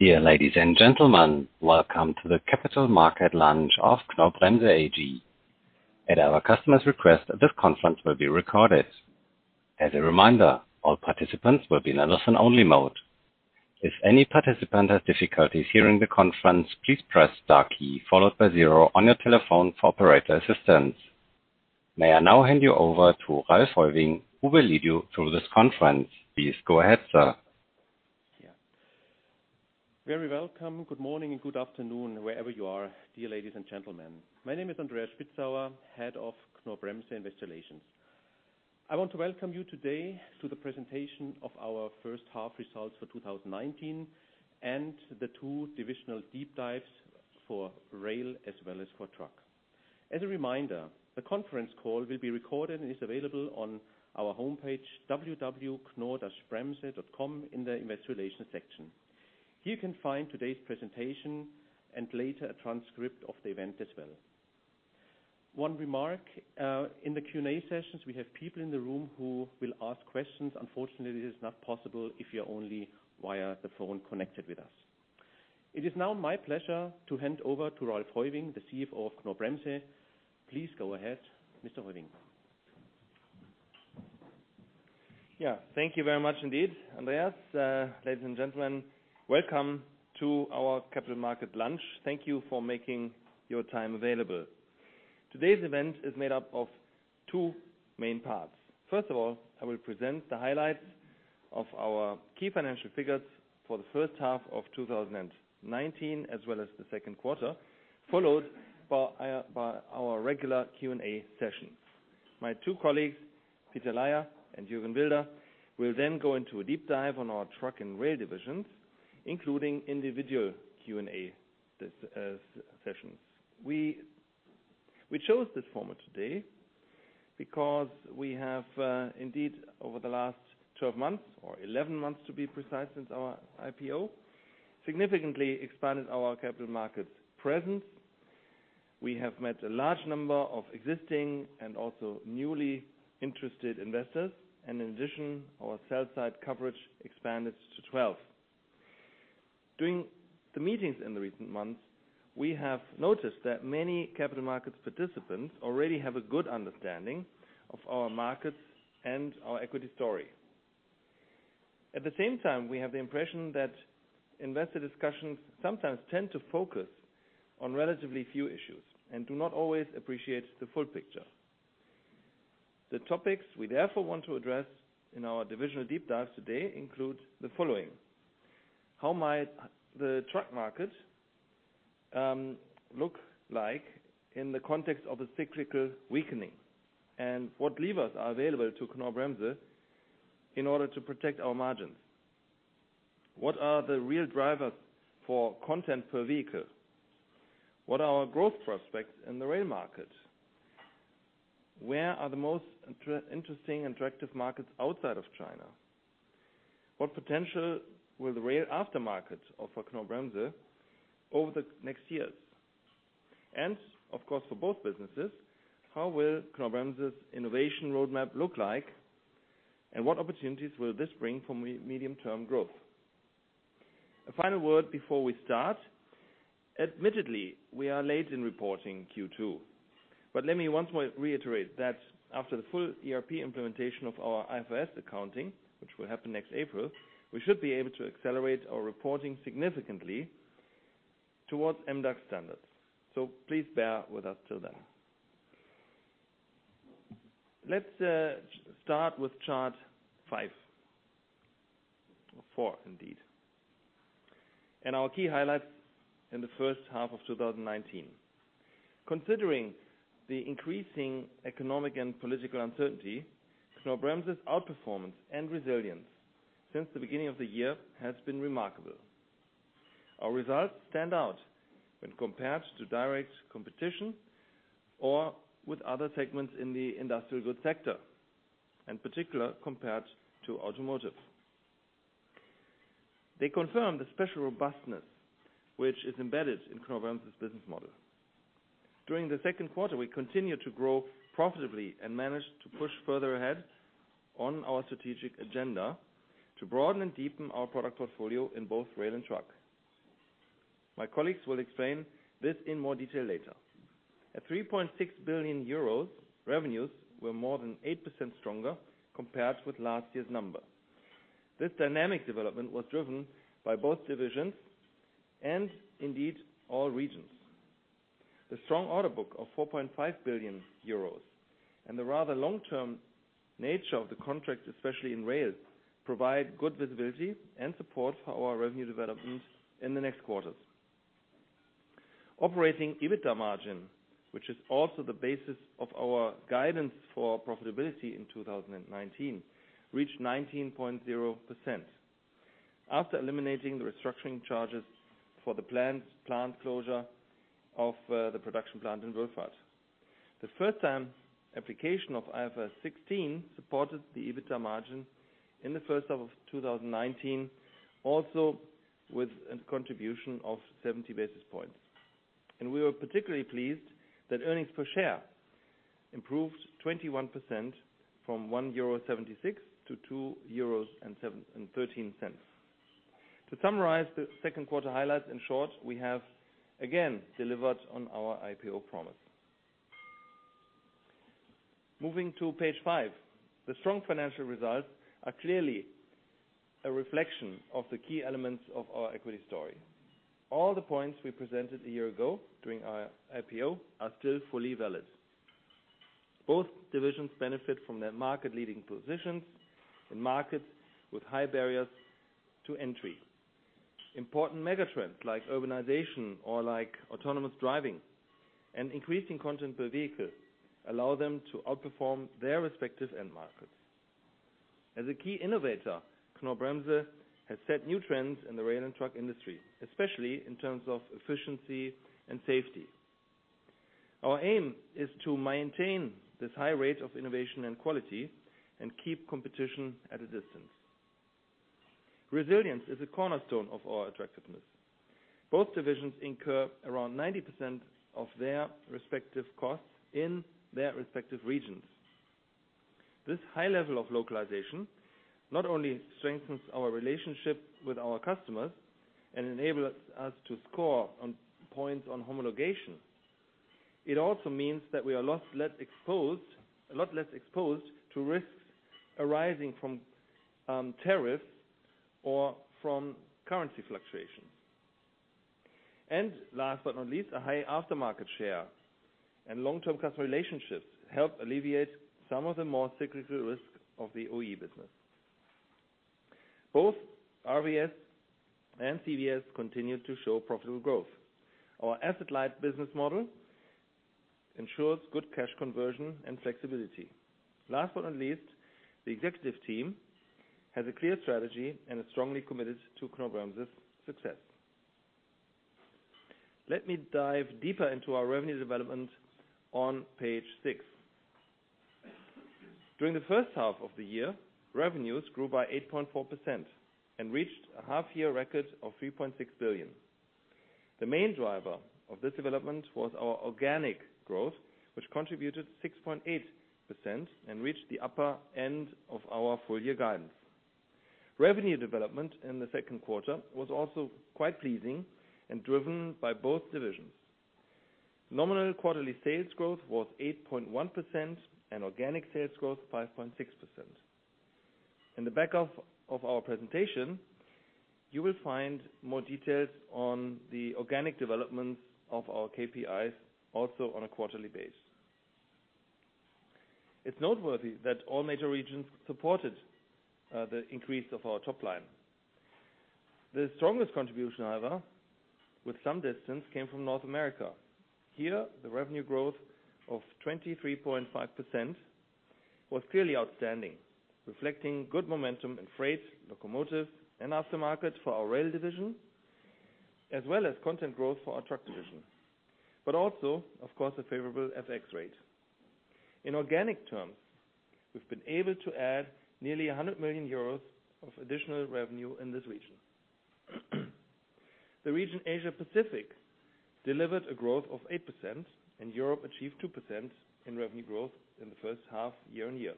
Dear ladies and gentlemen, welcome to the Capital Market Lunch of Knorr-Bremse AG. At our customer's request, this conference will be recorded. As a reminder, all participants will be in listen-only mode. If any participant has difficulties hearing the conference, please press star key followed by zero on your telephone for operator assistance. May I now hand you over to Ralph Heuwing, who will lead you through this conference. Please go ahead, sir. Very welcome. Good morning and good afternoon wherever you are, dear ladies and gentlemen. My name is Andreas Spitzauer, Head of Knorr-Bremse Investor Relations. I want to welcome you today to the presentation of our first half results for 2019 and the two divisional deep dives for rail as well as for truck. As a reminder, the conference call will be recorded and is available on our homepage, www.knorr-bremse.com in the Investor Relations section. You can find today's presentation and later a transcript of the event as well. One remark, in the Q&A sessions, we have people in the room who will ask questions. Unfortunately, it is not possible if you're only via the phone connected with us. It is now my pleasure to hand over to Ralph Heuwing, the CFO of Knorr-Bremse. Please go ahead, Mr. Heuwing. Thank you very much indeed, Andreas. Ladies and gentlemen, welcome to our Capital Market Lunch. Thank you for making your time available. Today's event is made up of two main parts. First of all, I will present the highlights of our key financial figures for the first half of 2019, as well as the second quarter, followed by our regular Q&A session. My two colleagues, Peter Laier and Jürgen Wilder, will then go into a deep dive on our truck and rail divisions, including individual Q&A sessions. We chose this format today because we have indeed over the last 12 months, or 11 months to be precise since our IPO, significantly expanded our capital markets presence. We have met a large number of existing and also newly interested investors, in addition, our sell-side coverage expanded to 12. During the meetings in the recent months, we have noticed that many capital markets participants already have a good understanding of our markets and our equity story. At the same time, we have the impression that investor discussions sometimes tend to focus on relatively few issues and do not always appreciate the full picture. The topics we therefore want to address in our divisional deep dives today include the following. How might the truck market look like in the context of a cyclical weakening? What levers are available to Knorr-Bremse in order to protect our margins? What are the real drivers for content per vehicle? What are our growth prospects in the rail market? Where are the most interesting and attractive markets outside of China? What potential will the rail aftermarket offer Knorr-Bremse over the next years? Of course, for both businesses, how will Knorr-Bremse's innovation roadmap look like, and what opportunities will this bring for medium-term growth? A final word before we start. Admittedly, we are late in reporting Q2. Let me once more reiterate that after the full ERP implementation of our IFRS accounting, which will happen next April, we should be able to accelerate our reporting significantly towards MDAX standards. Please bear with us till then. Let's start with chart five, or four indeed, and our key highlights in the first half of 2019. Considering the increasing economic and political uncertainty, Knorr-Bremse's outperformance and resilience since the beginning of the year has been remarkable. Our results stand out when compared to direct competition or with other segments in the industrial goods sector, in particular compared to automotive. They confirm the special robustness which is embedded in Knorr-Bremse's business model. During the second quarter, we continued to grow profitably and managed to push further ahead on our strategic agenda to broaden and deepen our product portfolio in both rail and truck. My colleagues will explain this in more detail later. At 3.6 billion euros, revenues were more than 8% stronger compared with last year's number. This dynamic development was driven by both divisions and indeed all regions. The strong order book of 4.5 billion euros and the rather long-term nature of the contracts, especially in rail, provide good visibility and support for our revenue development in the next quarters. Operating EBITDA margin, which is also the basis of our guidance for profitability in 2019, reached 19.0% after eliminating the restructuring charges for the plant closure of the production plant in Wolfurt. The first-time application of IFRS 16 supported the EBITDA margin in the first half of 2019, also with a contribution of 70 basis points. We were particularly pleased that earnings per share improved 21% from €1.76 to €2.13. To summarize the second quarter highlights, in short, we have again delivered on our IPO promise. Moving to page five. The strong financial results are clearly a reflection of the key elements of our equity story. All the points we presented a year ago during our IPO are still fully valid. Both divisions benefit from their market-leading positions in markets with high barriers to entry. Important mega trends like urbanization or like autonomous driving and increasing content per vehicle allow them to outperform their respective end markets. As a key innovator, Knorr-Bremse has set new trends in the rail and truck industry, especially in terms of efficiency and safety. Our aim is to maintain this high rate of innovation and quality and keep competition at a distance. Resilience is a cornerstone of our attractiveness. Both divisions incur around 90% of their respective costs in their respective regions. This high level of localization not only strengthens our relationship with our customers and enables us to score on points on homologation, it also means that we are a lot less exposed to risks arising from tariffs or from currency fluctuations. Last but not least, a high aftermarket share and long-term customer relationships help alleviate some of the more cyclical risks of the OE business. Both RVS and CVS continue to show profitable growth. Our asset-light business model ensures good cash conversion and flexibility. Last but not least, the executive team has a clear strategy and is strongly committed to Knorr-Bremse's success. Let me dive deeper into our revenue development on page six. During the first half of the year, revenues grew by 8.4% and reached a half year record of 3.6 billion. The main driver of this development was our organic growth, which contributed 6.8% and reached the upper end of our full year guidance. Revenue development in the second quarter was also quite pleasing and driven by both divisions. Nominal quarterly sales growth was 8.1% and organic sales growth 5.6%. In the back of our presentation, you will find more details on the organic developments of our KPIs, also on a quarterly basis. It's noteworthy that all major regions supported the increase of our top line. The strongest contribution, however, with some distance, came from North America. Here, the revenue growth of 23.5% was clearly outstanding, reflecting good momentum in freight, locomotive, and aftermarket for our rail division, as well as content growth for our truck division, but also, of course, a favorable FX rate. In organic terms, we've been able to add nearly 100 million euros of additional revenue in this region. The region Asia Pacific delivered a growth of 8%, and Europe achieved 2% in revenue growth in the first half year-on-year.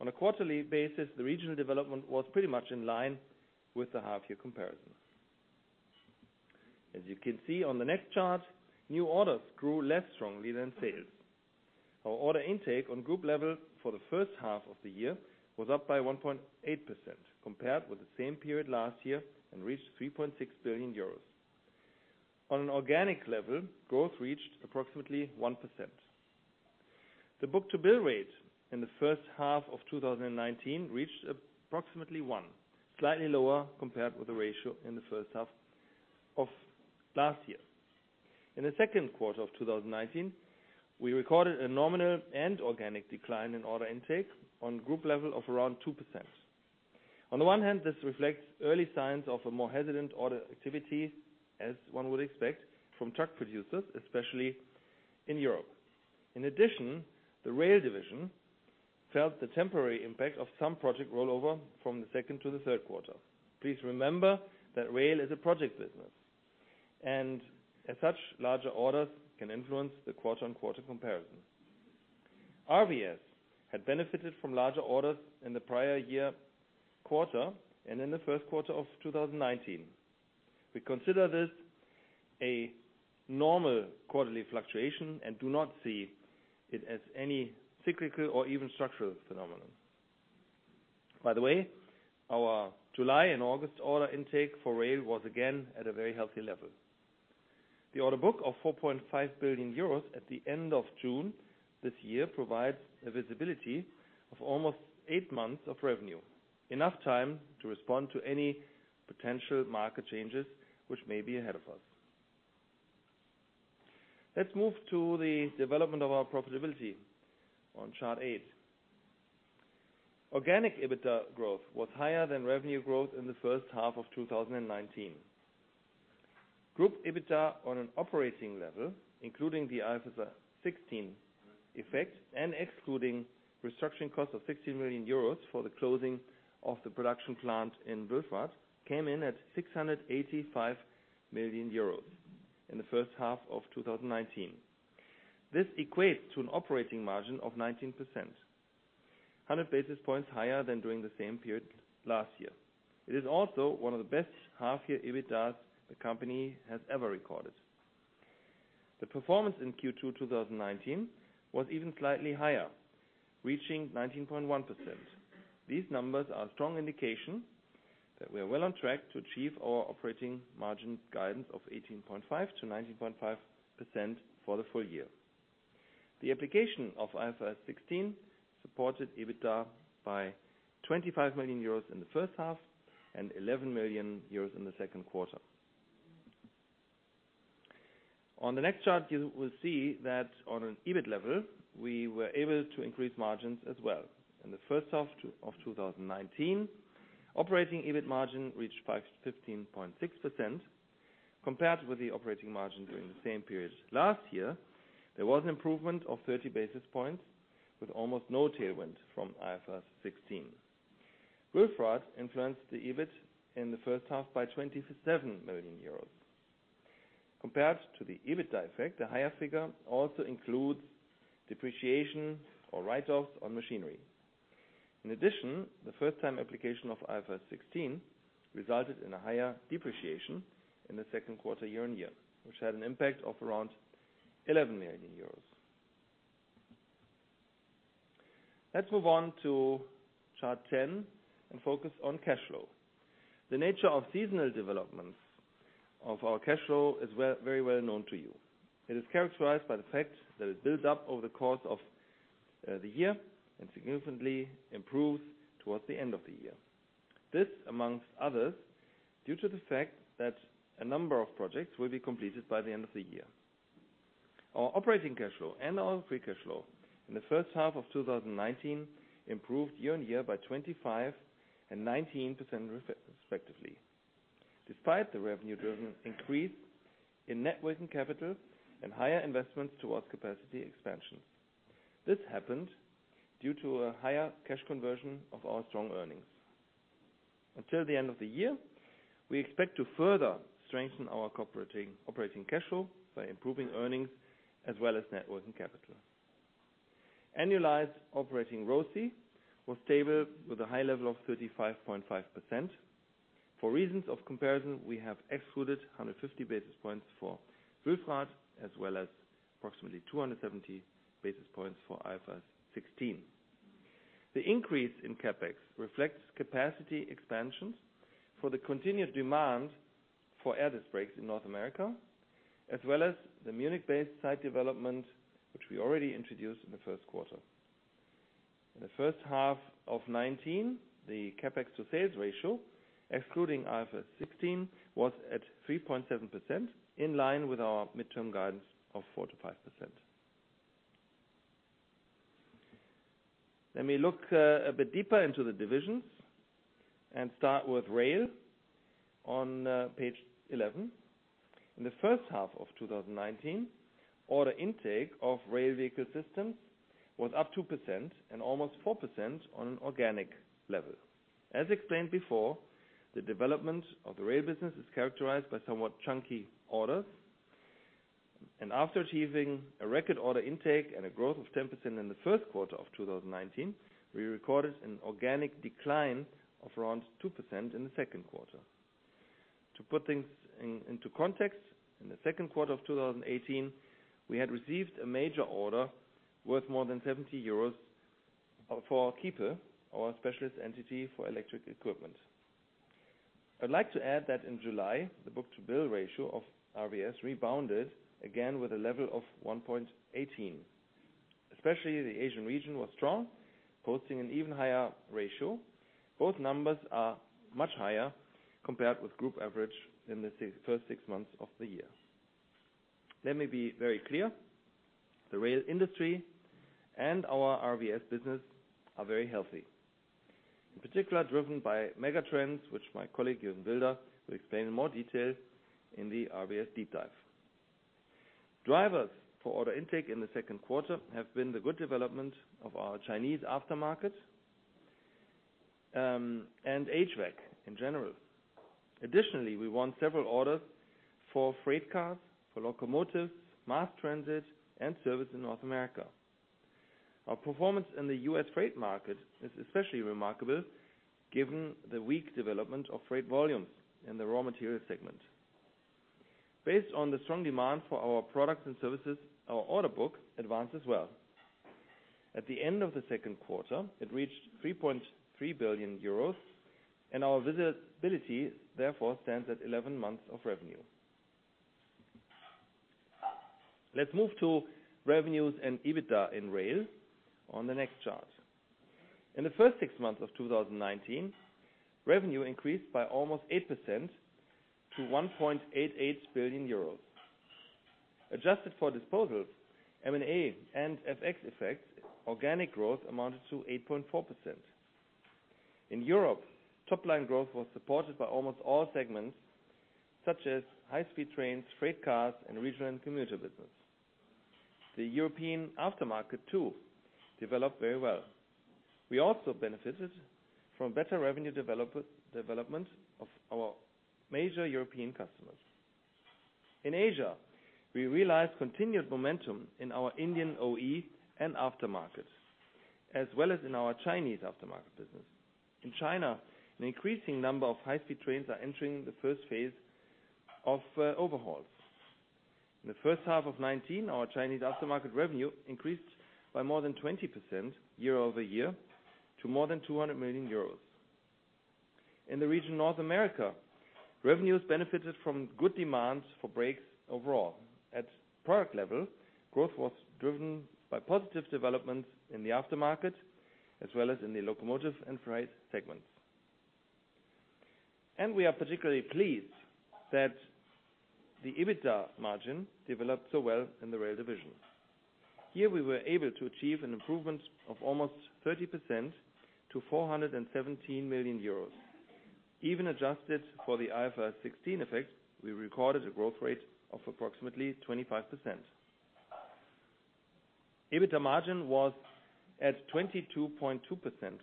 On a quarterly basis, the regional development was pretty much in line with the half year comparison. As you can see on the next chart, new orders grew less strongly than sales. Our order intake on group level for the first half of the year was up by 1.8% compared with the same period last year and reached 3.6 billion euros. On an organic level, growth reached approximately 1%. The book-to-bill rate in the first half of 2019 reached approximately 1, slightly lower compared with the ratio in the first half of last year. In the second quarter of 2019, we recorded a nominal and organic decline in order intake on group level of around 2%. This reflects early signs of a more hesitant order activity as one would expect from truck producers, especially in Europe. The rail division felt the temporary impact of some project rollover from the second to the third quarter. Please remember that rail is a project business, and as such, larger orders can influence the quarter-on-quarter comparison. RVS had benefited from larger orders in the prior year quarter and in the first quarter of 2019. We consider this a normal quarterly fluctuation and do not see it as any cyclical or even structural phenomenon. By the way, our July and August order intake for rail was again at a very healthy level. The order book of 4.5 billion euros at the end of June this year provides a visibility of almost eight months of revenue. Enough time to respond to any potential market changes which may be ahead of us. Let's move to the development of our profitability on chart eight. Organic EBITDA growth was higher than revenue growth in the first half of 2019. Group EBITDA on an operating level, including the IFRS 16 effect and excluding restructuring cost of 60 million euros for the closing of the production plant in Burgfarrnbach, came in at 685 million euros in the first half of 2019. This equates to an operating margin of 19%, 100 basis points higher than during the same period last year. It is also one of the best half year EBITDAs the company has ever recorded. The performance in Q2 2019 was even slightly higher, reaching 19.1%. These numbers are a strong indication that we are well on track to achieve our operating margin guidance of 18.5%-19.5% for the full year. The application of IFRS 16 supported EBITDA by 25 million euros in the first half and 11 million euros in the second quarter. On the next chart, you will see that on an EBIT level, we were able to increase margins as well. In the first half of 2019, operating EBIT margin reached 15.6%, compared with the operating margin during the same period last year. There was an improvement of 30 basis points with almost no tailwind from IFRS 16. IFRS 16 influenced the EBIT in the first half by 27 million euros. Compared to the EBIT effect, the higher figure also includes depreciation or write-offs on machinery. In addition, the first time application of IFRS 16 resulted in a higher depreciation in the second quarter year-on-year, which had an impact of around 11 million euros. Let's move on to chart 10 and focus on cash flow. The nature of seasonal developments of our cash flow is very well known to you. It is characterized by the fact that it builds up over the course of the year and significantly improves towards the end of the year. This, amongst others, due to the fact that a number of projects will be completed by the end of the year. Our operating cash flow and our free cash flow in the first half of 2019 improved year-on-year by 25% and 19% respectively, despite the revenue driven increase in net working capital and higher investments towards capacity expansion. This happened due to a higher cash conversion of our strong earnings. Until the end of the year, we expect to further strengthen our operating cash flow by improving earnings as well as net working capital. Annualized operating ROCE was stable with a high level of 35.5%. For reasons of comparison, we have excluded 150 basis points for Wilfried as well as approximately 270 basis points for IFRS 16. The increase in CapEx reflects capacity expansions for the continued demand for air disc brakes in North America, as well as the Munich-based site development, which we already introduced in the first quarter. In the first half of 2019, the CapEx to sales ratio, excluding IFRS 16, was at 3.7%, in line with our midterm guidance of 4%-5%. Let me look a bit deeper into the divisions and start with rail on page 11. In the first half of 2019, order intake of Rail Vehicle Systems was up 2% and almost 4% on an organic level. As explained before, the development of the rail business is characterized by somewhat chunky orders. After achieving a record order intake and a growth of 10% in the first quarter of 2019, we recorded an organic decline of around 2% in the second quarter. To put things into context, in the second quarter of 2018, we had received a major order worth more than 70 euros for Kiepe Electric, our specialist entity for electric equipment. I'd like to add that in July, the book-to-bill ratio of RVS rebounded again with a level of 1.18. Especially the Asian region was strong, posting an even higher ratio. Both numbers are much higher compared with group average in the first six months of the year. Let me be very clear, the rail industry and our RVS business are very healthy, in particular driven by megatrends, which my colleague, Jürgen Wilder, will explain in more detail in the RVS deep dive. Drivers for order intake in the second quarter have been the good development of our Chinese aftermarket and HVAC in general. We won several orders for freight cars, for locomotives, mass transit, and service in North America. Our performance in the U.S. freight market is especially remarkable given the weak development of freight volumes in the raw material segment. Based on the strong demand for our products and services, our order book advanced as well. At the end of the second quarter, it reached 3.3 billion euros, and our visibility, therefore, stands at 11 months of revenue. Let's move to revenues and EBITDA in rail on the next chart. In the first six months of 2019, revenue increased by almost 8% to 1.88 billion euros. Adjusted for disposals, M&A, and FX effects, organic growth amounted to 8.4%. In Europe, top-line growth was supported by almost all segments, such as high-speed trains, freight cars, and regional and commuter business. The European aftermarket too developed very well. We also benefited from better revenue development of our major European customers. In Asia, we realized continued momentum in our Indian OE and aftermarket, as well as in our Chinese aftermarket business. In China, an increasing number of high-speed trains are entering the first phase of overhauls. In the first half of 2019, our Chinese aftermarket revenue increased by more than 20% year-over-year to more than 200 million euros. In the region of North America, revenues benefited from good demands for brakes overall. At product level, growth was driven by positive developments in the aftermarket as well as in the locomotive and freight segments. We are particularly pleased that the EBITDA margin developed so well in the rail division. Here, we were able to achieve an improvement of almost 30% to 417 million euros. Even adjusted for the IFRS 16 effect, we recorded a growth rate of approximately 25%. EBITDA margin was at 22.2%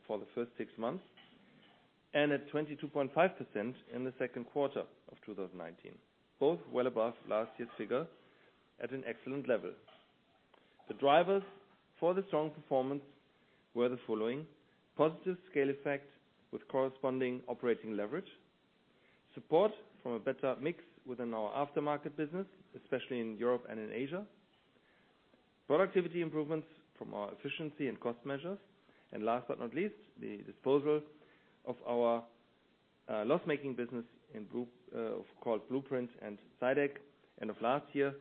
for the first six months and at 22.5% in the second quarter of 2019, both well above last year's figure at an excellent level. The drivers for the strong performance were the following: positive scale effect with corresponding operating leverage, support from a better mix within our aftermarket business, especially in Europe and in Asia, productivity improvements from our efficiency and cost measures, and last but not least, the disposal of our loss-making business called Blue Print and Zytek end of last year,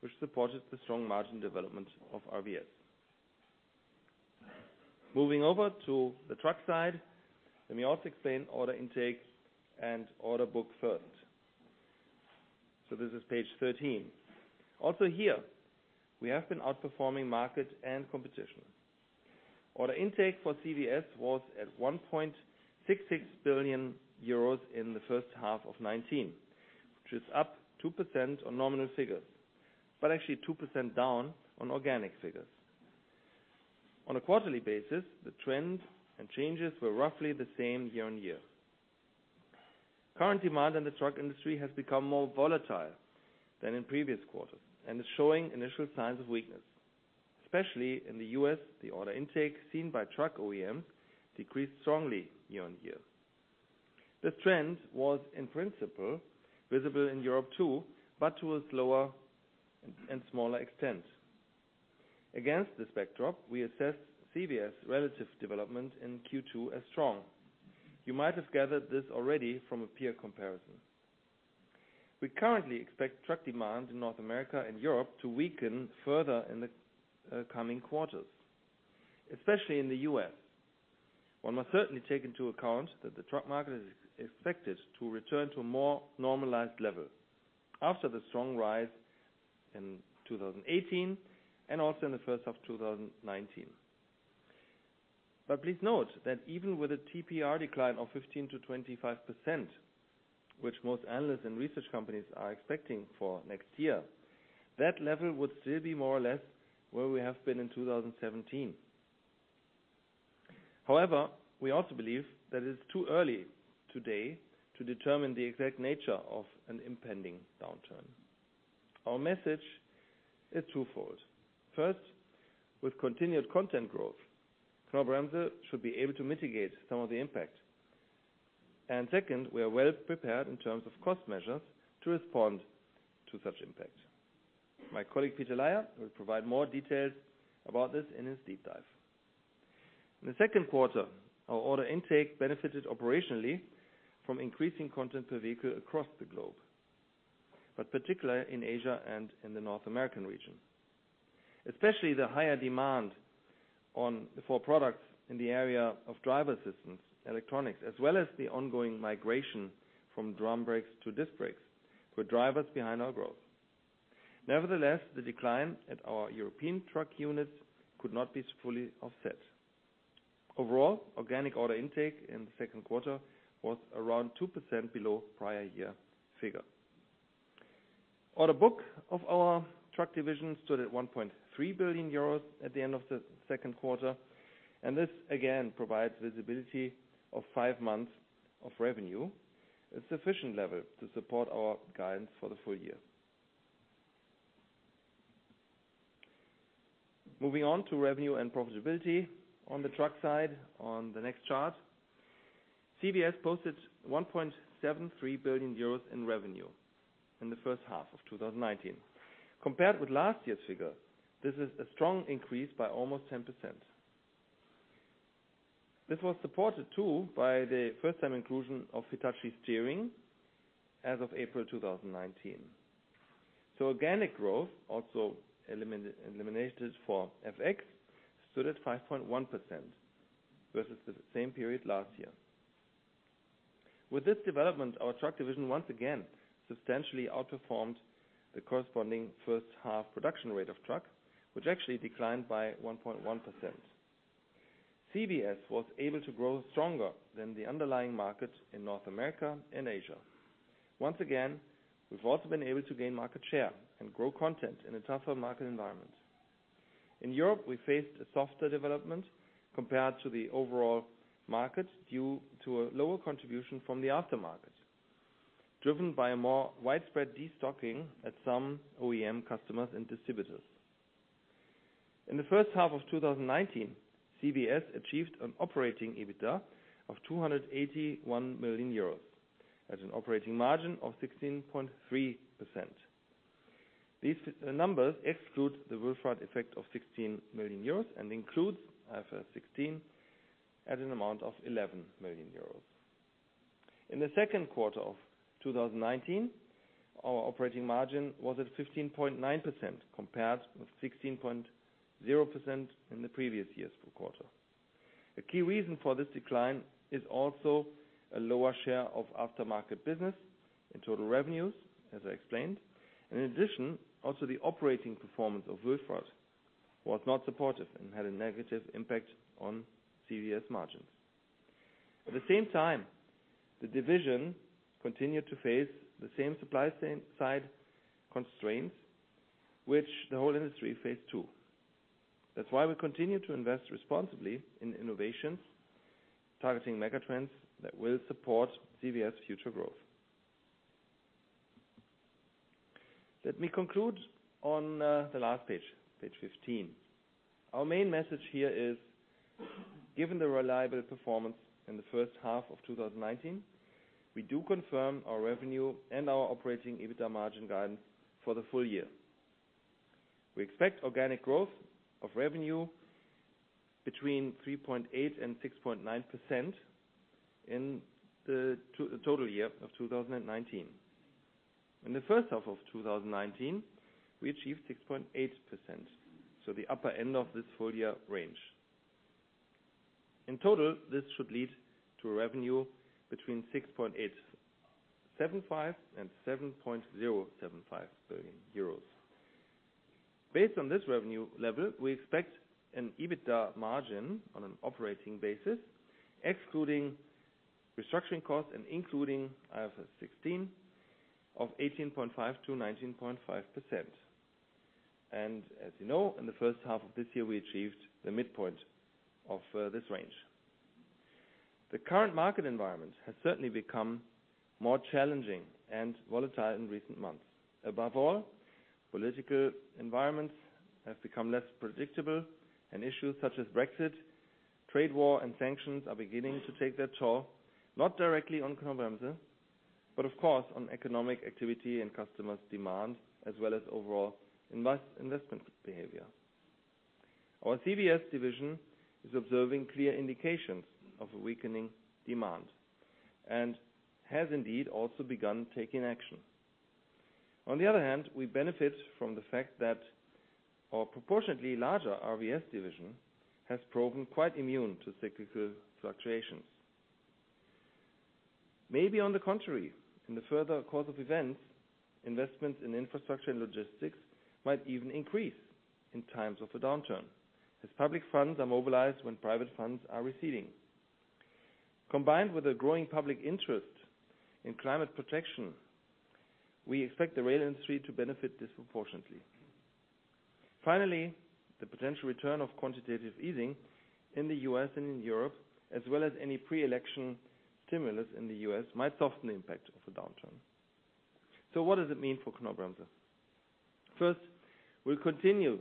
which supported the strong margin development of RVS. Moving over to the truck side, let me also explain order intake and order book first. This is page 13. Also here, we have been outperforming market and competition. Order intake for CVS was at 1.66 billion euros in the first half of 2019, which is up 2% on nominal figures, but actually 2% down on organic figures. On a quarterly basis, the trends and changes were roughly the same year on year. Current demand in the truck industry has become more volatile than in previous quarters and is showing initial signs of weakness. Especially in the U.S., the order intake seen by truck OEM decreased strongly year-over-year. This trend was in principle visible in Europe too, but to a slower and smaller extent. Against this backdrop, we assess CVS relative development in Q2 as strong. You might have gathered this already from a peer comparison. We currently expect truck demand in North America and Europe to weaken further in the coming quarters, especially in the U.S. One must certainly take into account that the truck market is expected to return to a more normalized level after the strong rise in 2018 and also in the first half of 2019. Please note that even with a TPR decline of 15%-25%, which most analysts and research companies are expecting for next year, that level would still be more or less where we have been in 2017. We also believe that it's too early today to determine the exact nature of an impending downturn. Our message is twofold. First, with continued content growth, Knorr-Bremse should be able to mitigate some of the impact. Second, we are well prepared in terms of cost measures to respond to such impact. My colleague, Peter Laier, will provide more details about this in his deep dive. In the second quarter, our order intake benefited operationally from increasing content per vehicle across the globe, but particularly in Asia and in the North American region. Especially the higher demand for products in the area of driver assistance, electronics, as well as the ongoing migration from drum brakes to disc brakes, were drivers behind our growth. Nevertheless, the decline at our European truck units could not be fully offset. Overall, organic order intake in the second quarter was around 2% below prior year figure. Order book of our truck division stood at 1.3 billion euros at the end of the second quarter, and this again provides visibility of five months of revenue, a sufficient level to support our guidance for the full year. Moving on to revenue and profitability on the truck side on the next chart. CVS posted 1.73 billion euros in revenue in the first half of 2019. Compared with last year's figure, this is a strong increase by almost 10%. This was supported too by the first-time inclusion of Hitachi Steering as of April 2019. Organic growth also eliminated for FX stood at 5.1% versus the same period last year. With this development, our truck division once again substantially outperformed the corresponding first half production rate of truck, which actually declined by 1.1%. CVS was able to grow stronger than the underlying market in North America and Asia. Once again, we've also been able to gain market share and grow content in a tougher market environment. In Europe, we faced a softer development compared to the overall market, due to a lower contribution from the aftermarket, driven by a more widespread de-stocking at some OEM customers and distributors. In the first half of 2019, CVS achieved an operating EBITDA of 281 million euros, at an operating margin of 16.3%. These numbers exclude the Wolfurt effect of 16 million euros and includes IFRS 16 at an amount of 11 million euros. In the second quarter of 2019, our operating margin was at 15.9% compared with 16.0% in the previous year's fourth quarter. A key reason for this decline is also a lower share of aftermarket business in total revenues, as I explained. Also the operating performance of Wolfurt was not supportive and had a negative impact on CVS margins. At the same time, the division continued to face the same supply side constraints which the whole industry faced, too. We continue to invest responsibly in innovations, targeting megatrends that will support CVS future growth. Let me conclude on the last page 15. Our main message here is given the reliable performance in the first half of 2019, we do confirm our revenue and our operating EBITDA margin guidance for the full year. We expect organic growth of revenue between 3.8% and 6.9% in the total year of 2019. In the first half of 2019, we achieved 6.8%, so the upper end of this full year range. In total, this should lead to revenue between 6.875 billion and 7.075 billion euros. Based on this revenue level, we expect an EBITDA margin on an operating basis, excluding restructuring costs and including IFRS 16, of 18.5% to 19.5%. As you know, in the first half of this year, we achieved the midpoint of this range. The current market environment has certainly become more challenging and volatile in recent months. Above all, political environments have become less predictable. Issues such as Brexit, trade war, and sanctions are beginning to take their toll, not directly on Knorr-Bremse, but of course, on economic activity and customers' demands, as well as overall investment behavior. Our CVS division is observing clear indications of a weakening demand and has indeed also begun taking action. On the other hand, we benefit from the fact that our proportionately larger RVS division has proven quite immune to cyclical fluctuations. Maybe on the contrary, in the further course of events, investments in infrastructure and logistics might even increase in times of a downturn, as public funds are mobilized when private funds are receding. Combined with a growing public interest in climate protection, we expect the rail industry to benefit disproportionately. Finally, the potential return of quantitative easing in the U.S. and in Europe, as well as any pre-election stimulus in the U.S., might soften the impact of a downturn. What does it mean for Knorr-Bremse? First, we'll continue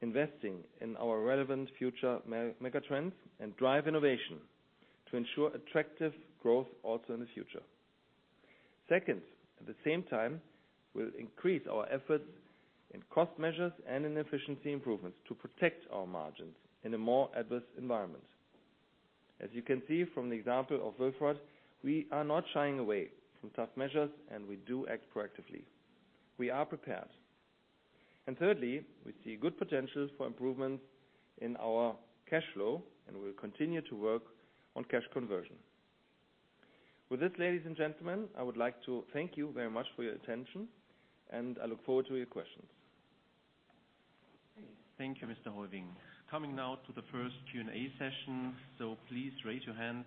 investing in our relevant future megatrends and drive innovation to ensure attractive growth also in the future. Second, at the same time, we'll increase our efforts in cost measures and in efficiency improvements to protect our margins in a more adverse environment. As you can see from the example of Wolfurt, we are not shying away from tough measures, and we do act proactively. We are prepared. Thirdly, we see good potential for improvements in our cash flow, and we'll continue to work on cash conversion. With this, ladies and gentlemen, I would like to thank you very much for your attention, and I look forward to your questions. Thank you, Mr. Heuwing. Coming now to the first Q&A session. Please raise your hand,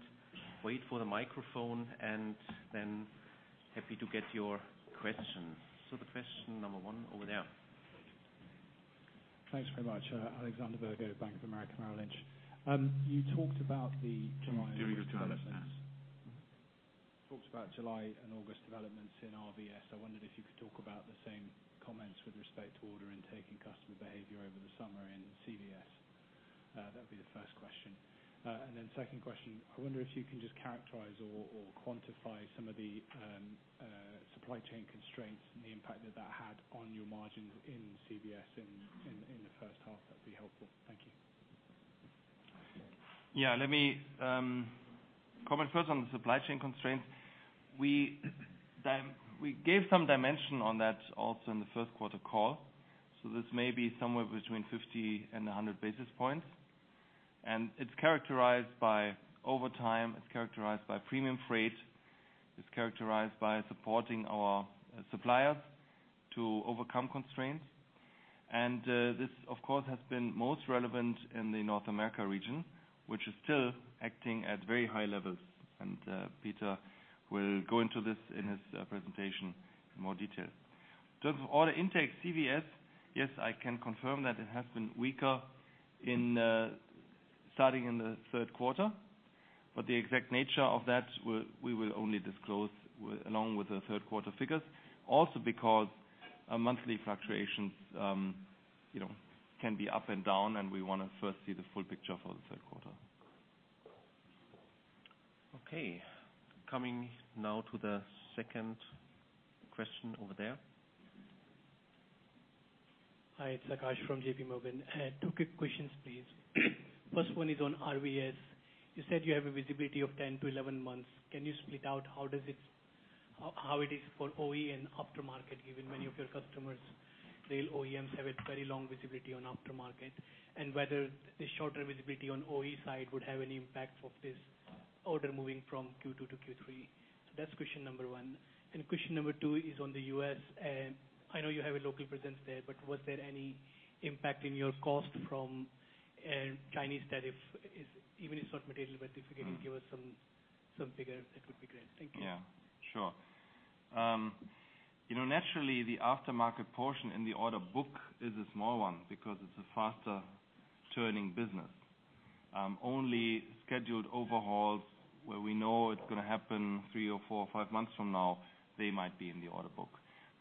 wait for the microphone, and then happy to get your questions. The question number 1 over there. Thanks very much. Alexander Virgo, Bank of America Merrill Lynch. You talked about the July- Can you use the microphone, please? Talked about July and August developments in RVS. I wondered if you could talk about the same comments with respect to order intake and customer behavior over the summer in CVS. That would be the first question. Second question, I wonder if you can just characterize or quantify some of the supply chain constraints and the impact that that had on your margins in CVS in the first half. That would be helpful. Thank you. Yeah. Let me comment first on the supply chain constraints. We gave some dimension on that also in the first quarter call. This may be somewhere between 50 and 100 basis points. Over time, it's characterized by premium freight. It's characterized by supporting our suppliers to overcome constraints. This, of course, has been most relevant in the North America region, which is still acting at very high levels. Peter will go into this in his presentation in more detail. In terms of order intake, CVS, yes, I can confirm that it has been weaker starting in the third quarter. The exact nature of that we will only disclose along with the third quarter figures. Because our monthly fluctuations can be up and down, and we want to first see the full picture for the third quarter. Okay. Coming now to the second question over there. Hi, it's Akash from J.P. Morgan. Two quick questions, please. First one is on RVS. You said you have a visibility of 10 to 11 months. Can you split out how it is for OE and aftermarket, given many of your customers, rail OEMs, have a very long visibility on aftermarket? Whether the shorter visibility on OE side would have any impact of this order moving from Q2 to Q3. That's question number one. Question number two is on the U.S. I know you have a local presence there, but was there any impact in your cost from Chinese tariff? Even if it's not material, but if you can give us some figures, that would be great. Thank you. Yeah. Sure. Naturally, the aftermarket portion in the order book is a small one because it's a faster turning business. Only scheduled overhauls where we know it's going to happen three or four or five months from now, they might be in the order book.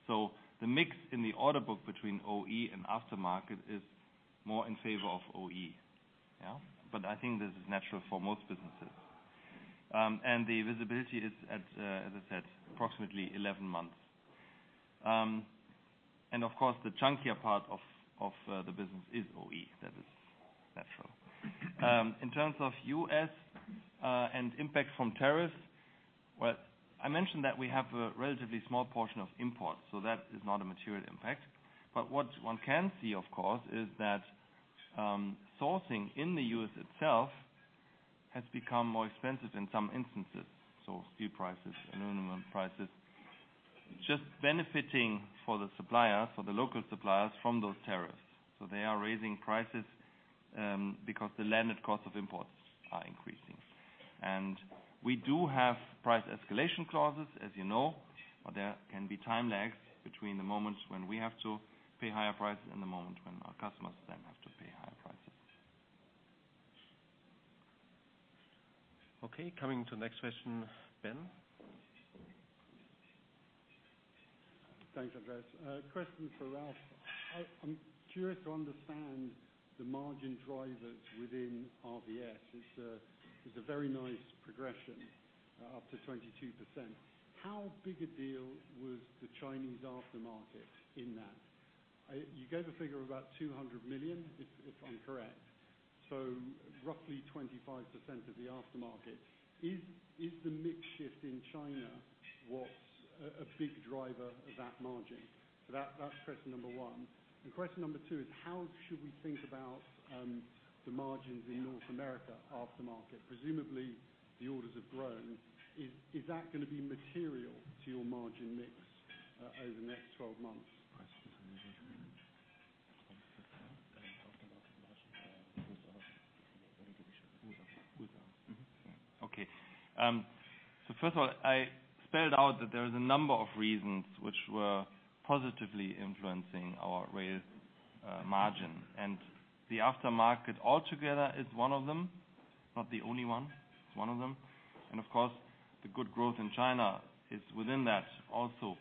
The mix in the order book between OE and aftermarket is more in favor of OE. I think this is natural for most businesses. The visibility is at, as I said, approximately 11 months. Of course, the chunkier part of the business is OE. That is natural. In terms of U.S., and impact from tariffs, I mentioned that we have a relatively small portion of imports, so that is not a material impact. What one can see, of course, is that sourcing in the U.S. itself has become more expensive in some instances. Steel prices, aluminum prices. Just benefiting for the suppliers, for the local suppliers from those tariffs. They are raising prices because the landed cost of imports are increasing. We do have price escalation clauses, as you know. There can be time lags between the moments when we have to pay higher prices and the moment when our customers then have to pay higher prices. Okay, coming to the next question. Ben? Thanks, Andreas. A question for Ralph. I am curious to understand the margin drivers within RVS. It is a very nice progression up to 22%. How big a deal was the Chinese aftermarket in that? You gave a figure of about 200 million, if I am correct. Roughly 25% of the aftermarket. Is the mix shift in China what is a big driver of that margin? That is question number 1. Question number 2 is how should we think about the margins in North America aftermarket? Presumably the orders have grown. Is that going to be material to your margin mix over the next 12 months? First of all, I spelled out that there is a number of reasons which were positively influencing our rail margin. The aftermarket altogether is one of them. Not the only one, it is one of them. Of course, the good growth in China is within that also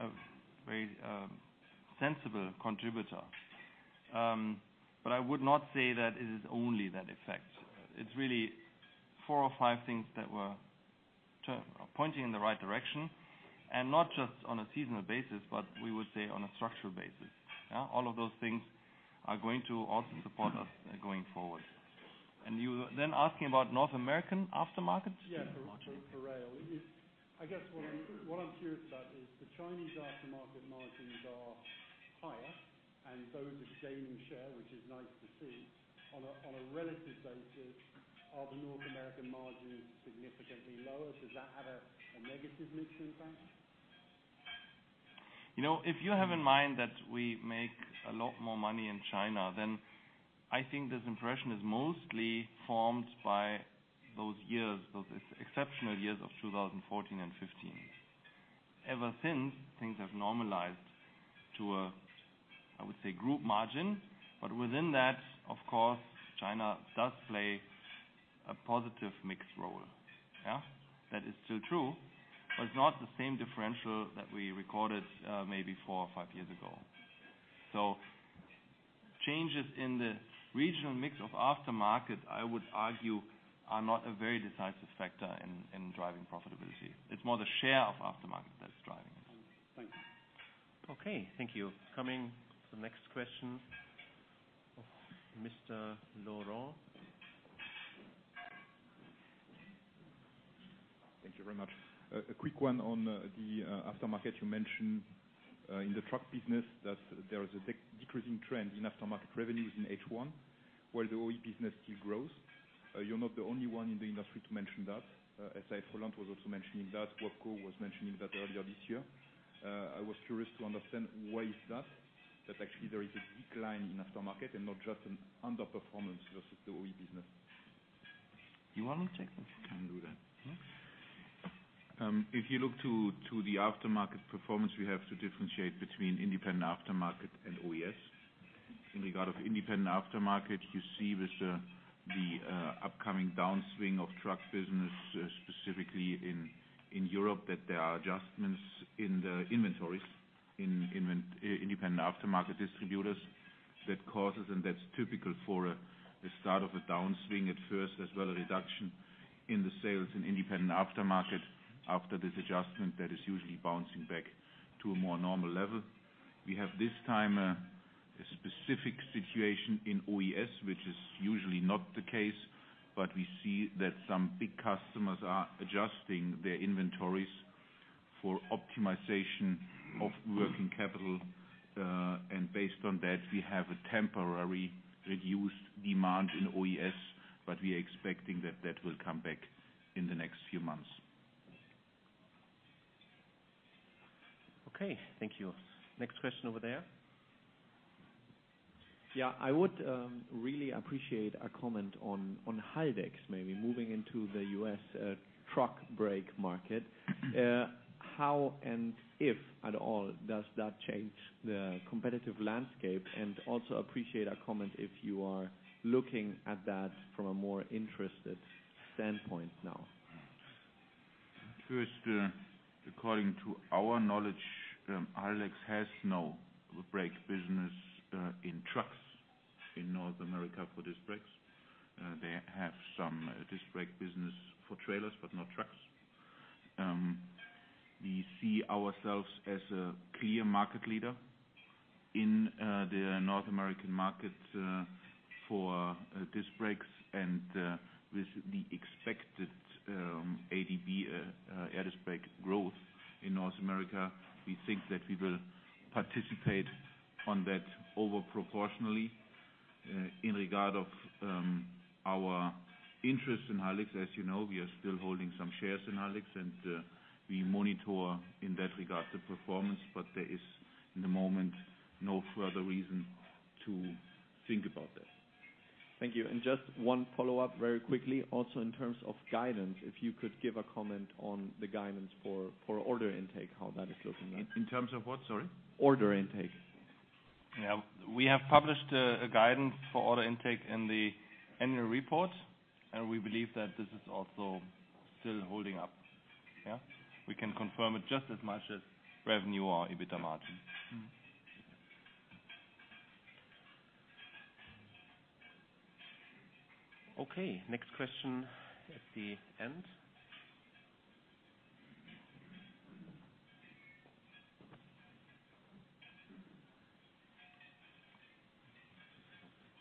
a very sensible contributor. I would not say that it is only that effect. It is really four or five things that were pointing in the right direction. Not just on a seasonal basis, but we would say on a structural basis. All of those things are going to also support us going forward. You were then asking about North American aftermarket margin? Yeah, for rail. I guess what I am curious about is the Chinese aftermarket margins are higher and those are gaining share, which is nice to see. On a relative basis, are the North American margins significantly lower? Does that have a negative mix impact? If you have in mind that we make a lot more money in China, then I think this impression is mostly formed by those years, those exceptional years of 2014 and 2015. Ever since, things have normalized to a, I would say, group margin. Within that, of course, China does play a positive mix role. That is still true, but it's not the same differential that we recorded maybe four or five years ago. Changes in the regional mix of aftermarket, I would argue, are not a very decisive factor in driving profitability. It's more the share of aftermarket that's driving it. Thank you. Okay. Thank you. Coming to the next question. [Sebastien Laurent]. Thank you very much. A quick one on the aftermarket. You mentioned in the truck business, there is a decreasing trend in aftermarket revenues in H1, while the OE business still grows. You're not the only one in the industry to mention that. SAF-HOLLAND was also mentioning that, WABCO was mentioning that earlier this year. I was curious to understand why is that actually there is a decline in aftermarket and not just an underperformance versus the OE business. You want to take that? I can do that. If you look to the aftermarket performance, we have to differentiate between independent aftermarket and OES. In regard of independent aftermarket, you see with the upcoming downswing of truck business, specifically in Europe, that there are adjustments in the inventories in independent aftermarket distributors. That causes, and that's typical for the start of a downswing at first, as well a reduction in the sales in independent aftermarket. After this adjustment, that is usually bouncing back to a more normal level. We have, this time, a specific situation in OES, which is usually not the case, but we see that some big customers are adjusting their inventories for optimization of working capital. Based on that, we have a temporarily reduced demand in OES, but we are expecting that that will come back in the next few months. Okay, thank you. Next question over there. Yeah, I would really appreciate a comment on Haldex's maybe moving into the U.S. truck brake market. How, and if at all, does that change the competitive landscape? Also appreciate a comment if you are looking at that from a more interested standpoint now. According to our knowledge, Haldex has no brake business in trucks in North America for disc brakes. They have some disc brake business for trailers, but not trucks. We see ourselves as a clear market leader in the North American market for disc brakes and with the expected ADB air disc brake growth in North America, we think that we will participate on that over proportionally. In regard of our interest in Haldex, as you know, we are still holding some shares in Haldex, and we monitor in that regard the performance, but there is, in the moment, no further reason to think about that. Thank you. Just one follow-up very quickly. Also, in terms of guidance, if you could give a comment on the guidance for order intake, how that is looking like. In terms of what, sorry? Order intake. Yeah. We have published a guidance for order intake in the annual report, and we believe that this is also still holding up. Yeah. We can confirm it just as much as revenue or EBITDA margin. Okay. Next question at the end.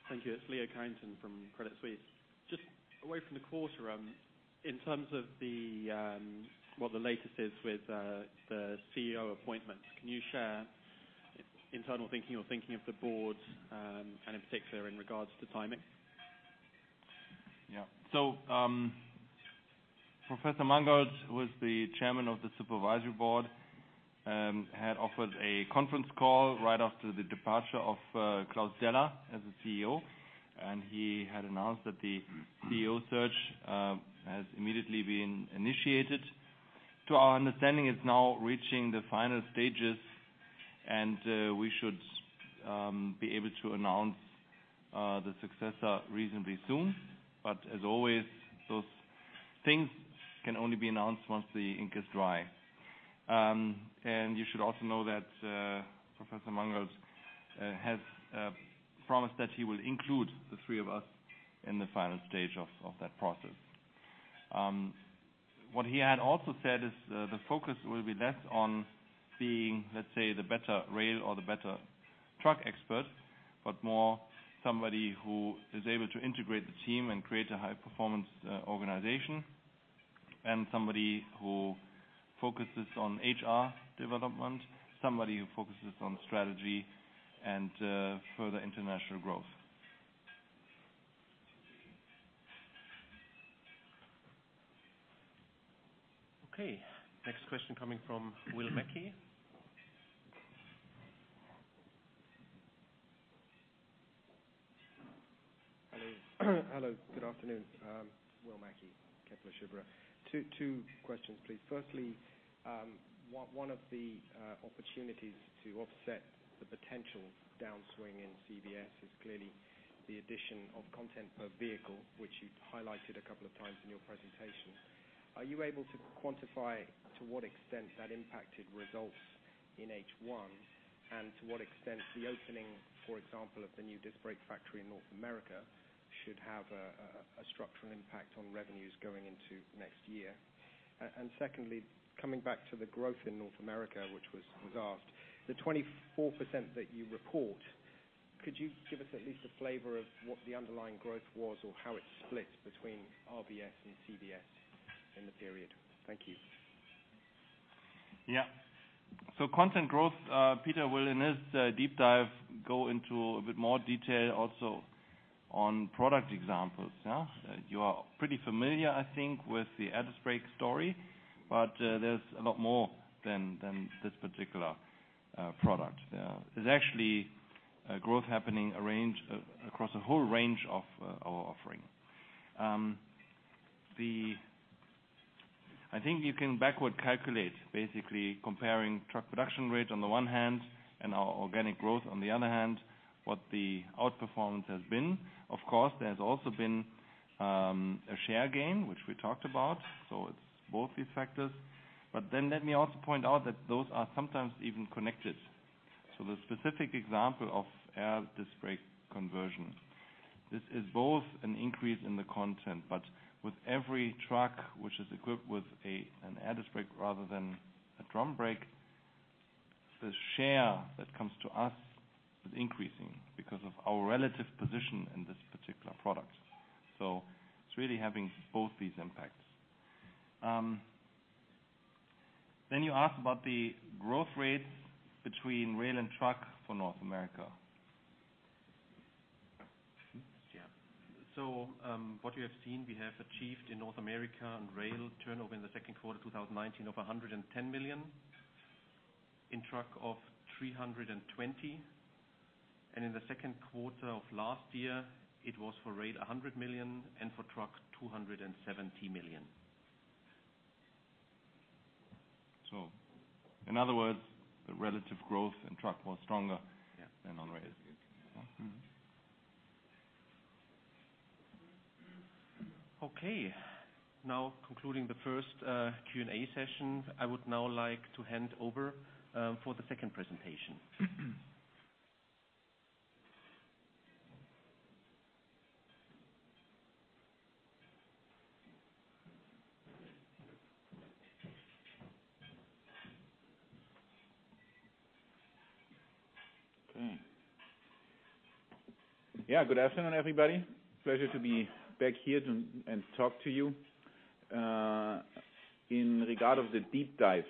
Thank you. It's Leo Coutts from Credit Suisse. Just away from the quarter, in terms of what the latest is with the CEO appointment, can you share internal thinking or thinking of the Board, and in particular, in regards to timing? [Klaus Mangold], who is the Chairman of the Supervisory Board, had offered a conference call right after the departure of Klaus Deller as the CEO, and he had announced that the CEO search has immediately been initiated. To our understanding, it's now reaching the final stages and we should be able to announce the successor reasonably soon. As always, those things can only be announced once the ink is dry. You should also know that [Klaus Mangold] has promised that he will include the three of us in the final stage of that process. What he had also said is the focus will be less on being, let's say, the better rail or the better truck expert, but more somebody who is able to integrate the team and create a high performance organization. Somebody who focuses on HR development, somebody who focuses on strategy and further international growth. Okay. Next question coming from William Mackie. Hello. Good afternoon. William Mackie, Kepler Cheuvreux. Two questions, please. Firstly, one of the opportunities to offset the potential downswing in CVS is clearly the addition of content per vehicle, which you've highlighted a couple of times in your presentation. Are you able to quantify to what extent that impacted results in H1, and to what extent the opening, for example, of the new disc brake factory in North America should have a structural impact on revenues going into next year? Secondly, coming back to the growth in North America, which was asked, the 24% that you report Could you give us at least a flavor of what the underlying growth was or how it split between RVS and CVS in the period? Thank you. Yeah. Content growth, Peter will, in his deep dive, go into a bit more detail also on product examples. You are pretty familiar, I think, with the air disc brake story, there's a lot more than this particular product. There's actually a growth happening across a whole range of our offering. I think you can backward calculate, basically comparing truck production rate on the one hand and our organic growth on the other hand, what the outperformance has been. Of course, there's also been a share gain, which we talked about. It's both these factors. Let me also point out that those are sometimes even connected. The specific example of air disc brake conversion. This is both an increase in the content, but with every truck which is equipped with an air disc brake rather than a drum brake, the share that comes to us is increasing because of our relative position in this particular product. It's really having both these impacts. You ask about the growth rates between rail and truck for North America. Yeah. What you have seen, we have achieved in North America on rail turnover in the second quarter 2019 of 110 million, in truck of 320. In the second quarter of last year, it was for rail 100 million and for truck, 270 million. In other words, the relative growth in truck was stronger. Yeah than on rail. Now concluding the first Q&A session, I would now like to hand over for the second presentation. Good afternoon, everybody. Pleasure to be back here and talk to you. In regard of the deep dive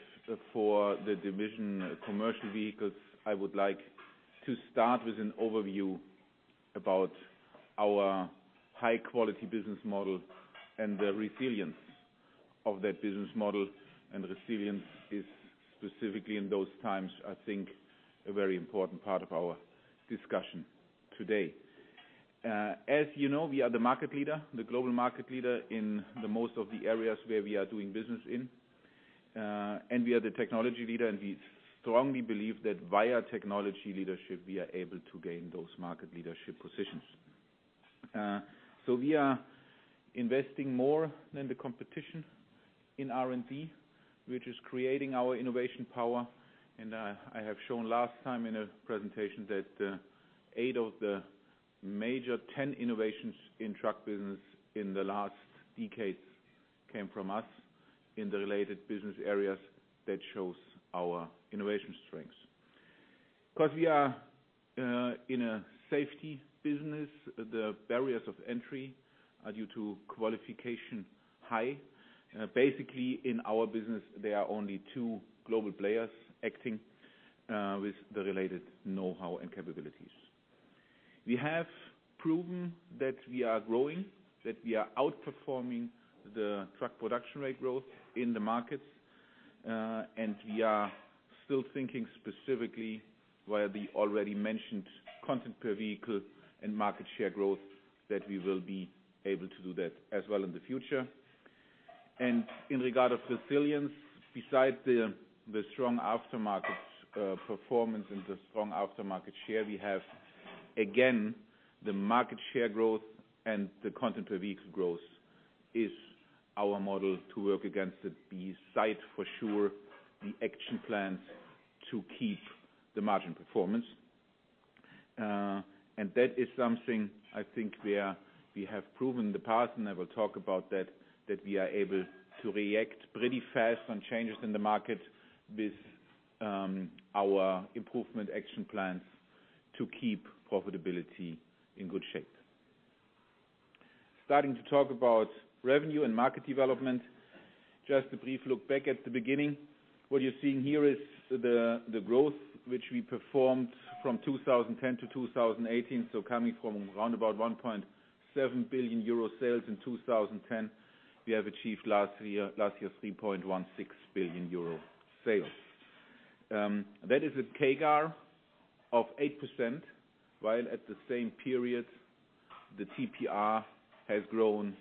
for the division commercial vehicles, I would like to start with an overview about our high-quality business model and the resilience of that business model. Resilience is specifically in those times, I think, a very important part of our discussion today. As you know, we are the market leader, the global market leader in the most of the areas where we are doing business in. We are the technology leader, and we strongly believe that via technology leadership, we are able to gain those market leadership positions. We are investing more than the competition in R&D, which is creating our innovation power. I have shown last time in a presentation that 8 of the major 10 innovations in truck business in the last decades came from us in the related business areas. That shows our innovation strengths. Because we are in a safety business, the barriers of entry are due to qualification high. Basically, in our business, there are only 2 global players acting with the related know-how and capabilities. We have proven that we are growing, that we are outperforming the truck production rate growth in the markets, and we are still thinking specifically via the already mentioned content per vehicle and market share growth, that we will be able to do that as well in the future. In regard of resilience, beside the strong aftermarket performance and the strong aftermarket share we have, again, the market share growth and the content per vehicle growth is our model to work against it, beside for sure the action plans to keep the margin performance. That is something I think we have proven in the past, and I will talk about that we are able to react pretty fast on changes in the market with our improvement action plans to keep profitability in good shape. Starting to talk about revenue and market development. Just a brief look back at the beginning. What you're seeing here is the growth which we performed from 2010 to 2018. Coming from around about 1.7 billion euro sales in 2010, we have achieved last year 3.16 billion euro sales. That is a CAGR of 8%, while at the same period, the TPR has grown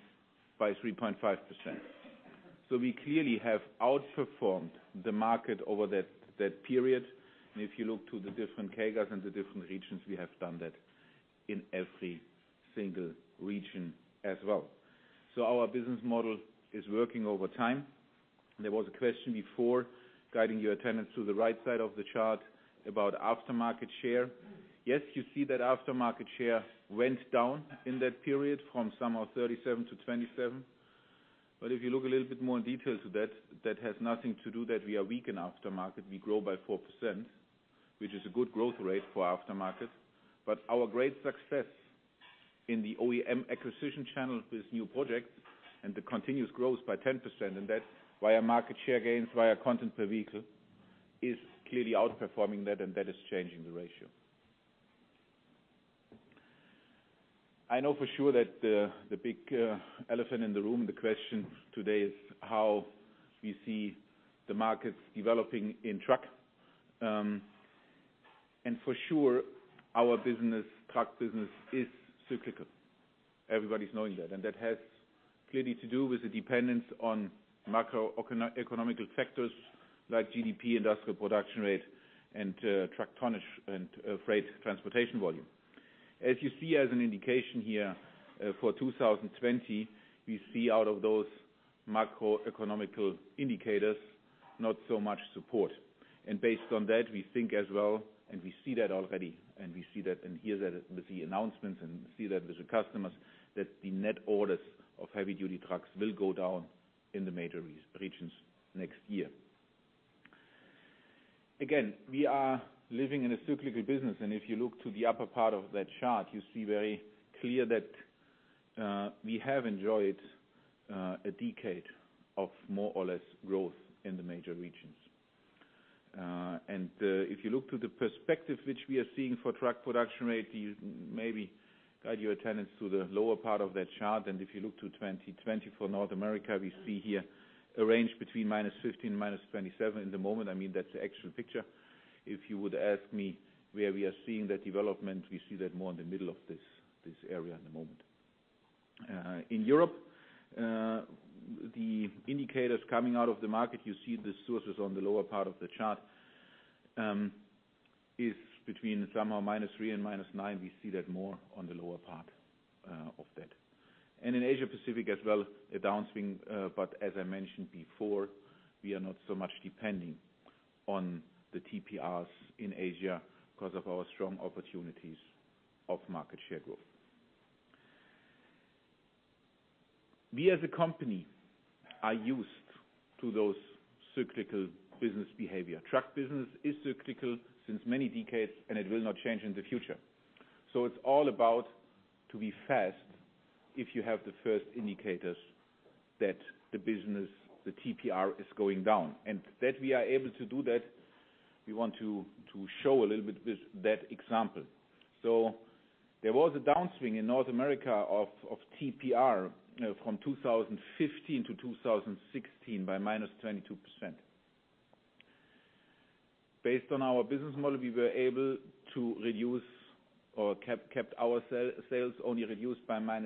by 3.5%. We clearly have outperformed the market over that period. If you look to the different CAGRs and the different regions, we have done that in every single region as well. Our business model is working over time. There was a question before, guiding your attendance to the right side of the chart about aftermarket share. Yes, you see that aftermarket share went down in that period from somewhere 37%-27%. If you look a little bit more in detail to that has nothing to do that we are weak in aftermarket. We grow by 4%, which is a good growth rate for aftermarket. Our great success in the OEM acquisition channel with new projects and the continuous growth by 10% in that, via market share gains, via content per vehicle, is clearly outperforming that, and that is changing the ratio. I know for sure that the big elephant in the room, the question today is how we see the markets developing in truck. For sure, our truck business is cyclical. Everybody's knowing that. That has clearly to do with the dependence on macroeconomic factors like GDP, industrial production rate, and truck tonnage and freight transportation volume. As you see as an indication here, for 2020, we see out of those macroeconomic indicators, not so much support. Based on that, we think as well, and we see that already, and we see that and hear that with the announcements and see that with the customers, that the net orders of heavy-duty trucks will go down in the major regions next year. Again, we are living in a cyclical business, and if you look to the upper part of that chart, you see very clear that we have enjoyed a decade of more or less growth in the major regions. If you look to the perspective which we are seeing for truck production rate, you maybe guide your attendance to the lower part of that chart. If you look to 2020 for North America, we see here a range between -15%, -27% in the moment. I mean, that's the actual picture. If you would ask me where we are seeing that development, we see that more in the middle of this area at the moment. In Europe, the indicators coming out of the market, you see the sources on the lower part of the chart, is between somehow -3% and -9%. We see that more on the lower part of that. In Asia Pacific as well, a downswing, but as I mentioned before, we are not so much depending on the TPRs in Asia because of our strong opportunities of market share growth. We as a company are used to those cyclical business behavior. Truck business is cyclical since many decades, and it will not change in the future. It's all about to be fast if you have the first indicators that the business, the TPR, is going down. That we are able to do that, we want to show a little bit with that example. There was a downswing in North America of TPR from 2015 to 2016 by -22%. Based on our business model, we were able to reduce or kept our sales only reduced by -16%,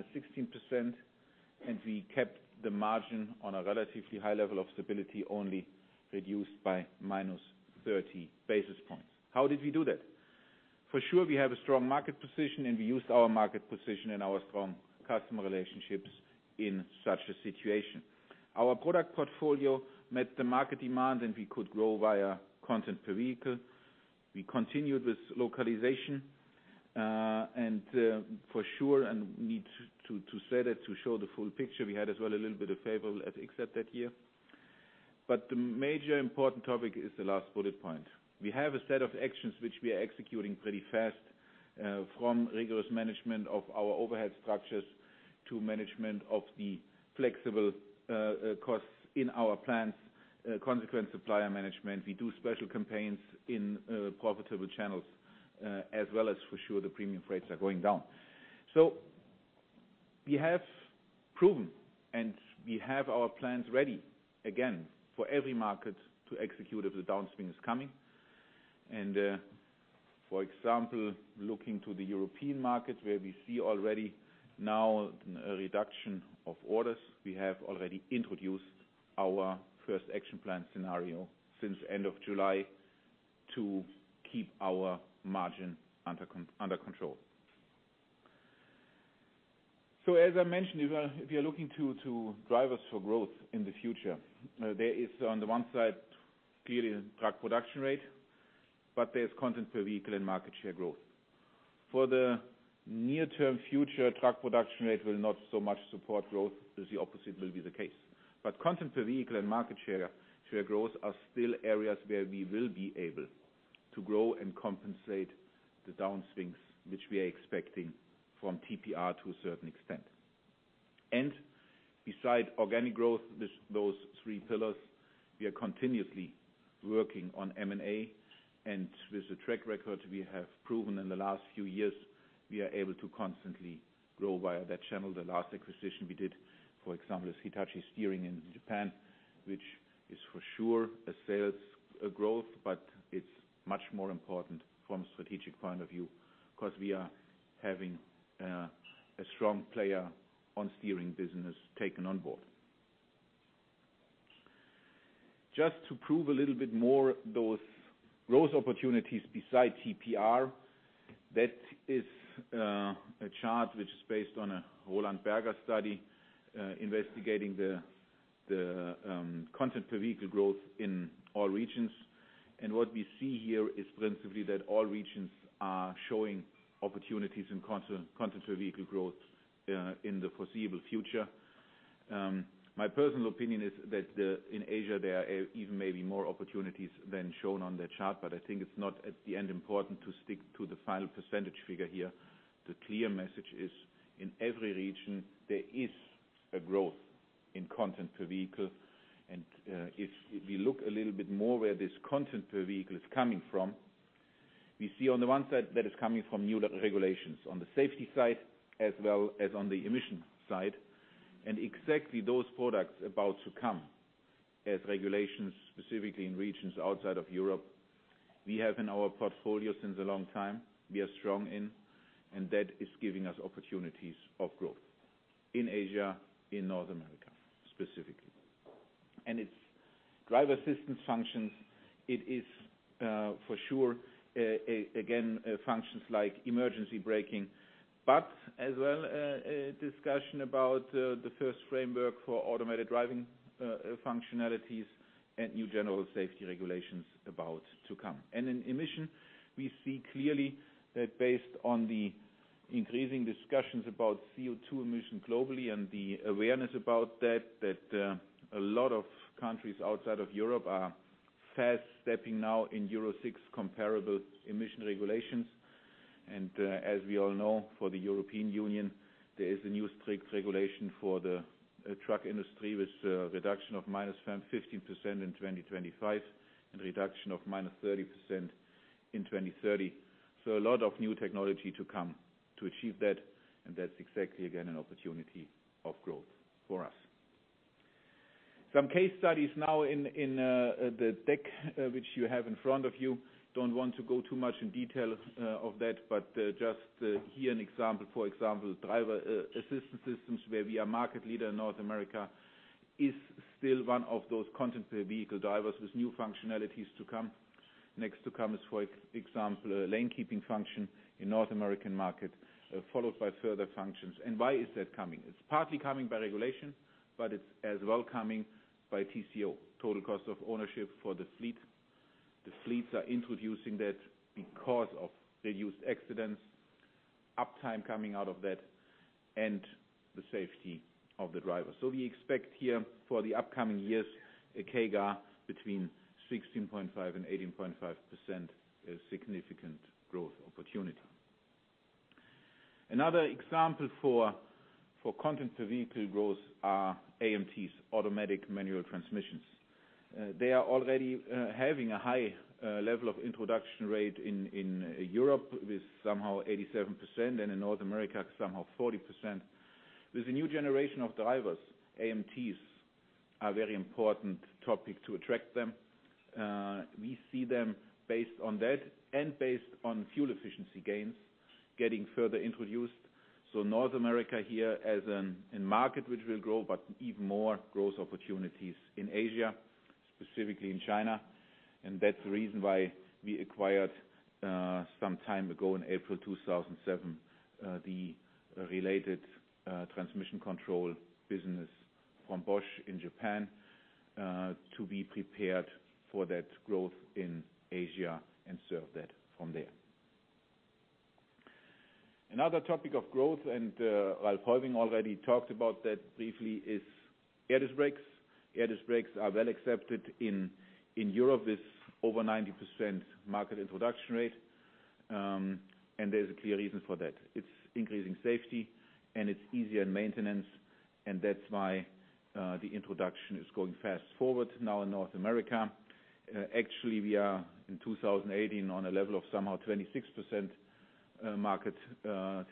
and we kept the margin on a relatively high level of stability, only reduced by -30 basis points. How did we do that? For sure, we have a strong market position, and we used our market position and our strong customer relationships in such a situation. Our product portfolio met the market demand, and we could grow via content per vehicle. We continued with localization, and for sure, and we need to say that to show the full picture, we had as well a little bit of favor at [IKS] at that year. The major important topic is the last bullet point. We have a set of actions which we are executing pretty fast, from rigorous management of our overhead structures to management of the flexible costs in our plants, consequence supplier management. We do special campaigns in profitable channels, as well as for sure the premium rates are going down. We have proven, and we have our plans ready again for every market to execute if the downswing is coming. For example, looking to the European market, where we see already now a reduction of orders, we have already introduced our first action plan scenario since the end of July to keep our margin under control. As I mentioned, if you're looking to drivers for growth in the future, there is on the one side, clearly truck production rate, but there's content per vehicle and market share growth. For the near-term future, truck production rate will not so much support growth as the opposite will be the case. Content per vehicle and market share growth are still areas where we will be able to grow and compensate the downswings which we are expecting from TPR to a certain extent. Beside organic growth, those three pillars, we are continuously working on M&A. With the track record we have proven in the last few years, we are able to constantly grow via that channel. The last acquisition we did, for example, is Hitachi Steering in Japan, which is for sure a sales growth, but it is much more important from a strategic point of view because we are having a strong player on steering business taken on board. Just to prove a little bit more those growth opportunities beside TPR, that is a chart which is based on a Roland Berger study, investigating the content per vehicle growth in all regions. What we see here is principally that all regions are showing opportunities in content per vehicle growth in the foreseeable future. My personal opinion is that in Asia, there are even maybe more opportunities than shown on the chart, but I think it's not at the end important to stick to the final percentage figure here. The clear message is, in every region, there is a growth in content per vehicle. If we look a little bit more where this content per vehicle is coming from, we see on the one side that it's coming from new regulations on the safety side, as well as on the emission side, and exactly those products about to come as regulations, specifically in regions outside of Europe. We have in our portfolio since a long time, we are strong in, and that is giving us opportunities of growth in Asia, in North America, specifically. Its driver assistance functions, it is for sure, again, functions like emergency braking, but as well, a discussion about the first framework for automated driving functionalities and new general safety regulations about to come. In emission, we see clearly that based on the increasing discussions about CO2 emission globally and the awareness about that a lot of countries outside of Europe are fast stepping now in Euro 6 comparable emission regulations. As we all know, for the European Union, there is a new strict regulation for the truck industry with a reduction of -15% in 2025 and a reduction of -30% in 2030. A lot of new technology to come to achieve that, and that's exactly, again, an opportunity of growth for us. Some case studies now in the deck, which you have in front of you. Don't want to go too much in detail of that, but just here an example. For example, driver assistance systems, where we are market leader in North America, is still one of those content per vehicle drivers with new functionalities to come. Next to come is, for example, a lane-keeping function in North American market, followed by further functions. Why is that coming? It's partly coming by regulation, but it's as well coming by TCO, total cost of ownership for the fleet. The fleets are introducing that because of reduced accidents, uptime coming out of that, and the safety of the driver. We expect here for the upcoming years, a CAGR between 16.5% and 18.5%, a significant growth opportunity. Another example for content per vehicle growth are AMTs, automatic manual transmissions. They are already having a high level of introduction rate in Europe with somehow 87% and in North America, somehow 40%. With the new generation of drivers, AMTs are very important topic to attract them. We see them based on that and based on fuel efficiency gains, getting further introduced. North America here as a market which will grow, but even more growth opportunities in Asia, specifically in China. That's the reason why we acquired, some time ago in April 2007, the related transmission control business from Bosch in Japan, to be prepared for that growth in Asia and serve that from there. Another topic of growth, and Ralph Heuwing already talked about that briefly, is air disc brakes. Air disc brakes are well accepted in Europe with over 90% market introduction rate, and there's a clear reason for that. It's increasing safety, and it's easier maintenance, and that's why the introduction is going fast forward now in North America. Actually, we are in 2018 on a level of somehow 26% market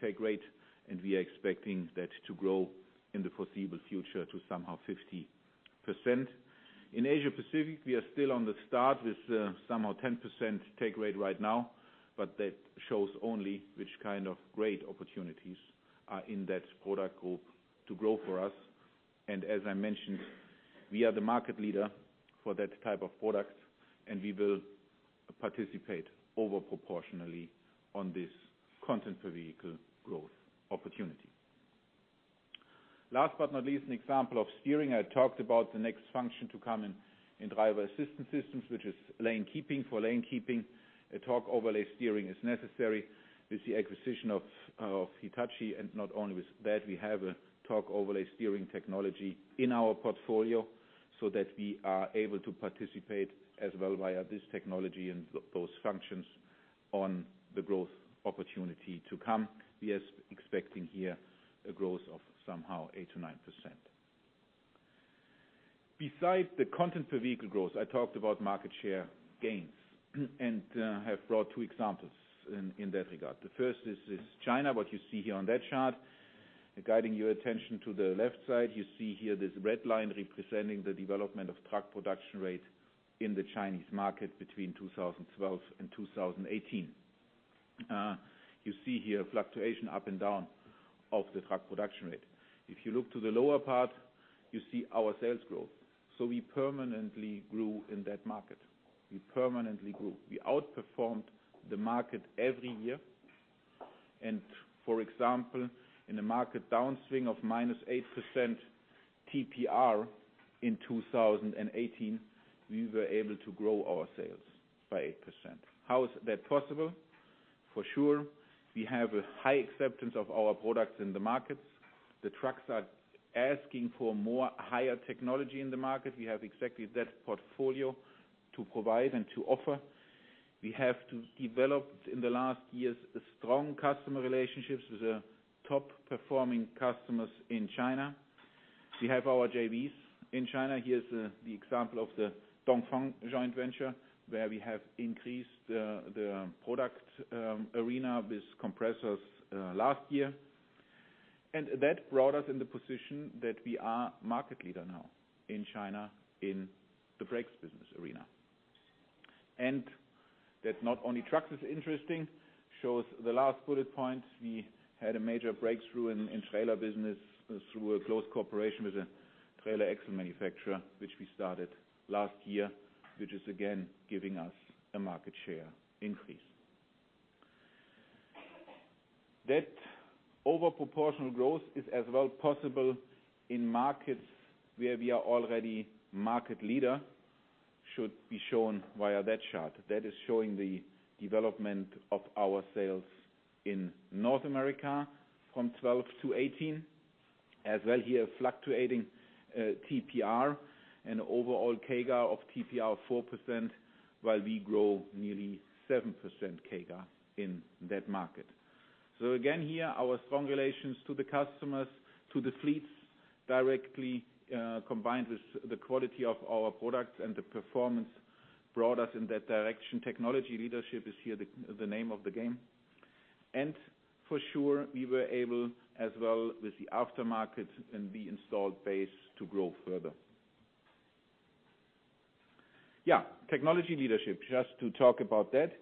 take rate, and we are expecting that to grow in the foreseeable future to somehow 50%. In Asia Pacific, we are still on the start with somehow 10% take rate right now. That shows only which kind of great opportunities are in that product group to grow for us. As I mentioned, we are the market leader for that type of product, and we will participate over proportionally on this content per vehicle growth opportunity. Last but not least, an example of steering. I talked about the next function to come in driver assistance systems, which is lane keeping. For lane keeping, a torque overlay steering is necessary. With the acquisition of Hitachi, not only with that, we have a torque overlay steering technology in our portfolio that we are able to participate as well via this technology and those functions on the growth opportunity to come. We are expecting here a growth of somehow 8%-9%. Besides the content per vehicle growth, I talked about market share gains and have brought two examples in that regard. The first is China. What you see here on that chart, guiding your attention to the left side, you see here this red line representing the development of truck production rate in the Chinese market between 2012 and 2018. You see here fluctuation up and down of the truck production rate. If you look to the lower part, you see our sales growth. We permanently grew in that market. We permanently grew. We outperformed the market every year. For example, in a market downswing of minus 8% TPR in 2018, we were able to grow our sales by 8%. How is that possible? For sure, we have a high acceptance of our products in the markets. The trucks are asking for more, higher technology in the market. We have exactly that portfolio to provide and to offer. We have developed, in the last years, strong customer relationships with the top-performing customers in China. We have our JVs in China. Here is the example of the Dongfeng joint venture, where we have increased the product arena with compressors last year. That brought us in the position that we are market leader now in China, in the brakes business arena. That not only trucks is interesting, shows the last bullet point. We had a major breakthrough in trailer business through a close cooperation with a trailer axle manufacturer, which we started last year, which is again giving us a market share increase. That overproportional growth is as well possible in markets where we are already market leader, should be shown via that chart. That is showing the development of our sales in North America from 2012 to 2018. Here, fluctuating TPR and overall CAGR of TPR of 4%, while we grow nearly 7% CAGR in that market. Again, here, our strong relations to the customers, to the fleets directly, combined with the quality of our products and the performance brought us in that direction. Technology leadership is here the name of the game. For sure, we were able as well with the aftermarket and the installed base to grow further. Technology leadership, just to talk about that.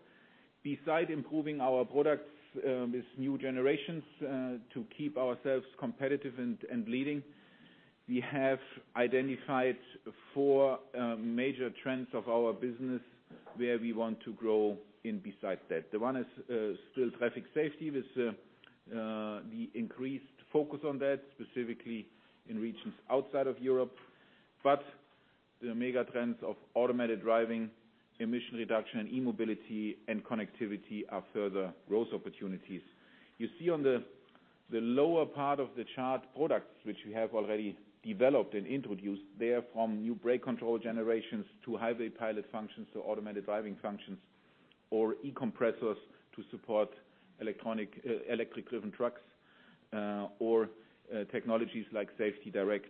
Beside improving our products with new generations to keep ourselves competitive and leading, we have identified four major trends of our business where we want to grow in besides that. The one is still traffic safety, with the increased focus on that, specifically in regions outside of Europe. The mega trends of automated driving, emission reduction, e-mobility, and connectivity are further growth opportunities. You see on the lower part of the chart products which we have already developed and introduced. They are from new brake control generations to Highway Pilot functions to automated driving functions, or e-compressors to support electric-driven trucks, or technologies like SafetyDirect,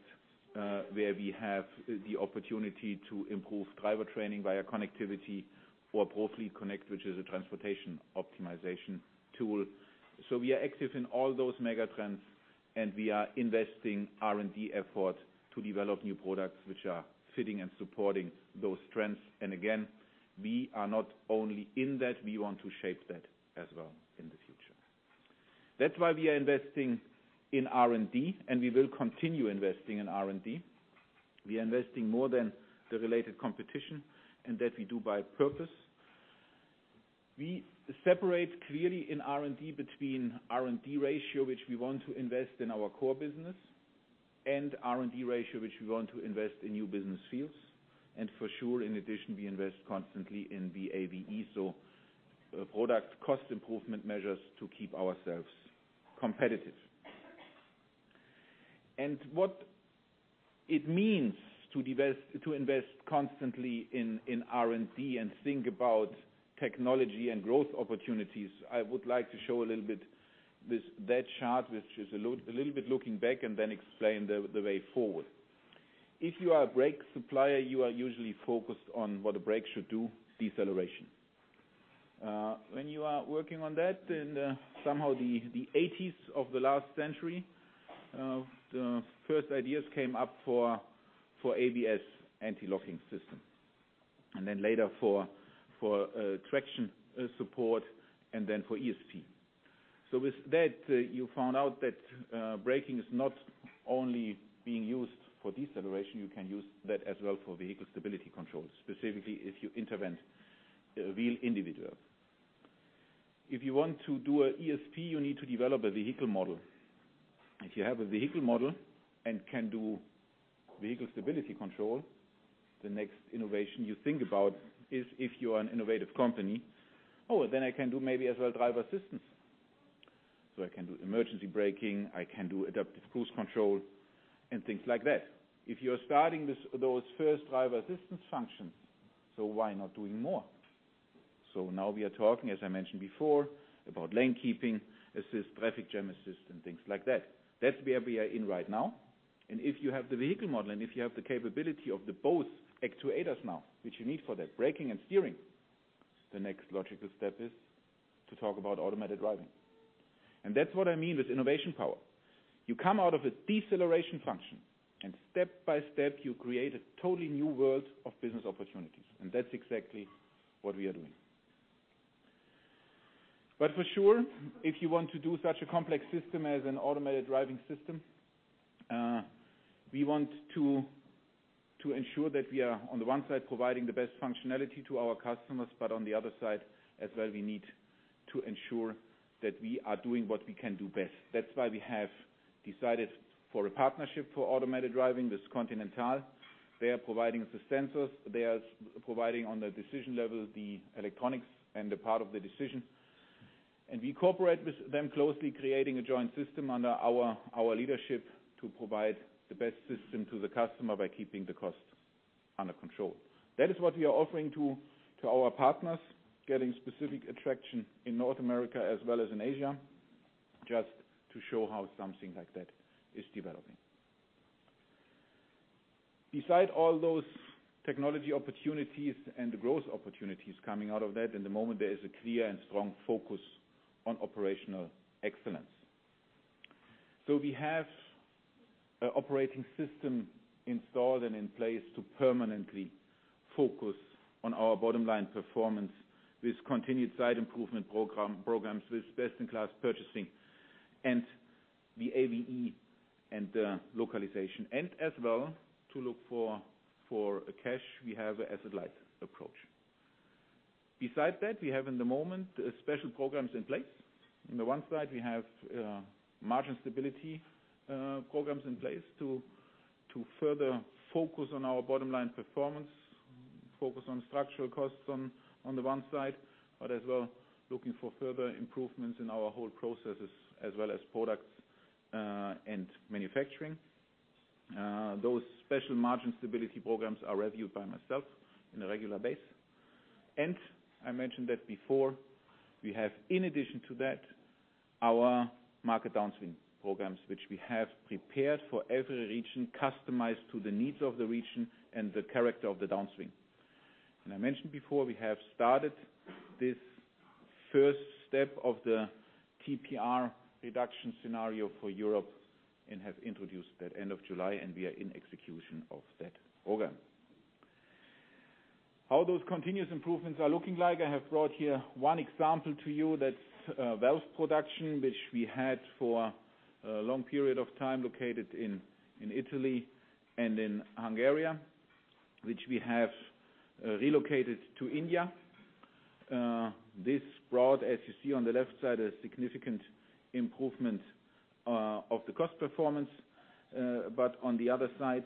where we have the opportunity to improve driver training via connectivity for ProFleet Connect, which is a transportation optimization tool. We are active in all those mega trends, and we are investing R&D effort to develop new products which are fitting and supporting those trends. Again, we are not only in that, we want to shape that as well in the future. That's why we are investing in R&D, and we will continue investing in R&D. We are investing more than the related competition. That we do by purpose. We separate clearly in R&D between R&D ratio, which we want to invest in our core business, and R&D ratio, which we want to invest in new business fields. For sure, in addition, we invest constantly in VA/VE, so product cost improvement measures to keep ourselves competitive. What it means to invest constantly in R&D and think about technology and growth opportunities, I would like to show a little bit that chart, which is a little bit looking back, then explain the way forward. If you are a brake supplier, you are usually focused on what a brake should do, deceleration. When you are working on that in somehow the '80s of the last century, the first ideas came up for ABS, anti-locking system. Later for traction support and then for ESP. With that, you found out that braking is not only being used for deceleration, you can use that as well for vehicle stability control, specifically if you intervene wheel individual. If you want to do an ESP, you need to develop a vehicle model. If you have a vehicle model and can do vehicle stability control, the next innovation you think about is if you are an innovative company, "Oh, then I can do maybe as well driver assistance. I can do emergency braking, I can do adaptive cruise control and things like that." If you're starting those first driver assistance functions, why not doing more? Now we are talking, as I mentioned before, about lane keeping assist, traffic jam assist, and things like that. That's where we are in right now. If you have the vehicle model and if you have the capability of the both actuators now, which you need for that, braking and steering, the next logical step is to talk about automated driving. That's what I mean with innovation power. You come out of a deceleration function, and step by step, you create a totally new world of business opportunities. That's exactly what we are doing. For sure, if you want to do such a complex system as an automated driving system, we want to ensure that we are, on the one side, providing the best functionality to our customers, but on the other side, as well, we need to ensure that we are doing what we can do best. That's why we have decided for a partnership for automated driving with Continental. They are providing the sensors. They are providing on the decision level, the electronics and the part of the decision. We cooperate with them closely, creating a joint system under our leadership to provide the best system to the customer by keeping the cost under control. That is what we are offering to our partners, getting specific attraction in North America as well as in Asia, just to show how something like that is developing. Besides all those technology opportunities and the growth opportunities coming out of that, in the moment, there is a clear and strong focus on operational excellence. We have an operating system installed and in place to permanently focus on our bottom-line performance with continued site improvement programs, with best-in-class purchasing and the VA/VE and the localization, and as well, to look for a cash, we have an asset-light approach. Beside that, we have, in the moment, special programs in place. On the one side, we have margin stability programs in place to further focus on our bottom-line performance, focus on structural costs on the one side, but as well, looking for further improvements in our whole processes as well as products and manufacturing. Those special margin stability programs are reviewed by myself on a regular basis. I mentioned that before, we have, in addition to that, our market downstream programs, which we have prepared for every region, customized to the needs of the region and the character of the downstream. I mentioned before, we have started this first step of the TPR reduction scenario for Europe and have introduced that end of July, and we are in execution of that program. How those continuous improvements are looking like, I have brought here one example to you. That's valve production, which we had for a long period of time located in Italy and in Hungary, which we have relocated to India. This brought, as you see on the left side, a significant improvement of the cost performance. On the other side,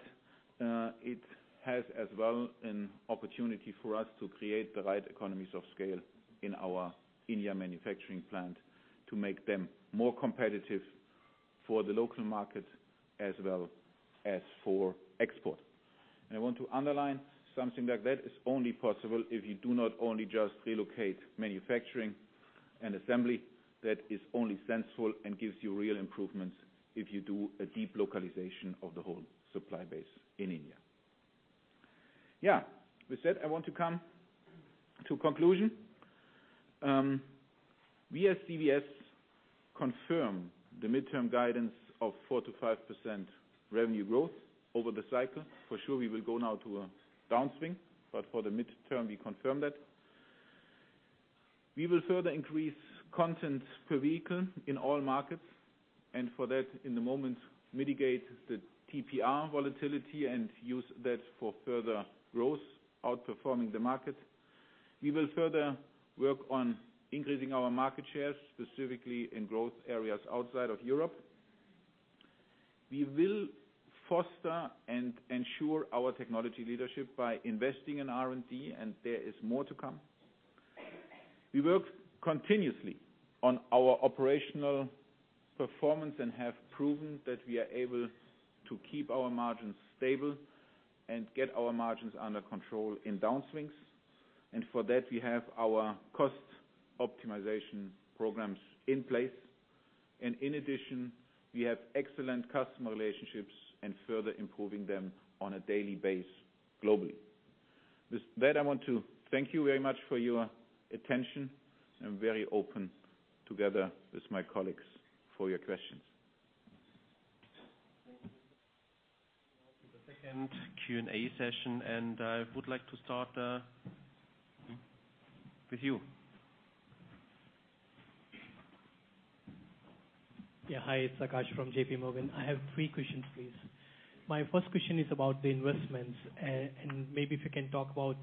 it has as well an opportunity for us to create the right economies of scale in our India manufacturing plant to make them more competitive for the local market as well as for export. I want to underline something like that is only possible if you do not only just relocate manufacturing and assembly. That is only sensible and gives you real improvements if you do a deep localization of the whole supply base in India. With that, I want to come to a conclusion. We as CVS confirm the midterm guidance of 4%-5% revenue growth over the cycle. For sure, we will go now to a downstream, but for the midterm, we confirm that. We will further increase content per vehicle in all markets, and for that, in the moment, mitigate the TPR volatility and use that for further growth outperforming the market. We will further work on increasing our market share, specifically in growth areas outside of Europe. We will foster and ensure our technology leadership by investing in R&D, and there is more to come. We work continuously on our operational performance and have proven that we are able to keep our margins stable and get our margins under control in downswings. For that, we have our cost optimization programs in place. In addition, we have excellent customer relationships and further improving them on a daily basis globally. With that, I want to thank you very much for your attention. I'm very open together with my colleagues for your questions. Now to the second Q&A session, and I would like to start with you. Yeah. Hi, it's Akash from JP Morgan. I have three questions, please. My first question is about the investments. Maybe if you can talk about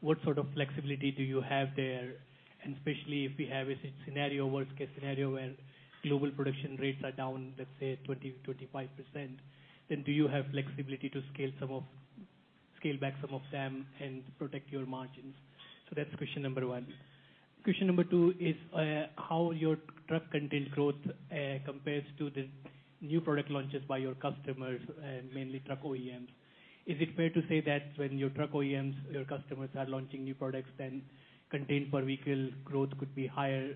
what sort of flexibility do you have there, and especially if we have a scenario, worst case scenario, where global production rates are down, let's say, 20%-25%, do you have flexibility to scale back some of them and protect your margins? That's question number one. Question number two is how your truck contained growth compares to the new product launches by your customers, mainly truck OEMs. Is it fair to say that when your truck OEMs, your customers are launching new products, then content per vehicle growth could be higher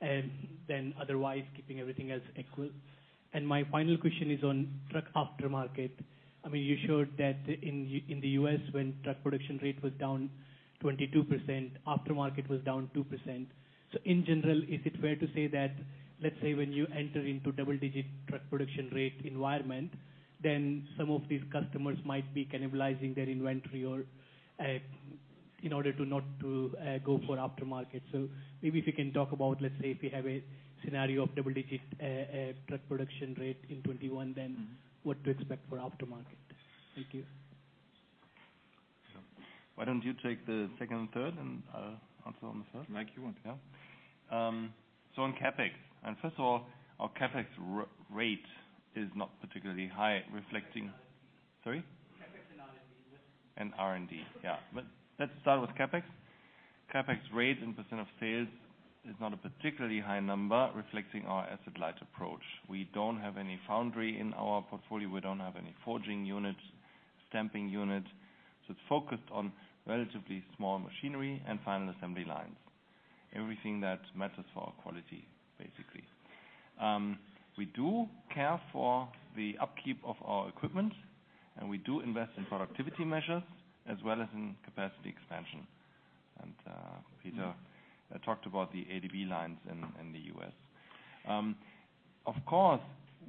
than otherwise, keeping everything else equal? My final question is on truck aftermarket. You showed that in the U.S., when truck production rate was down 22%, aftermarket was down 2%. In general, is it fair to say that, let's say when you enter into double-digit truck production rate environment, then some of these customers might be cannibalizing their inventory or in order to not to go for aftermarket. Maybe if you can talk about, let's say if you have a scenario of double-digit truck production rate in 2021, then what to expect for aftermarket. Thank you. Why don't you take the second and third, and I'll answer on the third? Like you want. Yeah. On CapEx. First of all, our CapEx rate is not particularly high, reflecting Sorry? CapEx and R&D. R&D. Yeah. Let's start with CapEx. CapEx rate and % of sales is not a particularly high number, reflecting our asset-light approach. We don't have any foundry in our portfolio. We don't have any forging units, stamping units. It's focused on relatively small machinery and final assembly lines. Everything that matters for our quality, basically. We do care for the upkeep of our equipment, and we do invest in productivity measures as well as in capacity expansion. Peter talked about the ADB lines in the U.S. Of course,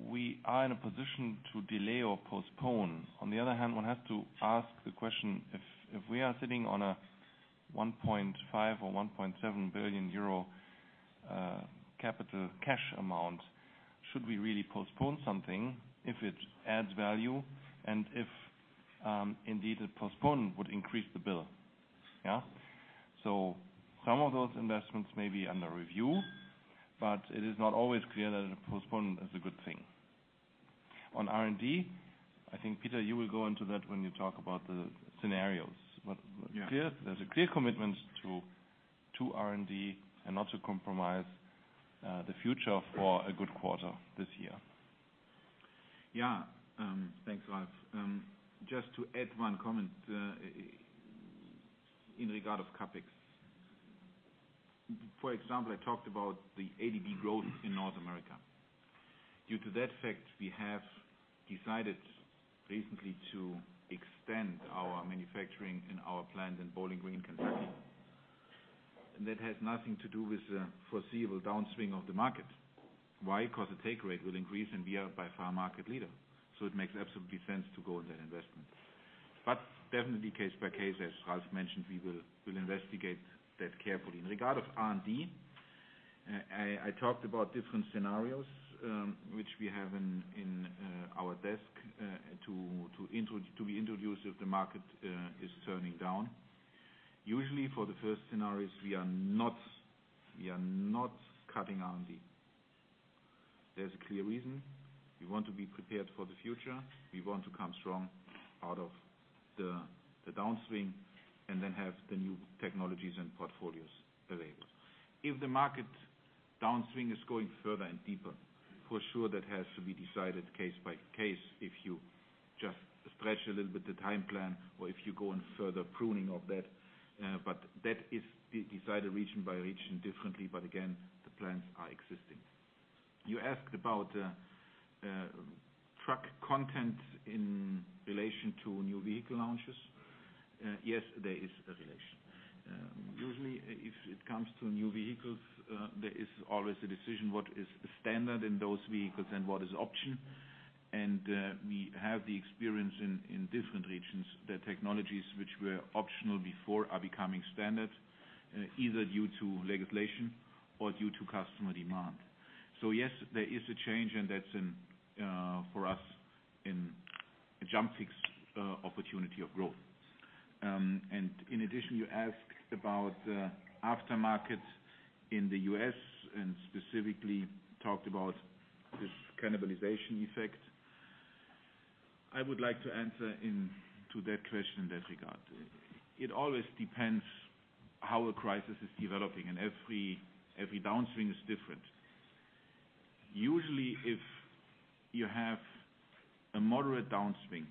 we are in a position to delay or postpone. On the other hand, one has to ask the question, if we are sitting on a 1.5 billion or 1.7 billion euro capital cash amount, should we really postpone something if it adds value, and if indeed a postponement would increase the bill? Yeah. Some of those investments may be under review, but it is not always clear that a postponement is a good thing. On R&D, I think, Peter, you will go into that when you talk about the scenarios. Yeah. There's a clear commitment to R&D and not to compromise the future for a good quarter this year. Thanks, Ralph. Just to add one comment in regard of CapEx. For example, I talked about the ADB growth in North America. Due to that fact, we have decided recently to extend our manufacturing in our plant in Bowling Green, Kentucky. That has nothing to do with the foreseeable downswing of the market. Why? Because the take rate will increase, and we are by far market leader. It makes absolute sense to go in that investment. Definitely case by case, as Ralph mentioned, we will investigate that carefully. In regard of R&D, I talked about different scenarios, which we have in our desk to be introduced if the market is turning down. Usually for the first scenarios, we are not cutting R&D. There's a clear reason. We want to be prepared for the future. We want to come strong out of the downswing and then have the new technologies and portfolios available. If the market downswing is going further and deeper, for sure that has to be decided case by case. If you just stretch a little bit the time plan or if you go in further pruning of that. That is decided region by region differently. Again, the plans are existing. You asked about truck content in relation to new vehicle launches. Yes, there is a relation. Usually, if it comes to new vehicles, there is always a decision what is standard in those vehicles and what is option. We have the experience in different regions that technologies which were optional before are becoming standard, either due to legislation or due to customer demand. Yes, there is a change, and that's for us a jump fix opportunity of growth. In addition, you asked about the aftermarket in the U.S. and specifically talked about this cannibalization effect. I would like to answer in to that question in that regard. It always depends how a crisis is developing, and every downswing is different. Usually, if you have a moderate downswing,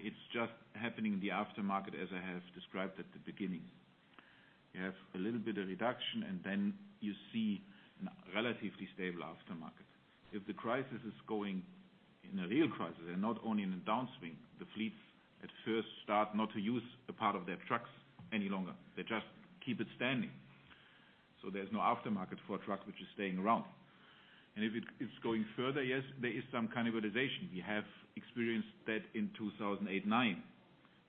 it's just happening in the aftermarket, as I have described at the beginning. You have a little bit of reduction, and then you see a relatively stable aftermarket. If the crisis is going in a real crisis and not only in a downswing, the fleets at first start not to use a part of their trucks any longer. They just keep it standing. There's no aftermarket for a truck which is staying around. If it's going further, yes, there is some cannibalization. We have experienced that in 2008 and 2009,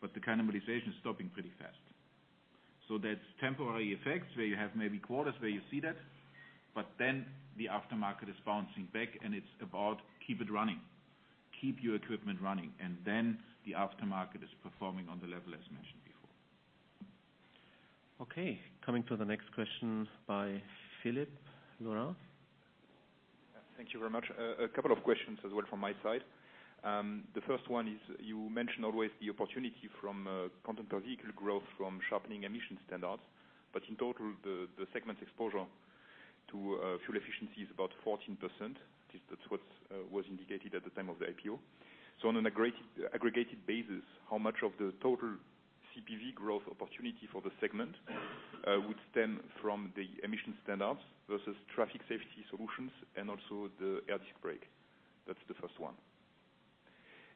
but the cannibalization is stopping pretty fast. That's temporary effects where you have maybe quarters where you see that, but then the aftermarket is bouncing back, and it's about keep it running, keep your equipment running, and then the aftermarket is performing on the level as mentioned before. Okay. Coming to the next question by Philippe Lorrain. Thank you very much. A couple of questions as well from my side. The first one is, you mention always the opportunity from content per vehicle growth from sharpening emission standards. In total, the segment exposure to fuel efficiency is about 14%. That's what was indicated at the time of the IPO. On an aggregated basis, how much of the total CPV growth opportunity for the segment would stem from the emission standards versus traffic safety solutions and also the air disc brake? That's the first one.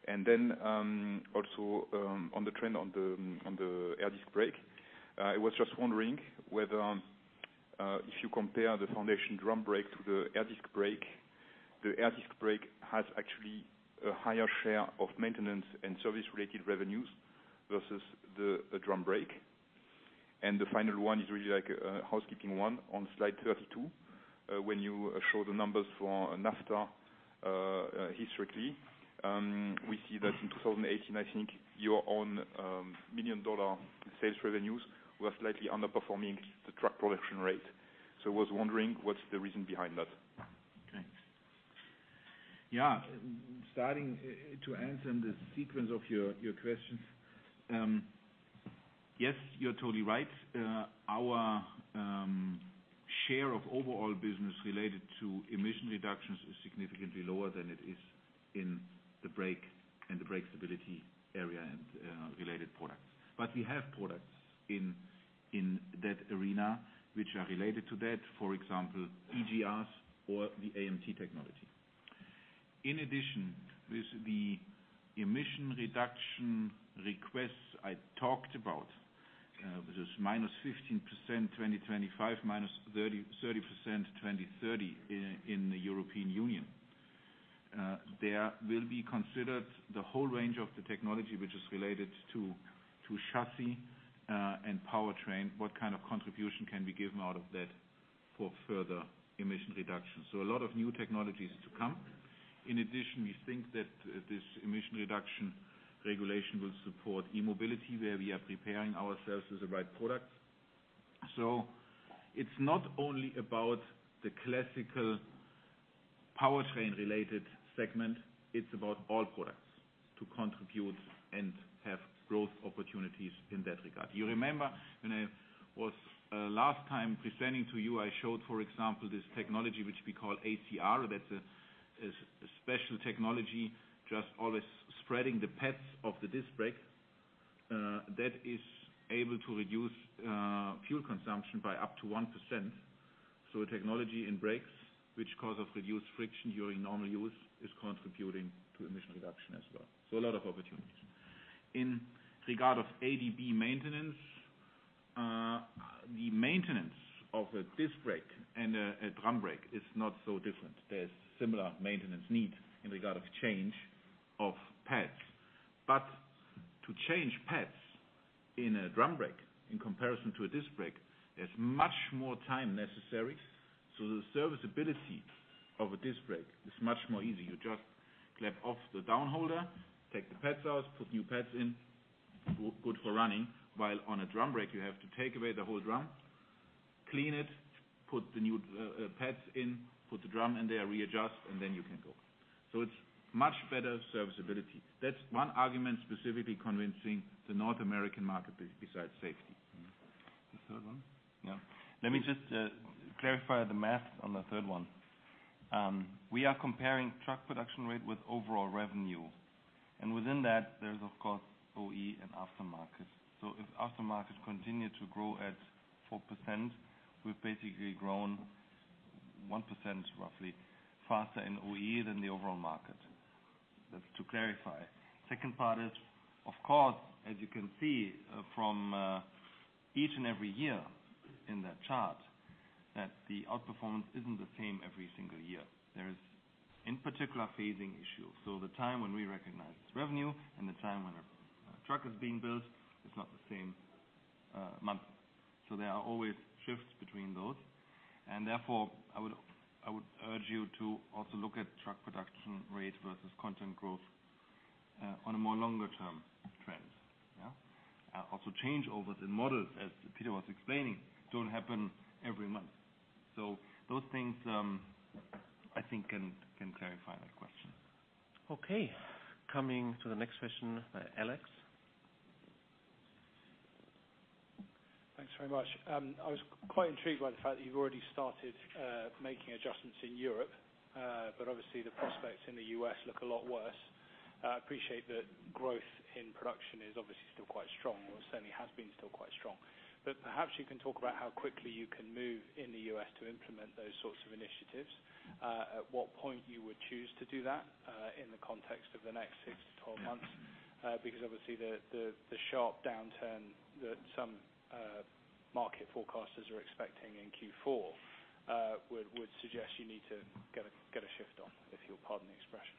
Then, also, on the trend on the air disc brake, I was just wondering whether, if you compare the foundation drum brake to the air disc brake, the air disc brake has actually a higher share of maintenance and service-related revenues versus the drum brake. The final one is really like a housekeeping one on slide 32. When you show the numbers for NAFTA, historically, we see that in 2018, I think your own million-dollar sales revenues were slightly underperforming the truck production rate. I was wondering what's the reason behind that? Okay. Starting to answer in the sequence of your questions. Yes, you are totally right. Our share of overall business related to emission reductions is significantly lower than it is in the brake and the brake stability area and related products. We have products in that arena which are related to that, for example, EGRs or the AMT technology. In addition, with the emission reduction requests I talked about, which is -15% 2025, -30% 2030 in the European Union, there will be considered the whole range of the technology which is related to chassis and powertrain, what kind of contribution can be given out of that for further emission reduction. A lot of new technologies to come. In addition, we think that this emission reduction regulation will support e-mobility, where we are preparing ourselves as the right product. It's not only about the classical powertrain related segment, it's about all products to contribute and have growth opportunities in that regard. You remember when I was last time presenting to you, I showed, for example, this technology, which we call ACR. That's a special technology, just always spreading the pads of the disc brake. That is able to reduce fuel consumption by up to 1%. Technology in brakes, which causes reduced friction during normal use, is contributing to emission reduction as well. A lot of opportunities. In regard of ADB maintenance, the maintenance of a disc brake and a drum brake is not so different. There's similar maintenance needs in regard of change of pads. To change pads in a drum brake in comparison to a disc brake, there's much more time necessary. The serviceability of a disc brake is much more easy. You just clip off the down holder, take the pads out, put new pads in, good for running. On a drum brake, you have to take away the whole drum, clean it, put the new pads in, put the drum, and they are readjust, and then you can go. It's much better serviceability. That's one argument specifically convincing the North American market besides safety. The third one? Yeah. Let me just clarify the math on the third one. We are comparing truck production rate with overall revenue. Within that, there's, of course, OE and aftermarket. If aftermarket continue to grow at 4%, we've basically grown 1% roughly faster in OE than the overall market. That's to clarify. Second part is, of course, as you can see from each and every year in that chart, that the outperformance isn't the same every single year. There is, in particular, phasing issue. The time when we recognize revenue and the time when a truck is being built is not the same month. There are always shifts between those. Therefore, I would urge you to also look at truck production rate versus content growth on a more longer term trend. Yeah. Also changeovers in models, as Peter was explaining, don't happen every month. Those things, I think can clarify that question. Okay. Coming to the next question, Alex. Thanks very much. I was quite intrigued by the fact that you've already started making adjustments in Europe, but obviously the prospects in the U.S. look a lot worse. I appreciate that growth in production is obviously still quite strong, or certainly has been still quite strong. Perhaps you can talk about how quickly you can move in the U.S. to implement those sorts of initiatives, at what point you would choose to do that, in the context of the next six to 12 months. Obviously the sharp downturn that some market forecasters are expecting in Q4, would suggest you need to get a shift on, if you'll pardon the expression.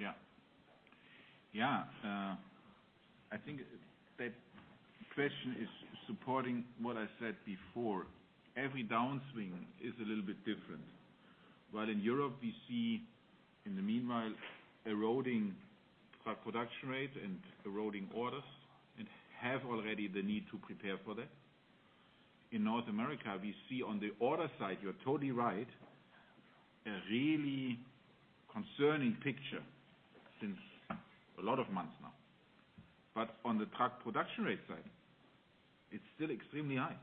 Yeah. I think that question is supporting what I said before. Every downswing is a little bit different. While in Europe, we see in the meanwhile, eroding truck production rate and eroding orders, and have already the need to prepare for that. In North America, we see on the order side, you're totally right, a really concerning picture since a lot of months now. On the truck production rate side, it's still extremely high.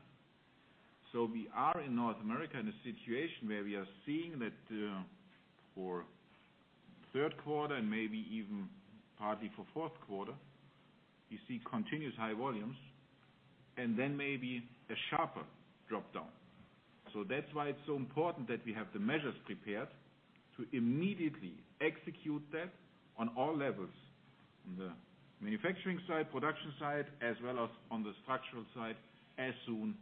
We are in North America in a situation where we are seeing that for third quarter and maybe even partly for fourth quarter, we see continuous high volumes, and then maybe a sharper drop down. That's why it's so important that we have the measures prepared to immediately execute that on all levels, on the manufacturing side, production side, as well as on the structural side, as soon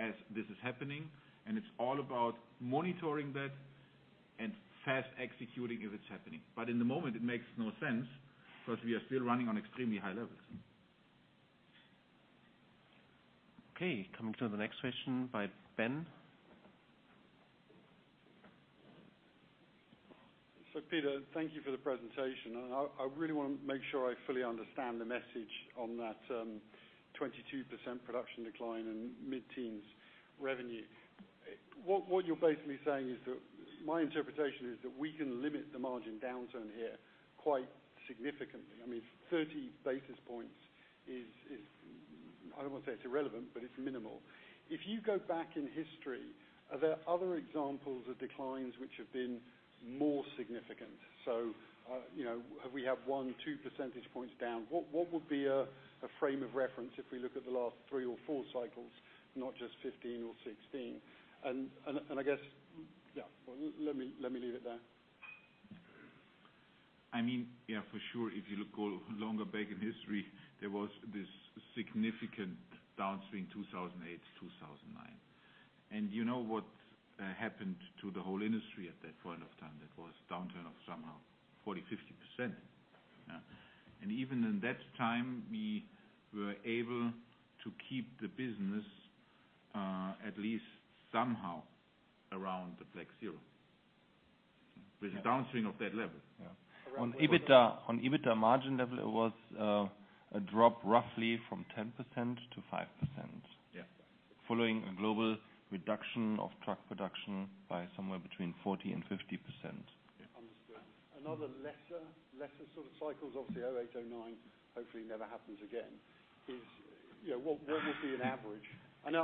as this is happening. It's all about monitoring that and fast executing if it's happening. In the moment, it makes no sense because we are still running on extremely high levels. Okay, coming to the next question by Ben. Peter, thank you for the presentation, I really want to make sure I fully understand the message on that 22% production decline and mid-teens revenue. What you're basically saying is that, my interpretation is that we can limit the margin downturn here quite significantly. I mean, 30 basis points is, I don't want to say it's irrelevant, but it's minimal. If you go back in history, are there other examples of declines which have been more significant? Have we one, two percentage points down? What would be a frame of reference if we look at the last three or four cycles, not just 2015 or 2016? I guess, yeah. Let me leave it there. I mean, yeah, for sure. If you look longer back in history, there was this significant downswing, 2008 to 2009. You know what happened to the whole industry at that point of time. That was a downturn of somehow 40, 50%. Yeah. Even in that time, we were able to keep the business at least somehow around the black zero. With a downswing of that level. Yeah. On EBITDA margin level, it was a drop roughly from 10%-5%. Yeah. Following a global reduction of truck production by somewhere between 40% and 50%. Yeah. Understood. Another lesser sort of cycles, obviously, 2008, 2009, hopefully never happens again, is what will be an average? We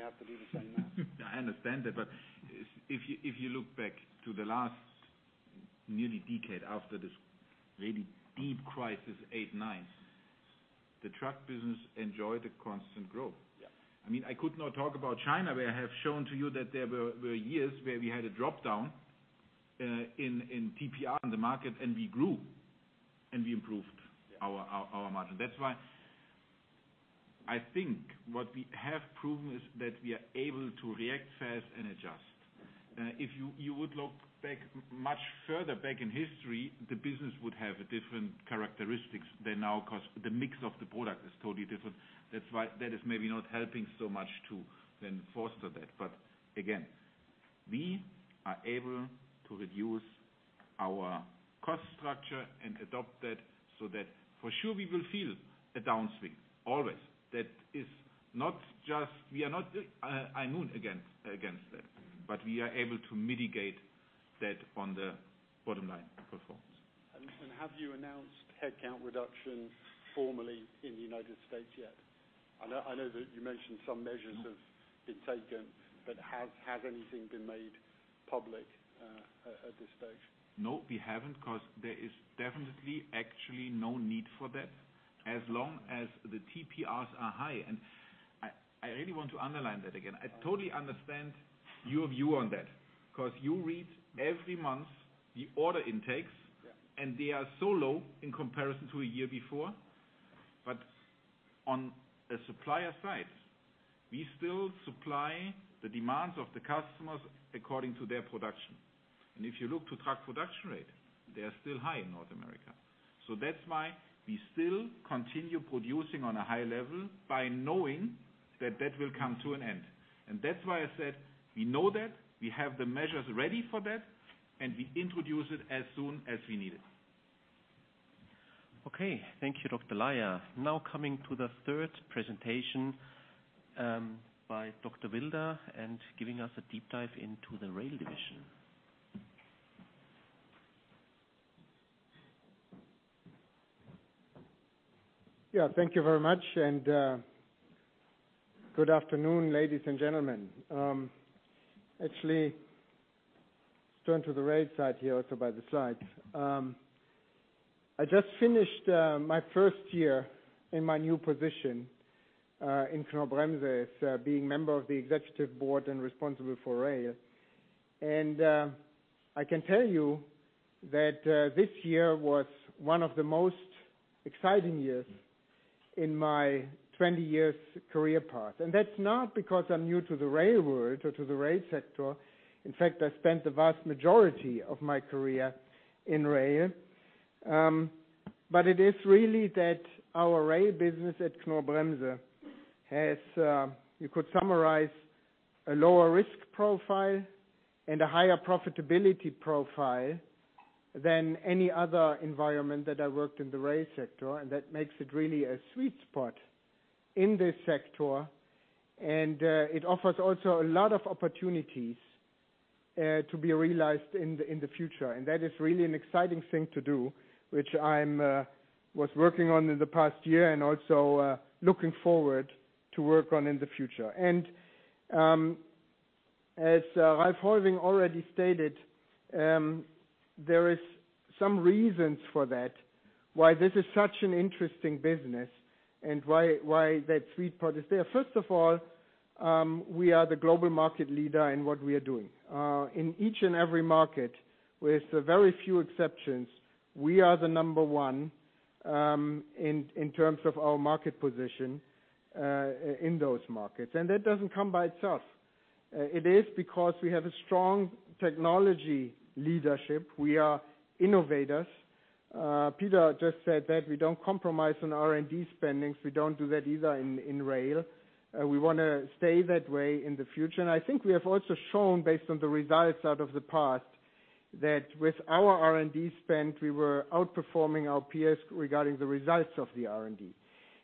have to do the same now. I understand that, but if you look back to the last nearly decade after this really deep crisis, 2008, 2009, the truck business enjoyed a constant growth. Yeah. I mean, I could not talk about China, where I have shown to you that there were years where we had a drop-down, in TPR in the market, and we grew, and we improved our margin. That's why I think what we have proven is that we are able to react fast and adjust. If you would look back much further back in history, the business would have a different characteristics than now, because the mix of the product is totally different. That is maybe not helping so much to then foster that. Again, we are able to reduce our cost structure and adapt that so that for sure we will feel a downswing, always. We are not immune against that, but we are able to mitigate that on the bottom line performance. Have you announced headcount reduction formally in the United States yet? I know that you mentioned some measures have been taken, but has anything been made public, at this stage? No, we haven't, because there is definitely actually no need for that as long as the TPRs are high. I really want to underline that again. I totally understand your view on that, because you read every month the order intakes. Yeah They are so low in comparison to a year before. On the supplier side, we still supply the demands of the customers according to their production. If you look to truck production rate, they are still high in North America. That's why we still continue producing on a high level by knowing that that will come to an end. That's why I said we know that, we have the measures ready for that, and we introduce it as soon as we need it. Okay. Thank you, Dr. Laier. Now coming to the third presentation, by Dr. Wilder, and giving us a deep dive into the Rail Division. Thank you very much, good afternoon, ladies and gentlemen. Actually, turn to the rail side here also by the slides. I just finished my first year in my new position, in Knorr-Bremse, being Member of the Executive Board and responsible for rail. I can tell you that this year was one of the most exciting years in my 20 years career path. That's not because I'm new to the rail world or to the rail sector. In fact, I spent the vast majority of my career in rail. It is really that our rail business at Knorr-Bremse has, you could summarize, a lower risk profile and a higher profitability profile than any other environment that I worked in the rail sector. That makes it really a sweet spot in this sector. It offers also a lot of opportunities to be realized in the future. That is really an exciting thing to do, which I was working on in the past year and also looking forward to work on in the future. As Ralph Heuwing already stated, there is some reasons for that, why this is such an interesting business and why that sweet part is there. First of all, we are the global market leader in what we are doing. In each and every market with very few exceptions, we are the number one in terms of our market position in those markets. That doesn't come by itself. It is because we have a strong technology leadership. We are innovators. Peter just said that we don't compromise on R&D spendings. We don't do that either in Rail. We want to stay that way in the future. I think we have also shown, based on the results out of the past, that with our R&D spend, we were outperforming our peers regarding the results of the R&D.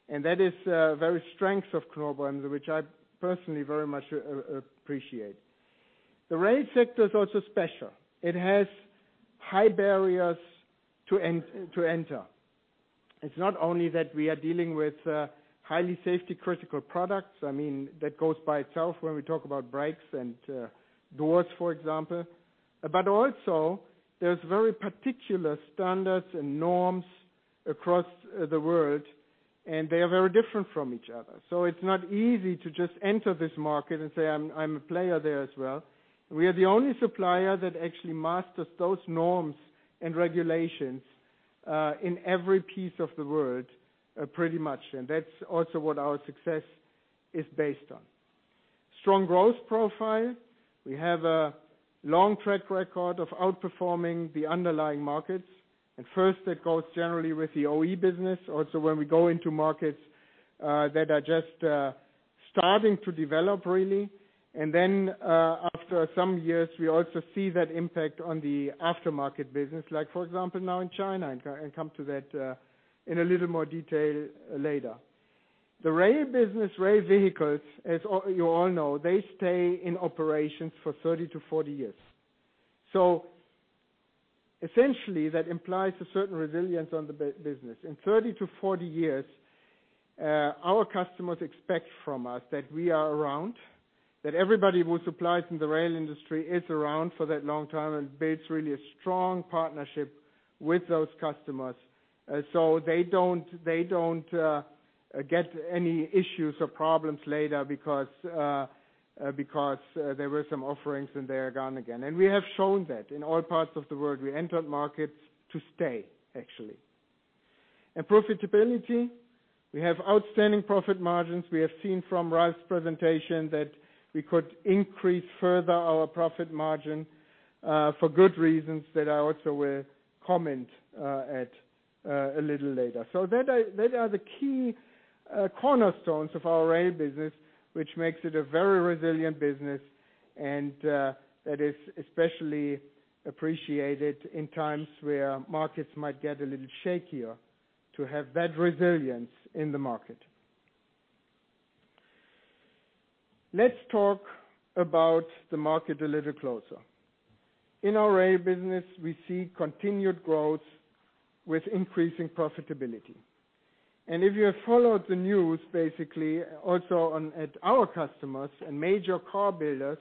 That is a very strength of Knorr-Bremse, which I personally very much appreciate. The rail sector is also special. It has high barriers to enter. It's not only that we are dealing with highly safety-critical products, I mean, that goes by itself when we talk about brakes and doors, for example. Also, there's very particular standards and norms across the world, and they are very different from each other. It's not easy to just enter this market and say, "I'm a player there as well." We are the only supplier that actually masters those norms and regulations, in every piece of the world, pretty much. That's also what our success is based on. Strong growth profile. We have a long track record of outperforming the underlying markets. First, that goes generally with the OE business. Also when we go into markets that are just starting to develop, really. Then after some years, we also see that impact on the aftermarket business, like for example, now in China, and come to that in a little more detail later. The rail business, rail vehicles, as you all know, they stay in operations for 30 to 40 years. Essentially, that implies a certain resilience on the business. In 30 to 40 years, our customers expect from us that we are around, that everybody who supplies in the rail industry is around for that long time and builds really a strong partnership with those customers. They don't get any issues or problems later because there were some offerings and they are gone again. We have shown that in all parts of the world. We entered markets to stay, actually. Profitability, we have outstanding profit margins. We have seen from Ralph's presentation that we could increase further our profit margin, for good reasons that I also will comment at a little later. That are the key cornerstones of our rail business, which makes it a very resilient business, and that is especially appreciated in times where markets might get a little shakier to have that resilience in the market. Let's talk about the market a little closer. In our rail business, we see continued growth with increasing profitability. If you have followed the news, basically, also at our customers and major car builders,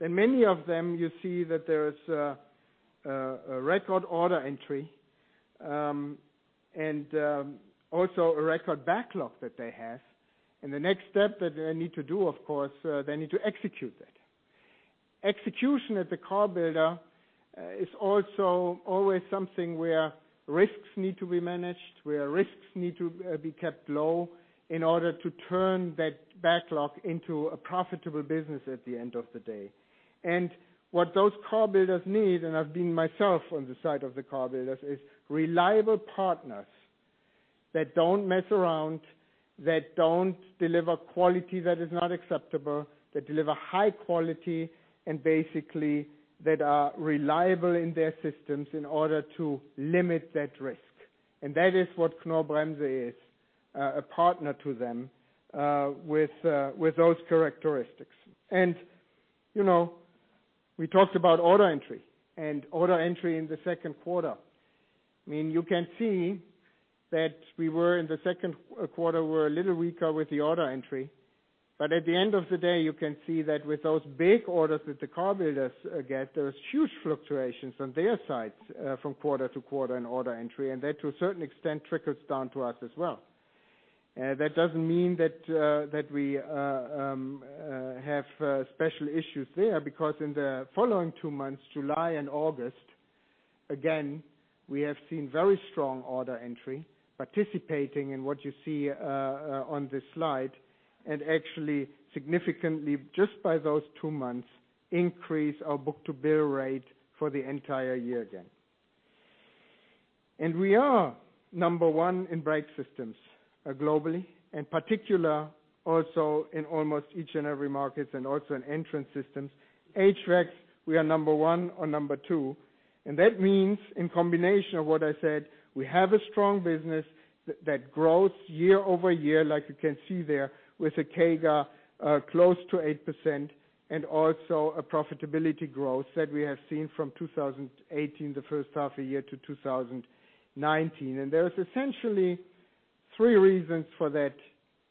then many of them you see that there is a record order entry, and also a record backlog that they have. The next step that they need to do, of course, they need to execute that. Execution at the car builder is also always something where risks need to be managed, where risks need to be kept low in order to turn that backlog into a profitable business at the end of the day. What those car builders need, and I've been myself on the side of the car builders, is reliable partners that don't mess around, that don't deliver quality that is not acceptable, that deliver high quality, and basically that are reliable in their systems in order to limit that risk. That is what Knorr-Bremse is, a partner to them, with those characteristics. We talked about order entry and order entry in the second quarter. You can see that we were in the second quarter, we're a little weaker with the order entry. At the end of the day, you can see that with those big orders that the car builders get, there's huge fluctuations on their sides from quarter to quarter in order entry, and that to a certain extent trickles down to us as well. That doesn't mean that we have special issues there because in the following two months, July and August, again, we have seen very strong order entry participating in what you see on this slide, and actually significantly just by those two months, increase our book-to-bill rate for the entire year again. We are number one in brake systems globally, in particular also in almost each and every market and also in entrance systems. HVAC, we are number one or number two. That means, in combination of what I said, we have a strong business that grows year-over-year, like you can see there with a CAGR close to 8% and also a profitability growth that we have seen from 2018, the first half a year to 2019. There is essentially three reasons for that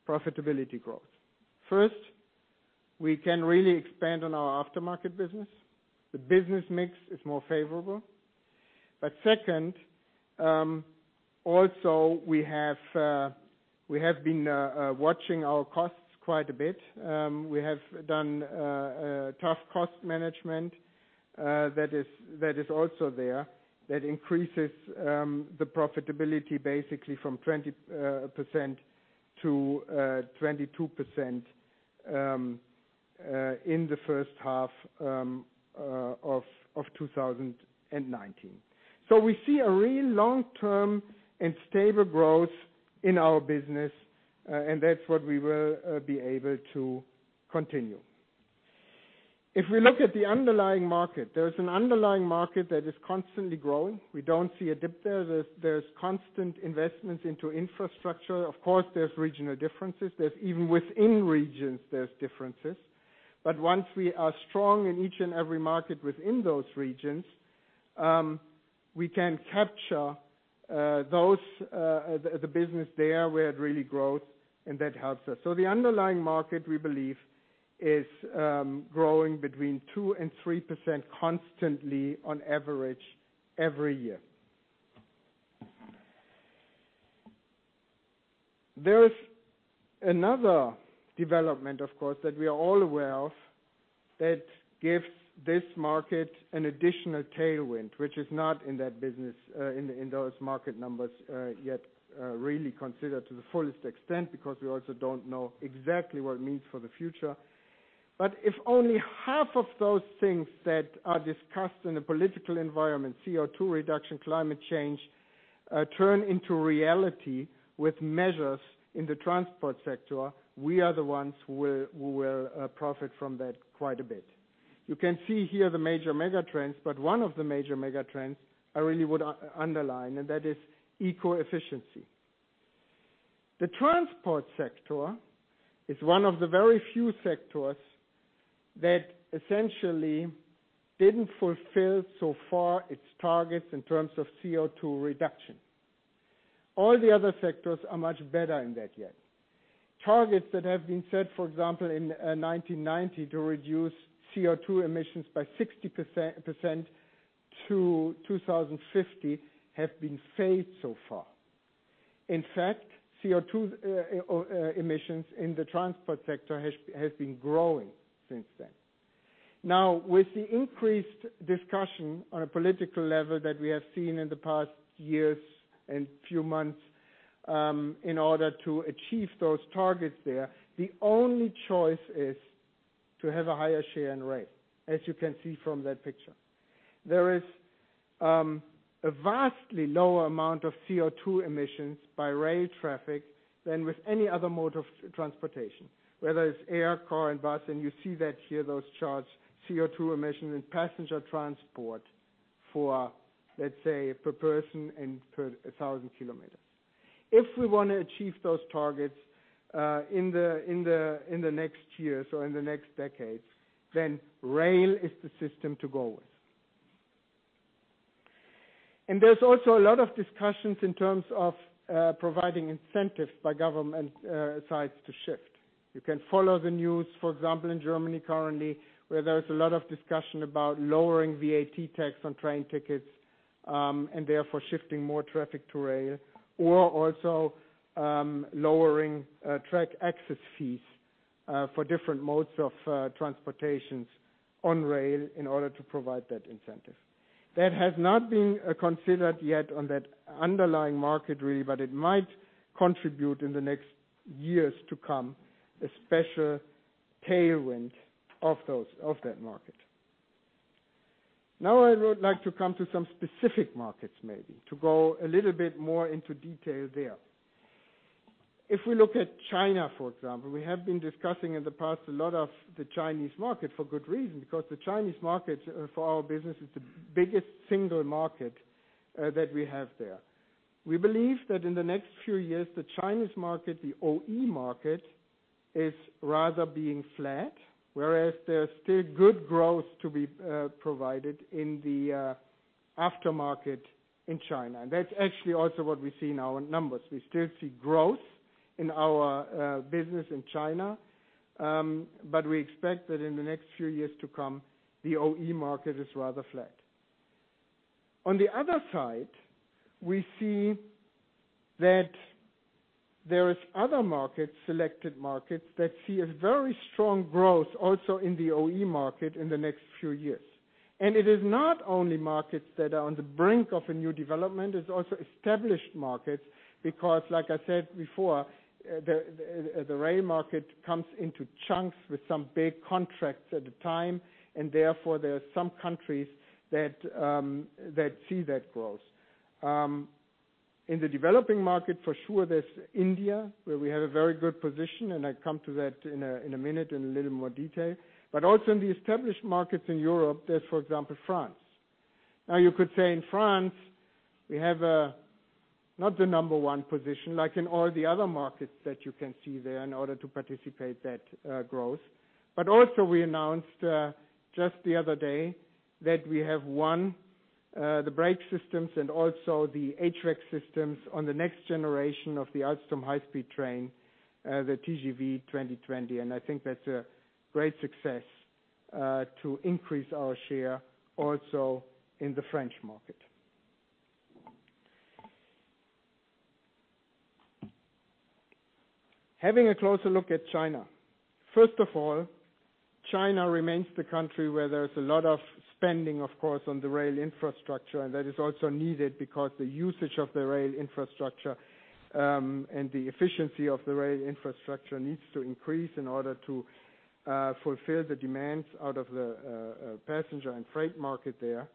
profitability growth. First, we can really expand on our aftermarket business. The business mix is more favorable. Second, also we have been watching our costs quite a bit. We have done a tough cost management that is also there, that increases the profitability basically from 20%-22% in the first half of 2019. We see a real long-term and stable growth in our business, and that's what we will be able to continue. If we look at the underlying market, there's an underlying market that is constantly growing. We don't see a dip there. There's constant investments into infrastructure. There's regional differences. Even within regions, there's differences. Once we are strong in each and every market within those regions, we can capture the business there, where it really grows and that helps us. The underlying market, we believe is growing between 2% and 3% constantly on average every year. There is another development, of course, that we are all aware of that gives this market an additional tailwind, which is not in those market numbers yet, really considered to the fullest extent because we also don't know exactly what it means for the future. If only half of those things that are discussed in the political environment, CO2 reduction, climate change, turn into reality with measures in the transport sector, we are the ones who will profit from that quite a bit. You can see here the major mega trends, but one of the major mega trends I really would underline, and that is eco-efficiency. The transport sector is one of the very few sectors that essentially didn't fulfill so far its targets in terms of CO2 reduction. All the other sectors are much better in that yet. Targets that have been set, for example, in 1990 to reduce CO2 emissions by 60% to 2050 have been failed so far. In fact, CO2 emissions in the transport sector has been growing since then. Now, with the increased discussion on a political level that we have seen in the past years and few months, in order to achieve those targets there, the only choice is to have a higher share in rail, as you can see from that picture. There is a vastly lower amount of CO2 emissions by rail traffic than with any other mode of transportation, whether it's air, car or bus, and you see that here, those charts, CO2 emissions and passenger transport for, let's say, per person and per 1,000 kilometers. If we want to achieve those targets in the next years or in the next decades, rail is the system to go with. There's also a lot of discussions in terms of providing incentives by government sides to shift. You can follow the news, for example, in Germany currently, where there is a lot of discussion about lowering VAT tax on train tickets, therefore shifting more traffic to rail or also, lowering track access fees for different modes of transportations on rail in order to provide that incentive. That has not been considered yet on that underlying market, really, but it might contribute in the next years to come, a special tailwind of that market. I would like to come to some specific markets maybe, to go a little bit more into detail there. If we look at China, for example, we have been discussing in the past a lot of the Chinese market for good reason, because the Chinese market for our business is the biggest single market that we have there. We believe that in the next few years, the Chinese market, the OE market, is rather being flat, whereas there's still good growth to be provided in the aftermarket in China. That's actually also what we see in our numbers. We still see growth in our business in China, but we expect that in the next few years to come, the OE market is rather flat. On the other side, we see that there is other markets, selected markets, that see a very strong growth also in the OE market in the next few years. It is not only markets that are on the brink of a new development, it's also established markets because like I said before, the rail market comes into chunks with some big contracts at a time, and therefore there are some countries that see that growth. In the developing market, for sure, there's India, where we have a very good position, and I come to that in a minute in a little more detail. Also in the established markets in Europe, there's, for example, France. You could say in France, we have not the number 1 position like in all the other markets that you can see there in order to participate that growth. Also we announced just the other day that we have won the brake systems and also the [ATREX systems] on the next generation of the Alstom high-speed train, the TGV 2020. I think that's a great success. To increase our share also in the French market. Having a closer look at China. First of all, China remains the country where there's a lot of spending, of course, on the rail infrastructure, and that is also needed because the usage of the rail infrastructure, and the efficiency of the rail infrastructure needs to increase in order to fulfill the demands out of the passenger and freight market there.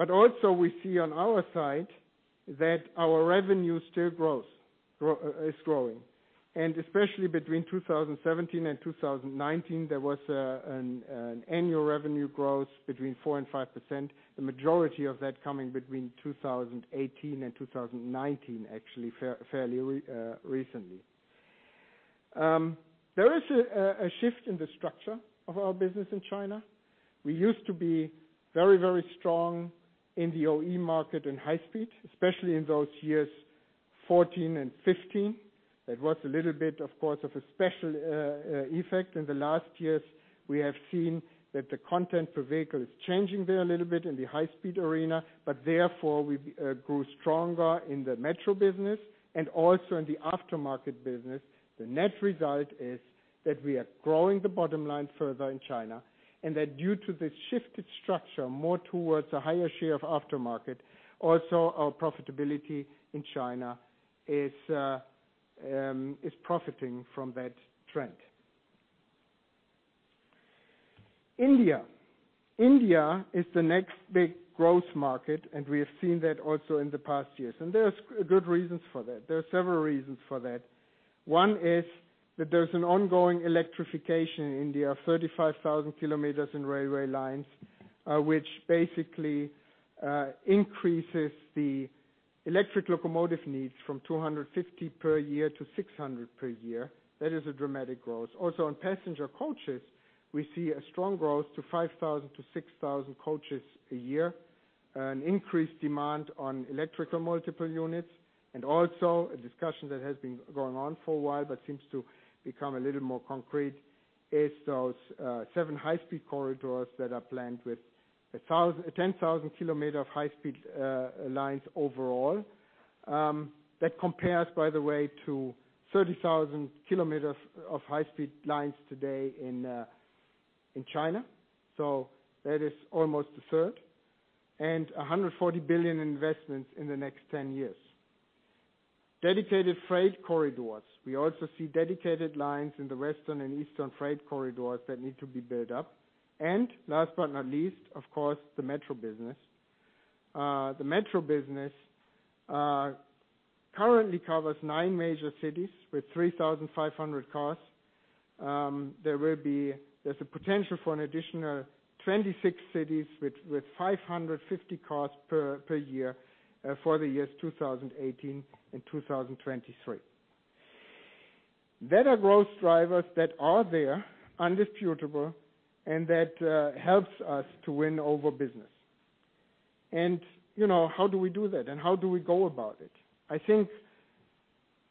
Also we see on our side that our revenue still is growing, and especially between 2017 and 2019, there was an annual revenue growth between 4% and 5%. The majority of that coming between 2018 and 2019, actually fairly recently. There is a shift in the structure of our business in China. We used to be very, very strong in the OE market and high speed, especially in those years 2014 and 2015. That was a little bit, of course, of a special effect. In the last years, we have seen that the content per vehicle is changing there a little bit in the high speed arena. Therefore, we grew stronger in the metro business and also in the aftermarket business. The net result is that we are growing the bottom line further in China, that due to the shifted structure more towards a higher share of aftermarket, also our profitability in China is profiting from that trend. India. India is the next big growth market, we have seen that also in the past years. There's good reasons for that. There are several reasons for that. One is that there's an ongoing electrification in India, 35,000 km in railway lines, which basically increases the electric locomotive needs from 250 per year to 600 per year. That is a dramatic growth. Also, on passenger coaches, we see a strong growth to 5,000-6,000 coaches a year. An increased demand on electrical multiple units and also a discussion that has been going on for a while but seems to become a little more concrete is those seven high-speed corridors that are planned with 10,000 kilometers of high-speed lines overall. That compares, by the way, to 30,000 kilometers of high-speed lines today in China. That is almost a third and 140 billion investments in the next 10 years. Dedicated freight corridors. We also see dedicated lines in the Western and Eastern freight corridors that need to be built up. Last but not least, of course, the metro business. The metro business currently covers nine major cities with 3,500 cars. There's a potential for an additional 26 cities with 550 cars per year, for the years 2018 and 2023. There are growth drivers that are there indisputable and that helps us to win over business. How do we do that and how do we go about it? I think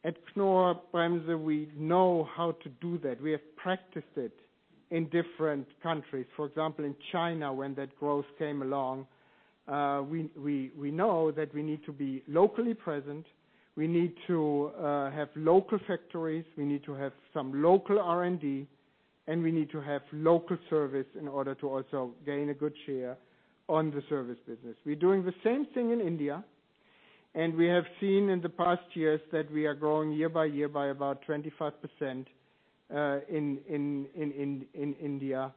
at Knorr-Bremse we know how to do that. We have practiced it in different countries. For example, in China, when that growth came along, we know that we need to be locally present. We need to have local factories, we need to have some local R&D, and we need to have local service in order to also gain a good share on the service business. We're doing the same thing in India, and we have seen in the past years that we are growing year by year by about 25% in India,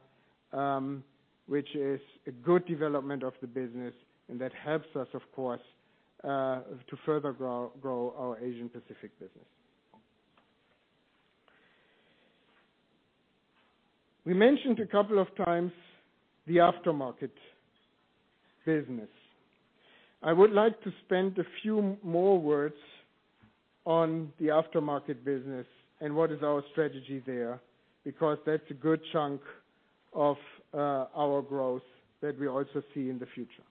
which is a good development of the business and that helps us, of course, to further grow our Asian Pacific business. We mentioned a couple of times the aftermarket business. I would like to spend a few more words on the aftermarket business and what is our strategy there, because that's a good chunk of our growth that we also see in the future.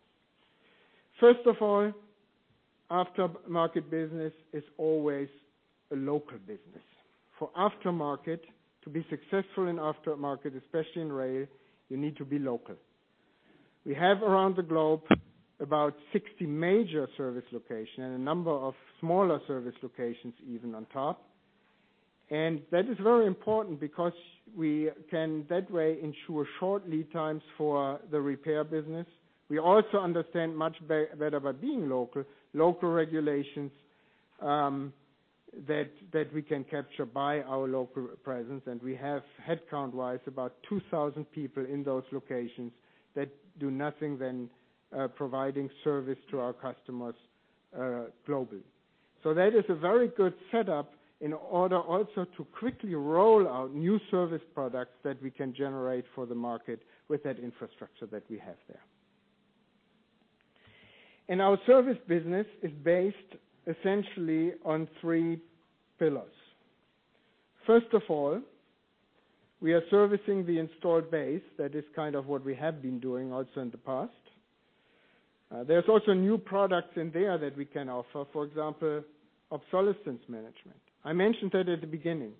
First of all, aftermarket business is always a local business. For aftermarket to be successful in aftermarket, especially in rail, you need to be local. We have around the globe about 60 major service locations and a number of smaller service locations even on top. That is very important because we can that way ensure short lead times for the repair business. We also understand much better by being local regulations, that we can capture by our local presence. We have headcount-wise about 2,000 people in those locations that do nothing than providing service to our customers globally. That is a very good setup in order also to quickly roll out new service products that we can generate for the market with that infrastructure that we have there. Our service business is based essentially on three pillars. First of all, we are servicing the installed base. That is kind of what we have been doing also in the past. There's also new products in there that we can offer, for example, obsolescence management. I mentioned that at the beginning.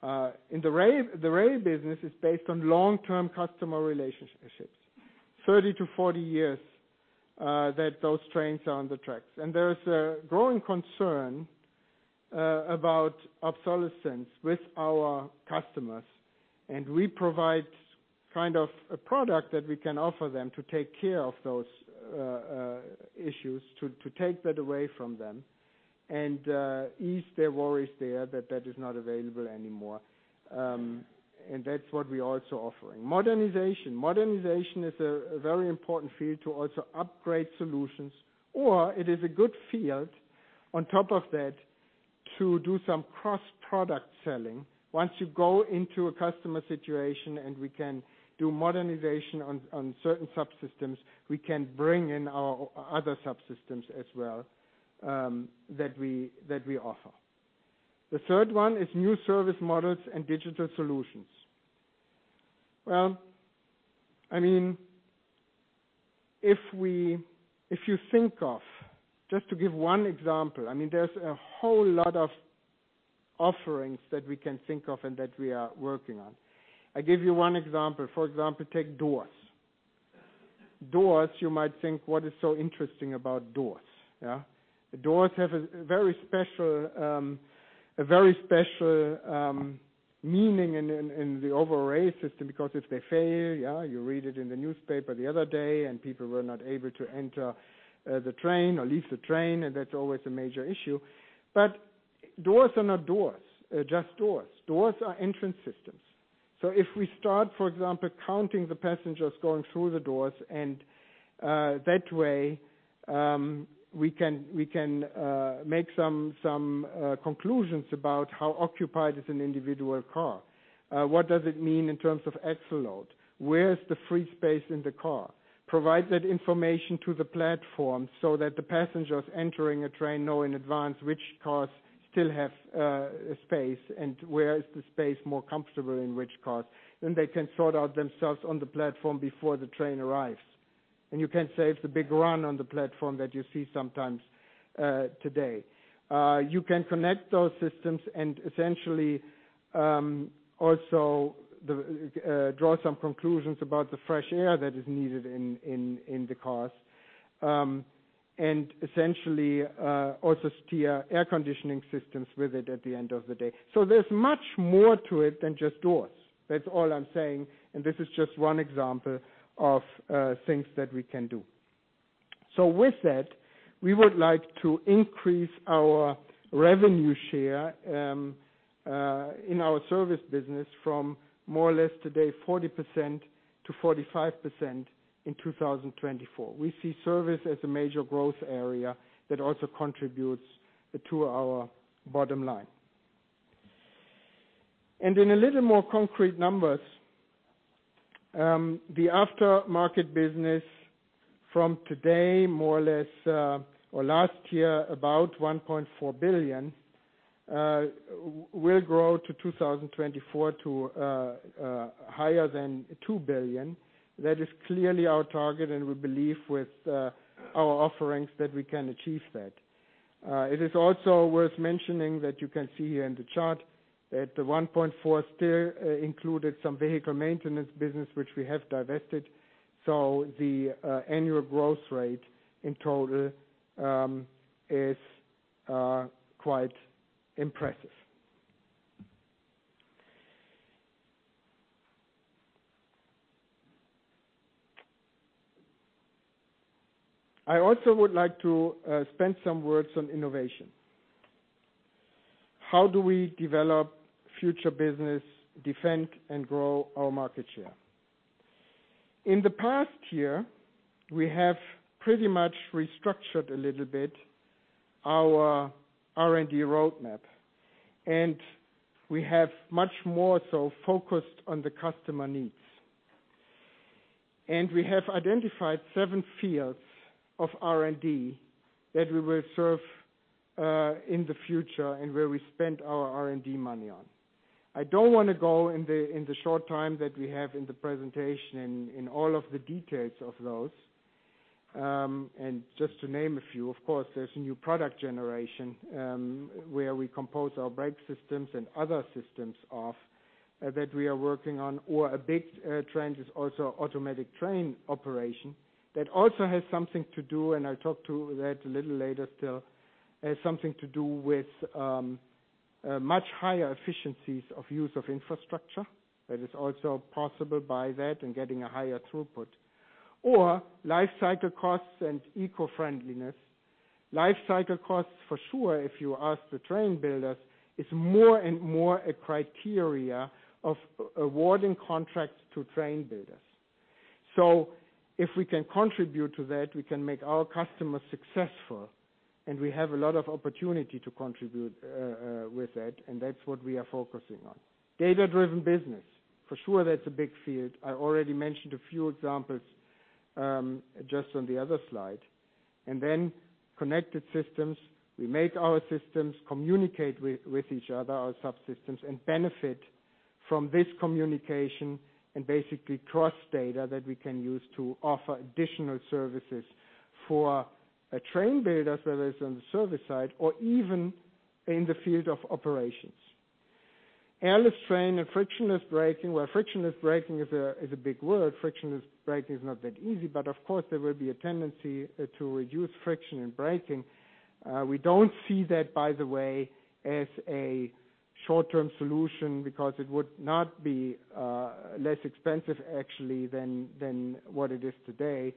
The rail business is based on long-term customer relationships, 30 to 40 years, that those trains are on the tracks. There's a growing concern about obsolescence with our customers. We provide a product that we can offer them to take care of those issues, to take that away from them, and ease their worries there that that is not available anymore. That's what we're also offering. Modernization. Modernization is a very important field to also upgrade solutions, or it is a good field, on top of that, to do some cross-product selling. Once you go into a customer situation and we can do modernization on certain subsystems, we can bring in our other subsystems as well, that we offer. The third one is new service models and digital solutions. If you think of, just to give one example, there's a whole lot of offerings that we can think of and that we are working on. I give you one example. For example, take doors. Doors, you might think, what is so interesting about doors? Yeah. Doors have a very special meaning in the overall rail system because if doors fail, you read it in the newspaper the other day. People were not able to enter the train or leave the train, that's always a major issue. Doors are not just doors. Doors are entrance systems. If we start, for example, counting the passengers going through the doors, that way, we can make some conclusions about how occupied is an individual car. What does it mean in terms of axle load? Where is the free space in the car? Provide that information to the platform so that the passengers entering a train know in advance which cars still have space, where is the space more comfortable in which cars. They can sort out themselves on the platform before the train arrives. You can save the big run on the platform that you see sometimes, today. You can connect those systems and essentially, also, draw some conclusions about the fresh air that is needed in the cars. Essentially, also steer air conditioning systems with it at the end of the day. There's much more to it than just doors. That's all I'm saying, and this is just one example of things that we can do. With that, we would like to increase our revenue share, in our service business from more or less today, 40% to 45% in 2024. We see service as a major growth area that also contributes to our bottom line. In a little more concrete numbers, the after-market business from today, more or less, or last year, about 1.4 billion, will grow to 2024 to higher than 2 billion. That is clearly our target, and we believe with our offerings that we can achieve that. It is also worth mentioning that you can see here in the chart that the 1.4 still included some vehicle maintenance business which we have divested. The annual growth rate in total is quite impressive. I also would like to spend some words on innovation. How do we develop future business, defend, and grow our market share? In the past year, we have pretty much restructured a little bit our R&D roadmap, and we have much more so focused on the customer needs. We have identified seven fields of R&D that we will serve in the future and where we spend our R&D money on. I don't want to go in the short time that we have in the presentation in all of the details of those. Just to name a few, of course, there is a new product generation, where we compose our brake systems and other systems off that we are working on, a big trend is also automatic train operation that also has something to do, and I will talk to that a little later still, has something to do with much higher efficiencies of use of infrastructure. That is also possible by that and getting a higher throughput. Life cycle costs and eco-friendliness. Life cycle costs, for sure, if you ask the train builders, is more and more a criteria of awarding contracts to train builders. If we can contribute to that, we can make our customers successful, and we have a lot of opportunity to contribute with that, and that is what we are focusing on. Data-driven business. For sure, that is a big field. I already mentioned a few examples, just on the other slide. Then connected systems. We make our systems communicate with each other, our subsystems, and benefit from this communication and basically cross data that we can use to offer additional services for train builders, whether it's on the service side or even in the field of operations. Airless train and frictionless braking, where frictionless braking is a big word. Frictionless braking is not that easy. Of course, there will be a tendency to reduce friction in braking. We don't see that, by the way, as a short-term solution because it would not be less expensive actually than what it is today.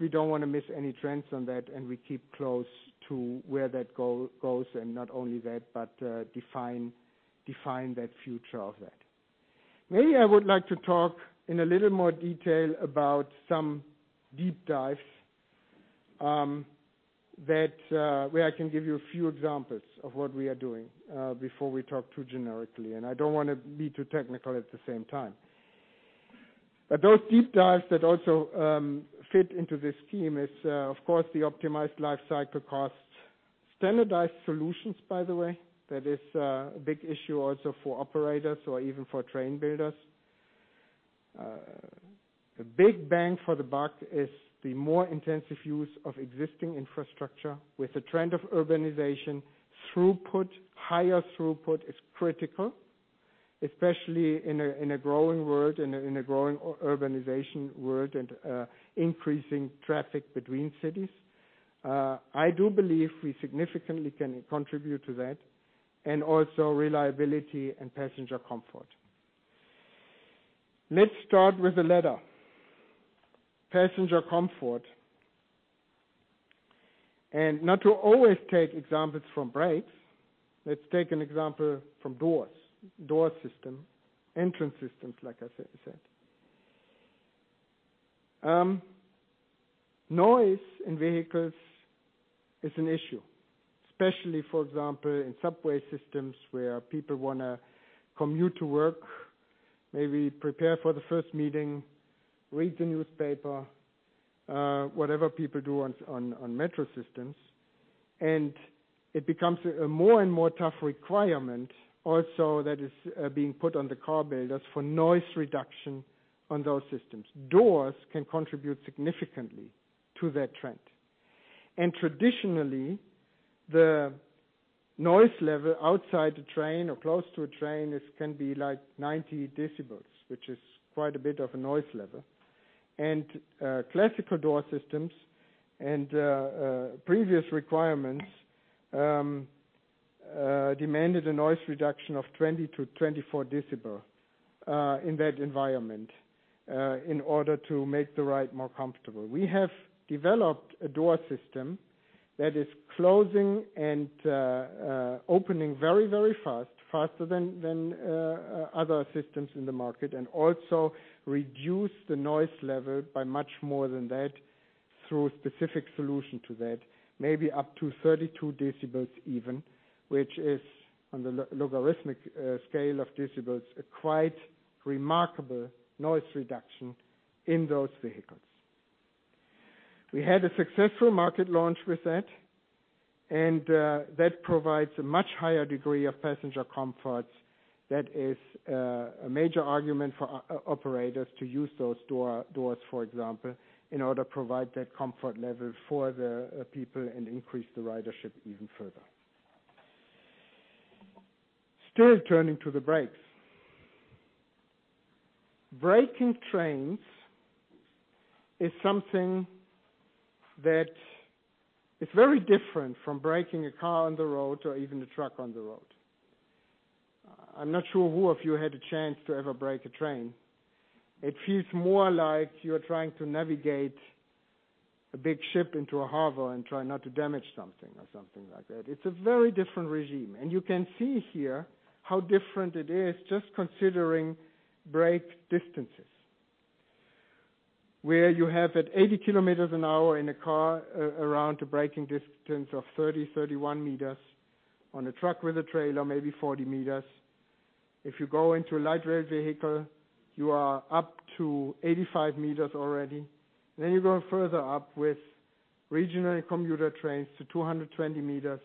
We don't want to miss any trends on that, and we keep close to where that goal goes, and not only that, but define that future of that. Maybe I would like to talk in a little more detail about some deep dives, where I can give you a few examples of what we are doing, before we talk too generically. I don't want to be too technical at the same time. Those deep dives that also fit into this theme is, of course, the optimized life cycle costs. Standardized solutions, by the way. That is a big issue also for operators or even for train builders. A big bang for the buck is the more intensive use of existing infrastructure with the trend of urbanization throughput. Higher throughput is critical, especially in a growing world, in a growing urbanization world, and increasing traffic between cities. I do believe we significantly can contribute to that, and also reliability and passenger comfort. Let's start with the latter, passenger comfort. Not to always take examples from brakes. Let's take an example from doors, door system, entrance systems, like I said. Noise in vehicles is an issue, especially, for example, in subway systems where people want to commute to work, maybe prepare for the first meeting, read the newspaper, whatever people do on metro systems. It becomes a more and more tough requirement also that is being put on the car builders for noise reduction on those systems. Doors can contribute significantly to that trend. Traditionally, the noise level outside the train or close to a train can be 90 decibels, which is quite a bit of a noise level. Classical door systems and previous requirements demanded a noise reduction of 20 to 24 decibels in that environment, in order to make the ride more comfortable. We have developed a door system that is closing and opening very fast, faster than other systems in the market, and also reduce the noise level by much more than that through specific solution to that, maybe up to 32 decibels even, which is on the logarithmic scale of decibels, a quite remarkable noise reduction in those vehicles. We had a successful market launch with that, and that provides a much higher degree of passenger comfort. That is a major argument for operators to use those doors, for example, in order to provide that comfort level for the people and increase the ridership even further. Still turning to the brakes. Braking trains is something that is very different from braking a car on the road or even a truck on the road. I'm not sure who of you had a chance to ever brake a train. It feels more like you're trying to navigate a big ship into a harbor and try not to damage something or something like that. It's a very different regime, and you can see here how different it is just considering brake distances. Where you have at 80 kilometers an hour in a car around a braking distance of 30, 31 meters. On a truck with a trailer, maybe 40 meters. If you go into a light rail vehicle, you are up to 85 meters already. You go further up with regional commuter trains to 220 meters.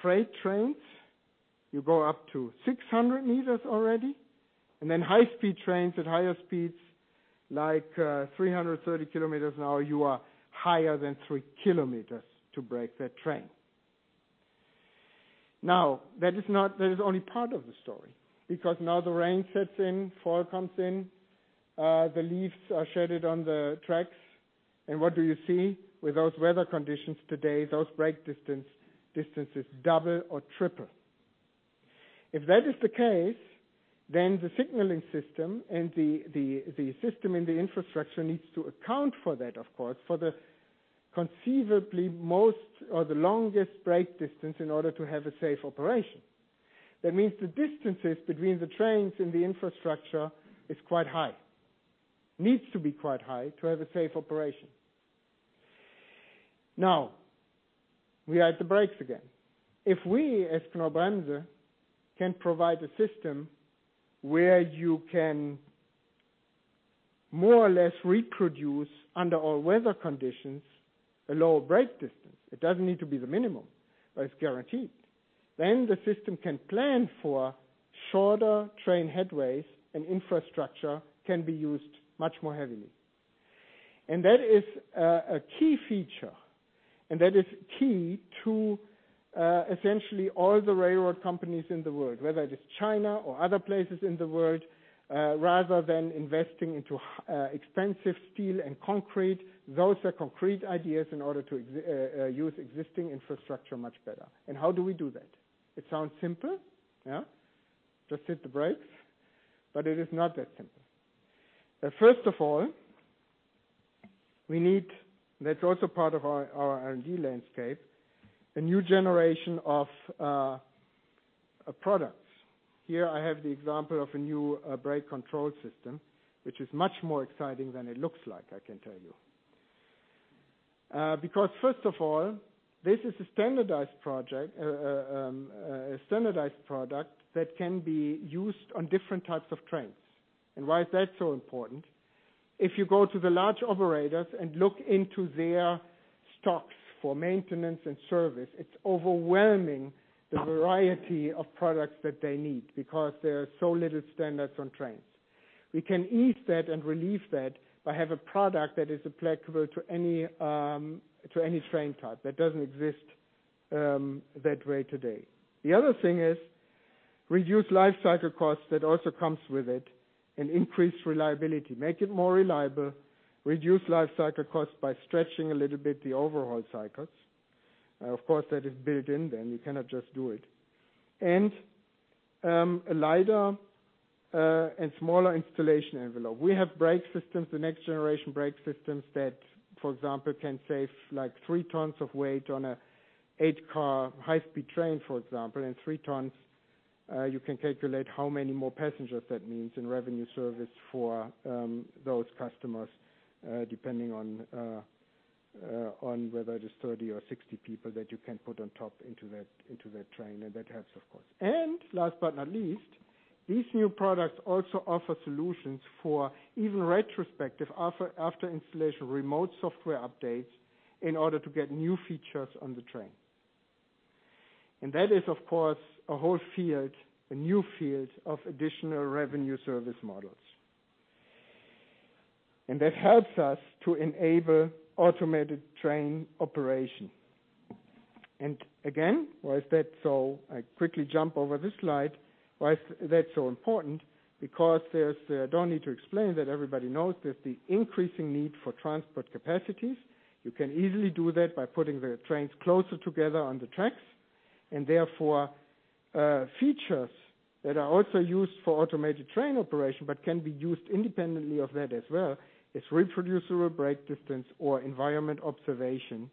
Freight trains, you go up to 600 meters already. High-speed trains at higher speeds like 330 kilometers an hour, you are higher than three kilometers to brake that train. Now, that is only part of the story because now the rain sets in, fall comes in, the leaves are shed on the tracks. What do you see? With those weather conditions today, those brake distances double or triple. If that is the case, then the signaling system and the system in the infrastructure needs to account for that, of course, for the conceivably most or the longest brake distance in order to have a safe operation. That means the distances between the trains and the infrastructure is quite high. Needs to be quite high to have a safe operation. Now, we are at the brakes again. If we, as Knorr-Bremse, can provide a system where you can more or less reproduce, under all weather conditions, a lower brake distance, it doesn't need to be the minimum, but it's guaranteed. The system can plan for shorter train headways and infrastructure can be used much more heavily. That is a key feature, and that is key to essentially all the railroad companies in the world, whether it is China or other places in the world, rather than investing into expensive steel and concrete. Those are concrete ideas in order to use existing infrastructure much better. How do we do that? It sounds simple. Yeah. Just hit the brakes, but it is not that simple. First of all, we need, that's also part of our R&D landscape, a new generation of products. Here I have the example of a new brake control system, which is much more exciting than it looks like, I can tell you. First of all, this is a standardized product that can be used on different types of trains. Why is that so important? If you go to the large operators and look into their stocks for maintenance and service, it is overwhelming the variety of products that they need, because there are so little standards on trains. We can ease that and relieve that by having a product that is applicable to any train type. That does not exist that way today. The other thing is reduced lifecycle costs that also comes with it and increased reliability. Make it more reliable, reduce lifecycle costs by stretching a little bit the overall cycles. Of course, that is built in, you cannot just do it. A lighter and smaller installation envelope. We have brake systems, the next generation brake systems that, for example, can save three tons of weight on an eight-car high-speed train. 3 tons, you can calculate how many more passengers that means in revenue service for those customers, depending on whether it is 30 or 60 people that you can put on top into that train, and that helps, of course. Last but not least, these new products also offer solutions for even retrospective, after installation, remote software updates in order to get new features on the train. That is, of course, a whole field, a new field of additional revenue service models. That helps us to enable automated train operation. Again, why is that so? I quickly jump over this slide. Why is that so important? There is, I don't need to explain that, everybody knows, there is the increasing need for transport capacities. You can easily do that by putting the trains closer together on the tracks, and therefore, features that are also used for automated train operation but can be used independently of that as well, is reproducible brake distance or environment observation.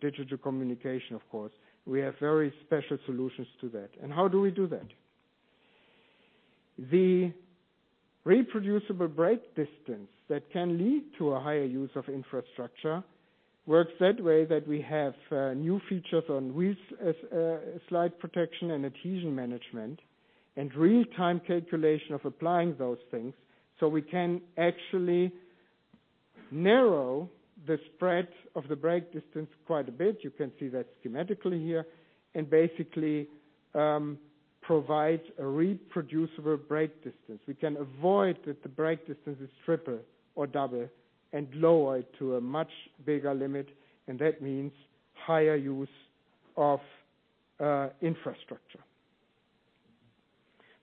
Digital communication, of course. We have very special solutions to that. How do we do that? The reproducible brake distance that can lead to a higher use of infrastructure works that way that we have new features on wheel slide protection and adhesion management, and real-time calculation of applying those things. We can actually narrow the spread of the brake distance quite a bit, you can see that schematically here, and basically provide a reproducible brake distance. We can avoid that the brake distance is triple or double and lower it to a much bigger limit, and that means higher use of infrastructure.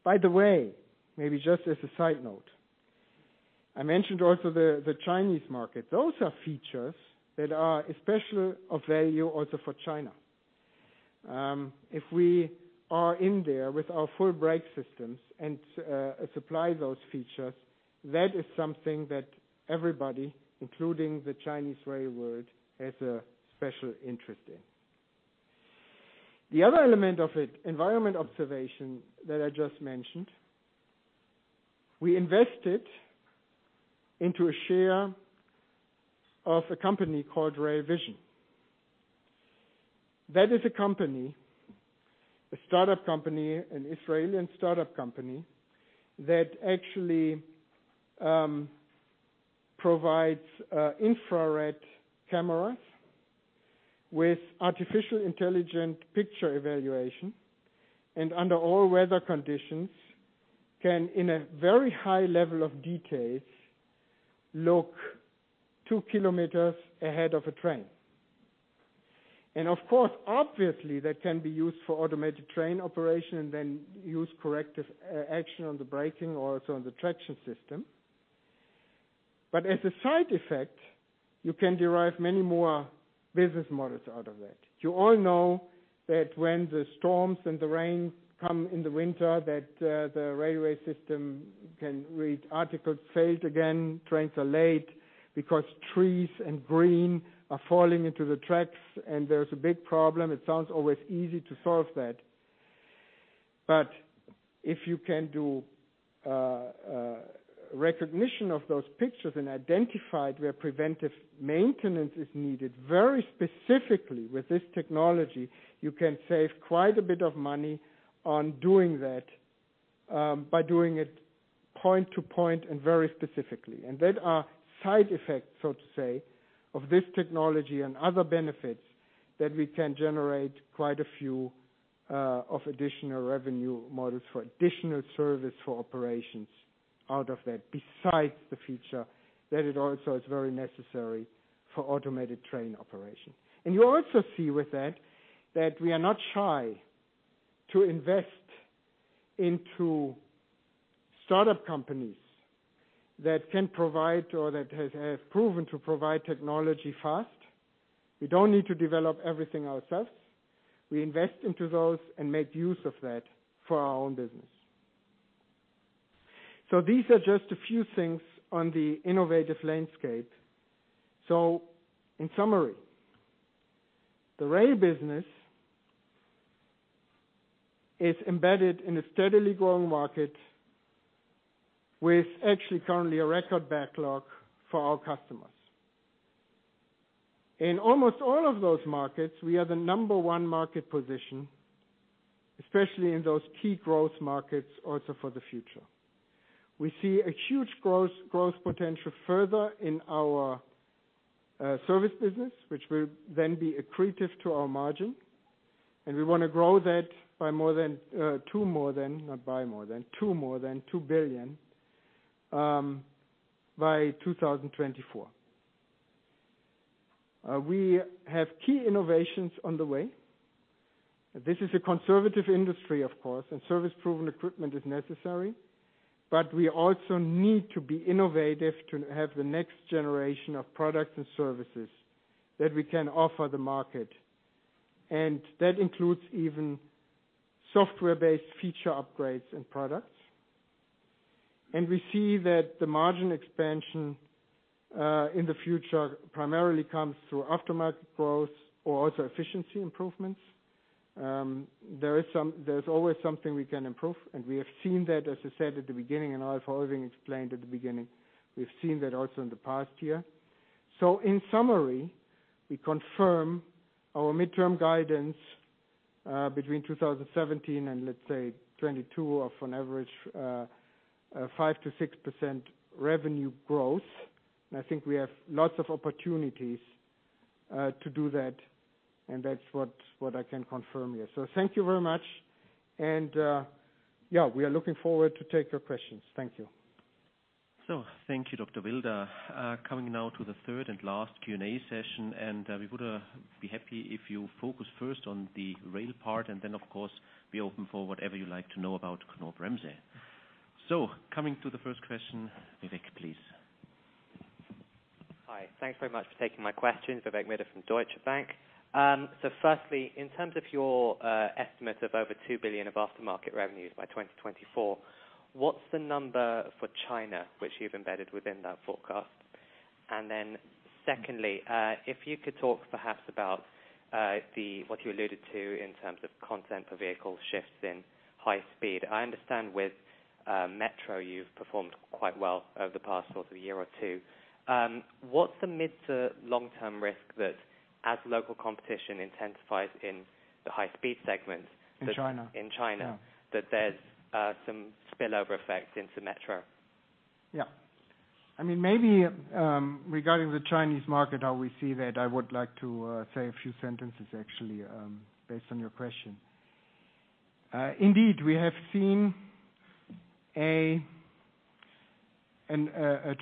By the way, maybe just as a side note, I mentioned also the Chinese market. Those are features that are especially of value also for China. If we are in there with our full brake systems and supply those features, that is something that everybody, including the Chinese railway world, has a special interest in. The other element of it, environment observation that I just mentioned, we invested into a share of a company called RailVision. That is a company, a startup company, an Israeli startup company, that actually provides infrared cameras with artificial intelligence picture evaluation, and under all weather conditions, can in a very high level of details, look two kilometers ahead of a train. Of course, obviously, that can be used for automated train operation and then use corrective action on the braking or also on the traction system. As a side effect, you can derive many more business models out of that. You all know that when the storms and the rain come in the winter, that the railway system can read, "Articles failed again. Trains are late," because trees and green are falling into the tracks and there's a big problem. It sounds always easy to solve that. If you can do recognition of those pictures and identify where preventive maintenance is needed, very specifically with this technology, you can save quite a bit of money on doing that, by doing it point to point and very specifically. That are side effects, so to say, of this technology and other benefits that we can generate quite a few of additional revenue models for additional service for operations out of that, besides the feature that it also is very necessary for automated train operation. You also see with that we are not shy to invest into startup companies that can provide or that have proven to provide technology fast. We don't need to develop everything ourselves. We invest into those and make use of that for our own business. These are just a few things on the innovative landscape. In summary, the rail business is embedded in a steadily growing market with actually currently a record backlog for our customers. In almost all of those markets, we are the number 1 market position, especially in those key growth markets also for the future. We see a huge growth potential further in our service business, which will then be accretive to our margin, and we want to grow that to more than 2 billion by 2024. We have key innovations on the way. This is a conservative industry, of course, and service-proven equipment is necessary. We also need to be innovative to have the next generation of products and services that we can offer the market. That includes even software-based feature upgrades and products. We see that the margin expansion, in the future, primarily comes through aftermarket growth or also efficiency improvements. There's always something we can improve, and we have seen that, as I said at the beginning, and Ralph already explained at the beginning. We've seen that also in the past year. In summary, we confirm our midterm guidance, between 2017 and let's say 2022 of an average 5%-6% revenue growth. I think we have lots of opportunities to do that, and that's what I can confirm here. Thank you very much. Yeah, we are looking forward to take your questions. Thank you. Thank you, Dr. Wilder. Coming now to the third and last Q&A session, we would be happy if you focus first on the rail part and then, of course, be open for whatever you like to know about Knorr-Bremse. Coming to the first question, Vivek, please. Hi. Thanks very much for taking my questions. Vivek Midha from Deutsche Bank. Firstly, in terms of your estimate of over 2 billion of aftermarket revenues by 2024, what's the number for China, which you've embedded within that forecast? Secondly, if you could talk perhaps about what you alluded to in terms of content per vehicle shifts in high-speed. I understand with metro you've performed quite well over the past sort of year or two. What's the mid-to-long-term risk that as local competition intensifies in the high-speed segment- In China. In China. Yeah. That there's some spillover effects into metro. Yeah. Maybe regarding the Chinese market, how we see that, I would like to say a few sentences actually, based on your question. Indeed, we have seen a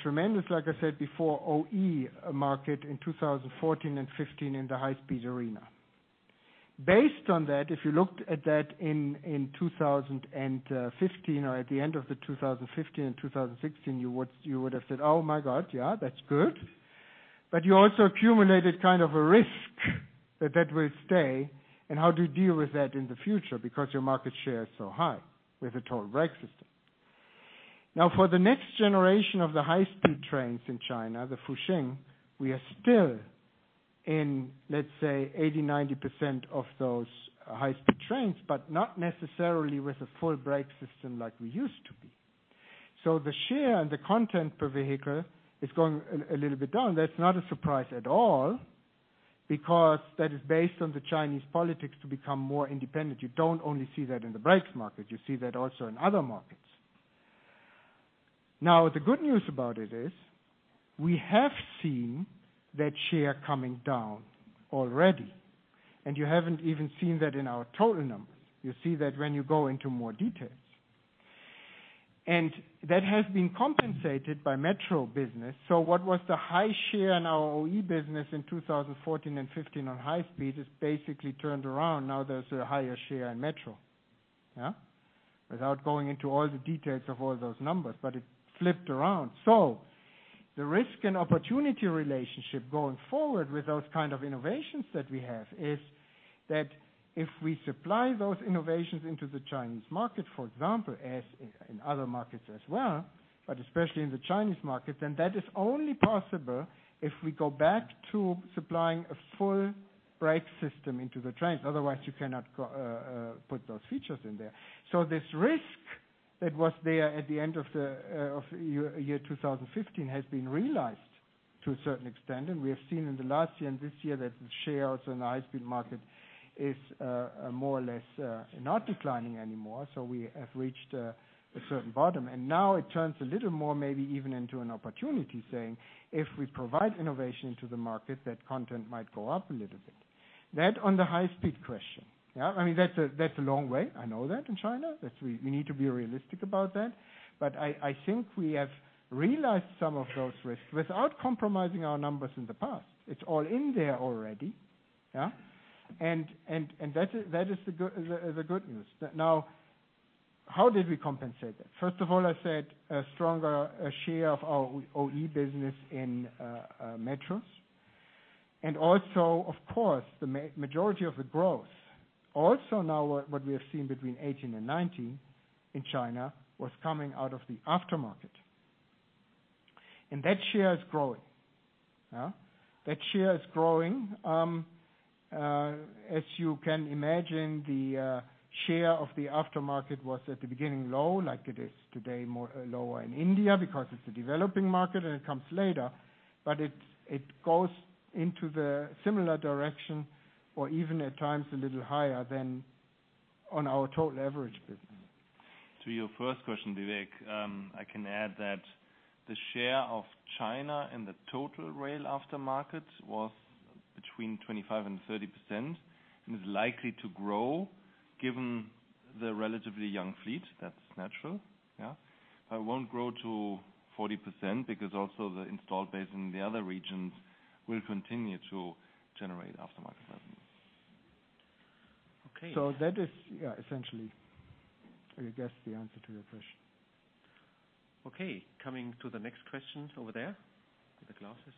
tremendous, like I said before, OE market in 2014 and 2015 in the high-speed arena. Based on that, if you looked at that in 2015 or at the end of 2015 and 2016, you would've said, "Oh my God, yeah, that's good." You also accumulated kind of a risk that that will stay and how do you deal with that in the future because your market share is so high with a total brake system. Now for the next generation of the high-speed trains in China, the Fuxing, we are still in, let's say 80%, 90% of those high-speed trains, but not necessarily with a full brake system like we used to be. The share and the content per vehicle is going a little bit down. That's not a surprise at all because that is based on the Chinese politics to become more independent. You don't only see that in the brakes market, you see that also in other markets. Now, the good news about it is, we have seen that share coming down already. You haven't even seen that in our total numbers. You see that when you go into more details. That has been compensated by metro business. What was the high share in our OE business in 2014 and 2015 on high speed is basically turned around. Now there's a higher share in metro. Yeah. Without going into all the details of all those numbers, but it flipped around. The risk and opportunity relationship going forward with those kind of innovations that we have is that if we supply those innovations into the Chinese market, for example, as in other markets as well, but especially in the Chinese market, then that is only possible if we go back to supplying a full brake system into the trains. Otherwise, you cannot put those features in there. This risk that was there at the end of year 2015 has been realized to a certain extent, and we have seen in the last year and this year that the shares in the high-speed market is more or less not declining anymore. We have reached a certain bottom, and now it turns a little more maybe even into an opportunity saying, if we provide innovation to the market, that content might go up a little bit. That on the high speed question. I mean, that's a long way, I know that, in China. We need to be realistic about that. I think we have realized some of those risks without compromising our numbers in the past. It's all in there already. Yeah? That is the good news. Now, how did we compensate that? First of all, I said a stronger share of our OE business in metros. Also, of course, the majority of the growth also now what we have seen between 2018 and 2019 in China was coming out of the aftermarket. That share is growing. Yeah? That share is growing. As you can imagine, the share of the aftermarket was at the beginning low like it is today, lower in India because it's a developing market and it comes later. It goes into the similar direction or even at times a little higher than on our total average business. To your first question, Vivek, I can add that the share of China and the total rail aftermarket was between 25% and 30% and is likely to grow given the relatively young fleet. That's natural. Yeah. It won't grow to 40% because also the installed base in the other regions will continue to generate aftermarket revenue. Okay. That is essentially, I guess, the answer to your question. Okay. Coming to the next questions over there with the glasses.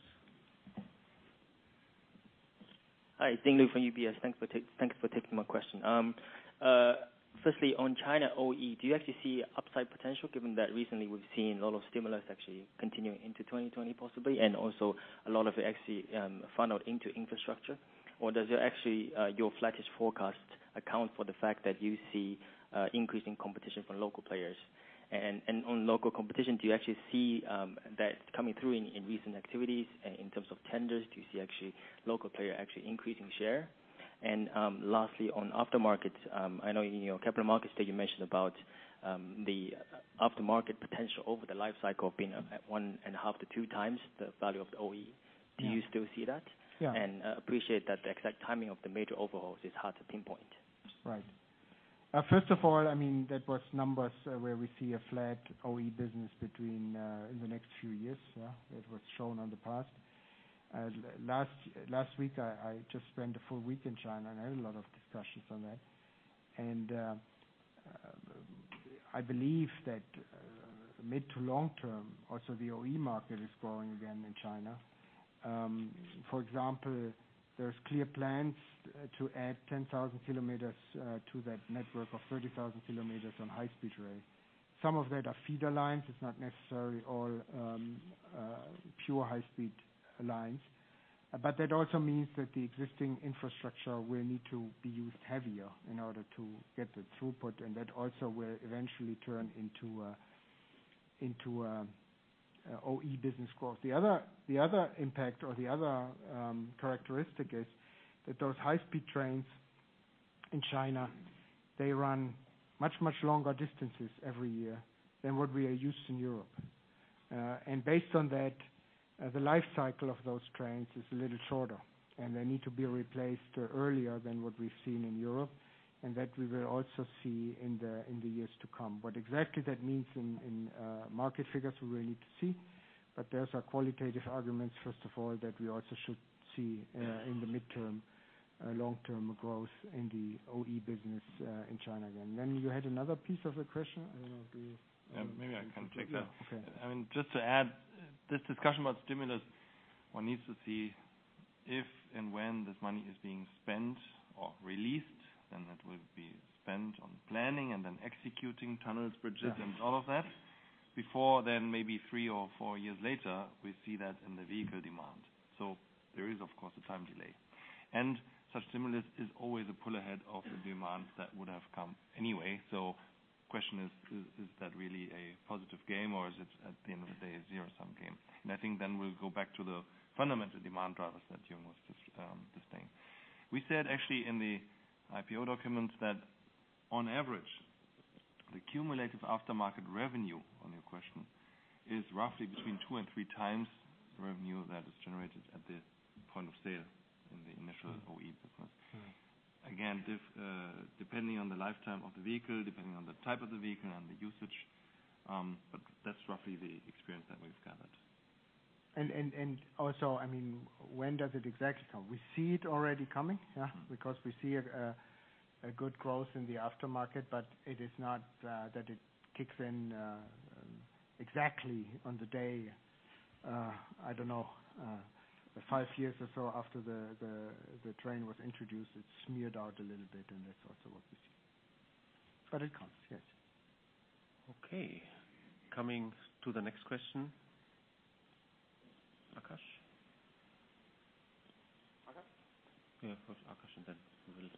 Hi. Ding Lu from UBS. Thank you for taking my question. Firstly, on China OE, do you actually see upside potential given that recently we've seen a lot of stimulus actually continuing into 2020 possibly, and also a lot of it actually funneled into infrastructure? Does your flattish forecast account for the fact that you see increasing competition from local players? On local competition, do you actually see that coming through in recent activities in terms of tenders? Do you see local player actually increasing share? Lastly, on aftermarkets, I know in your capital markets that you mentioned about the aftermarket potential over the life cycle being at one and a half to two times the value of the OE. Do you still see that? Yeah. Appreciate that the exact timing of the major overhauls is hard to pinpoint. Right. First of all, I mean, that was numbers where we see a flat OE business between in the next few years. Yeah. It was shown on the past. Last week, I just spent a full week in China. I had a lot of discussions on that. I believe that mid to long term, also the OE market is growing again in China. For example, there's clear plans to add 10,000 kilometers to that network of 30,000 kilometers on high speed rail. Some of that are feeder lines, it's not necessarily all pure high speed lines. That also means that the existing infrastructure will need to be used heavier in order to get the throughput and that also will eventually turn into a OE business growth. The other impact or the other characteristic is that those high speed trains in China, they run much, much longer distances every year than what we are used in Europe. Based on that, the life cycle of those trains is a little shorter, and they need to be replaced earlier than what we've seen in Europe, and that we will also see in the years to come. What exactly that means in market figures, we will need to see, but there's our qualitative arguments, first of all, that we also should see in the midterm, long-term growth in the OE business in China again. You had another piece of the question? Maybe I can take that. Okay. I mean, just to add this discussion about stimulus, one needs to see if and when this money is being spent or released, then that will be spent on planning and then executing tunnels, bridges. Yeah All of that before then maybe three or four years later, we see that in the vehicle demand. There is, of course, a time delay. Such stimulus is always a pull ahead of the demands that would have come anyway. The question is that really a positive game or is it, at the end of the day, a zero-sum game? I think then we'll go back to the fundamental demand drivers that Jürgen was just saying. We said actually in the IPO documents that on average, the cumulative aftermarket revenue on your question is roughly between two and three times the revenue that is generated at the point of sale in the initial OE business. Yeah. Again, depending on the lifetime of the vehicle, depending on the type of the vehicle and the usage. That's roughly the experience that we've gathered. I mean, when does it exactly come? We see it already coming. Yeah. We see a good growth in the aftermarket, but it is not that it kicks in exactly on the day, I don't know, five years or so after the train was introduced. It's smeared out a little bit, and that's also what we see. It comes, yes. Okay. Coming to the next question. Akash? Yeah, first Akash and then Will.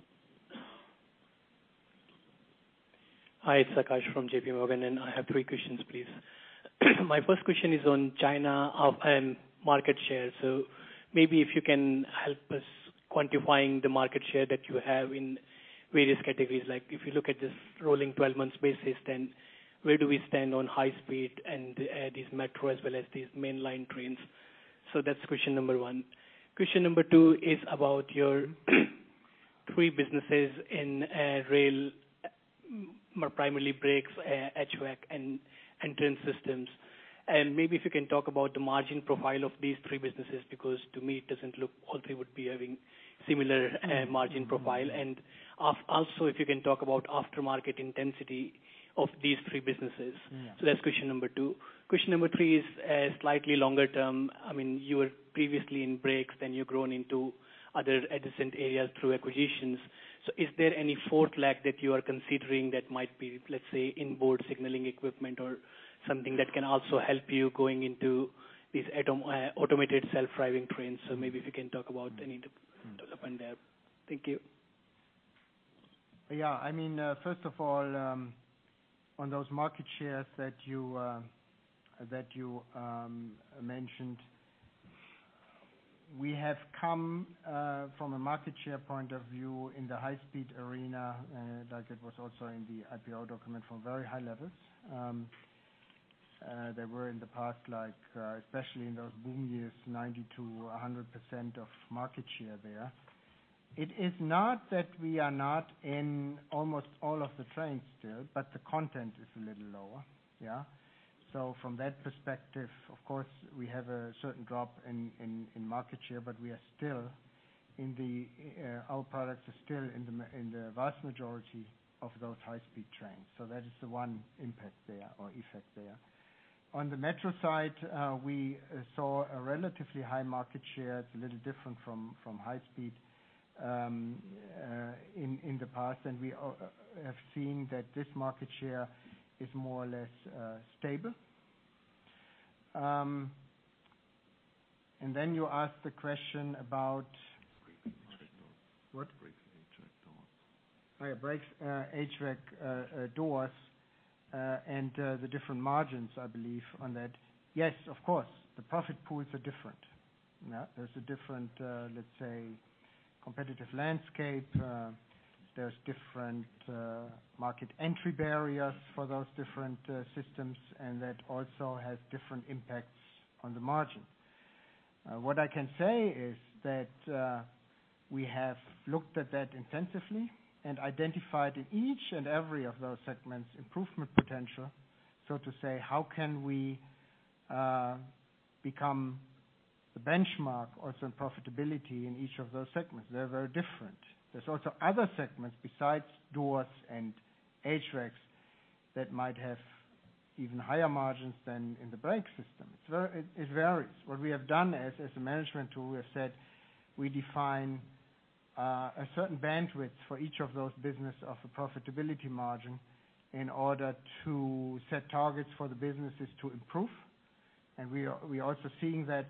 Hi, it's Akash from JP Morgan. I have three questions, please. Maybe if you can help us quantifying the market share that you have in various categories. If you look at this rolling 12 months basis, where do we stand on high speed and these metro, as well as these mainline trains? That's question number one. Question number two is about your three businesses in rail, more primarily brakes, HVAC, and train systems. Maybe if you can talk about the margin profile of these three businesses, because to me, it doesn't look all three would be having similar margin profile. Also, if you can talk about aftermarket intensity of these three businesses. Yeah. That's question number 2. Question number 3 is slightly longer term. You were previously in brakes, then you've grown into other adjacent areas through acquisitions. Is there any fourth leg that you are considering that might be, let's say, in board signaling equipment or something that can also help you going into these automated self-driving trains? Maybe if you can talk about any development there. Thank you. First of all, on those market shares that you mentioned, we have come from a market share point of view in the high-speed arena, like it was also in the IPO document, from very high levels. There were in the past, especially in those boom years, 90%-100% of market share there. It is not that we are not in almost all of the trains still, but the content is a little lower. From that perspective, of course, we have a certain drop in market share, but our products are still in the vast majority of those high-speed trains. That is the one impact there or effect there. On the metro side, we saw a relatively high market share. It's a little different from high-speed in the past, and we have seen that this market share is more or less stable. You asked the question about. Braking and track doors. What? Braking and track doors. Yeah, brakes, HVAC, doors, and the different margins, I believe, on that. Yes, of course. The profit pools are different. There's a different, let's say, competitive landscape. There's different market entry barriers for those different systems, and that also has different impacts on the margin. What I can say is that we have looked at that intensively and identified in each and every of those segments improvement potential. To say, how can we become the benchmark also in profitability in each of those segments? They're very different. There's also other segments besides doors and HVACs that might have even higher margins than in the brake system. It varies. What we have done as a management tool, we have said we define a certain bandwidth for each of those business of a profitability margin in order to set targets for the businesses to improve. We are also seeing that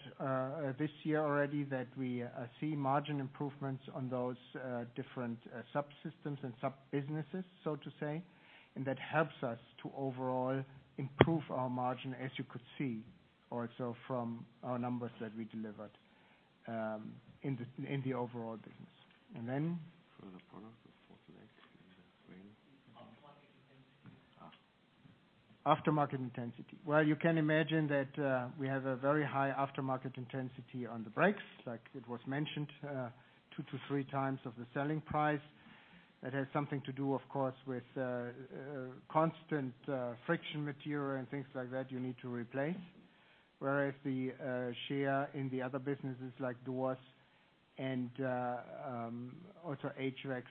this year already that we see margin improvements on those different subsystems and sub-businesses, so to say, and that helps us to overall improve our margin, as you could see also from our numbers that we delivered in the overall business. Then? For the product, the fourth leg in the train. Aftermarket intensity. Aftermarket intensity. Well, you can imagine that we have a very high aftermarket intensity on the brakes, like it was mentioned, two to three times of the selling price. That has something to do, of course, with constant friction material and things like that you need to replace, whereas the share in the other businesses, like doors and also HVACs,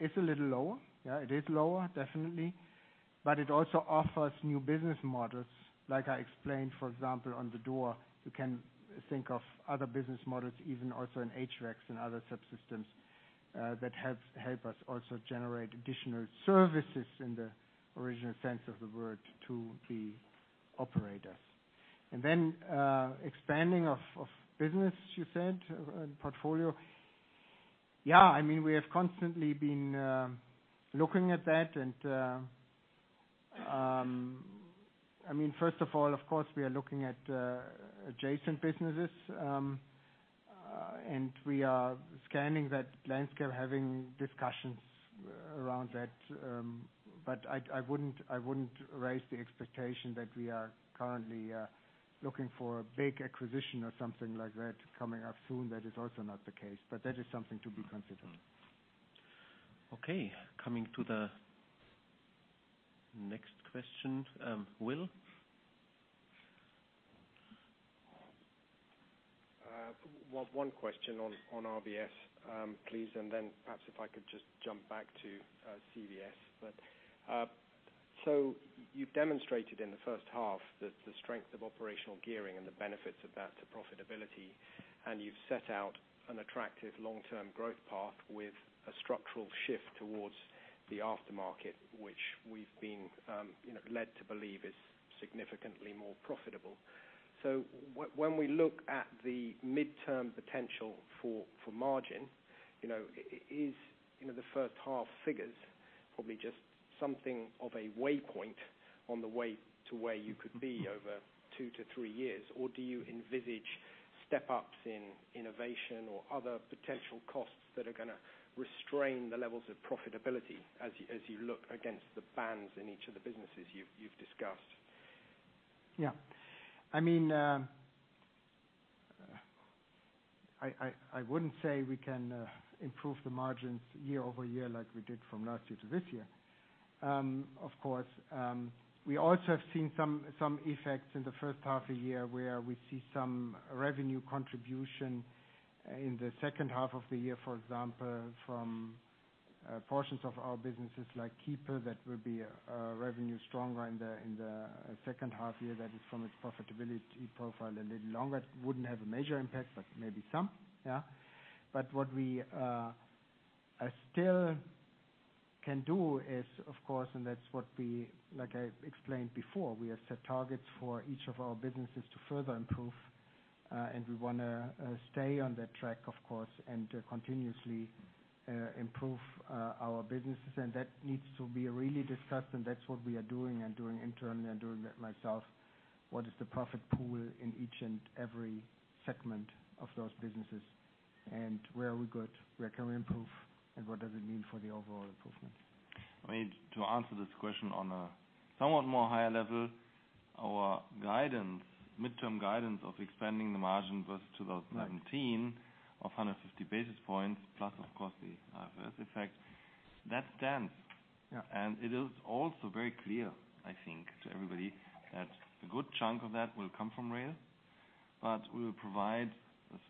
it's a little lower. Yeah, it is lower, definitely. It also offers new business models. Like I explained, for example, on the door, you can think of other business models, even also in HVACs and other subsystems that help us also generate additional services in the original sense of the word to the operators. Then expanding of business, you said, and portfolio. Yeah, we have constantly been looking at that. First of all, of course, we are looking at adjacent businesses, and we are scanning that landscape, having discussions around that. I wouldn't raise the expectation that we are currently looking for a big acquisition or something like that coming up soon. That is also not the case, but that is something to be considered. Okay. Coming to the next question. Will? One question on RVS, please, and then perhaps if I could just jump back to CVS. You've demonstrated in the first half the strength of operational gearing and the benefits of that to profitability, and you've set out an attractive long-term growth path with a structural shift towards the aftermarket, which we've been led to believe is significantly more profitable. When we look at the midterm potential for margin, is the first half figures probably just something of a way point on the way to where you could be over 2 to 3 years? Do you envisage step-ups in innovation or other potential costs that are going to restrain the levels of profitability as you look against the bands in each of the businesses you've discussed? I wouldn't say we can improve the margins year-over-year like we did from last year to this year. We also have seen some effects in the first half of the year where we see some revenue contribution in the second half of the year, for example, from portions of our businesses like Kiepe Electric, that will be revenue stronger in the second half year, that is from its profitability profile a little longer. Wouldn't have a major impact, but maybe some. What we still can do is, of course, and that's what, like I explained before, we have set targets for each of our businesses to further improve, and we want to stay on that track, of course, and continuously improve our businesses. That needs to be really discussed, and that's what we are doing, and doing internally and doing myself. What is the profit pool in each and every segment of those businesses, and where are we good? Where can we improve, and what does it mean for the overall improvement? To answer this question on a somewhat more higher level, our midterm guidance of expanding the margin versus 2017 of 150 basis points plus, of course, the IFRS effect, that stands. Yeah. It is also very clear, I think, to everybody that a good chunk of that will come from Rail, but we will provide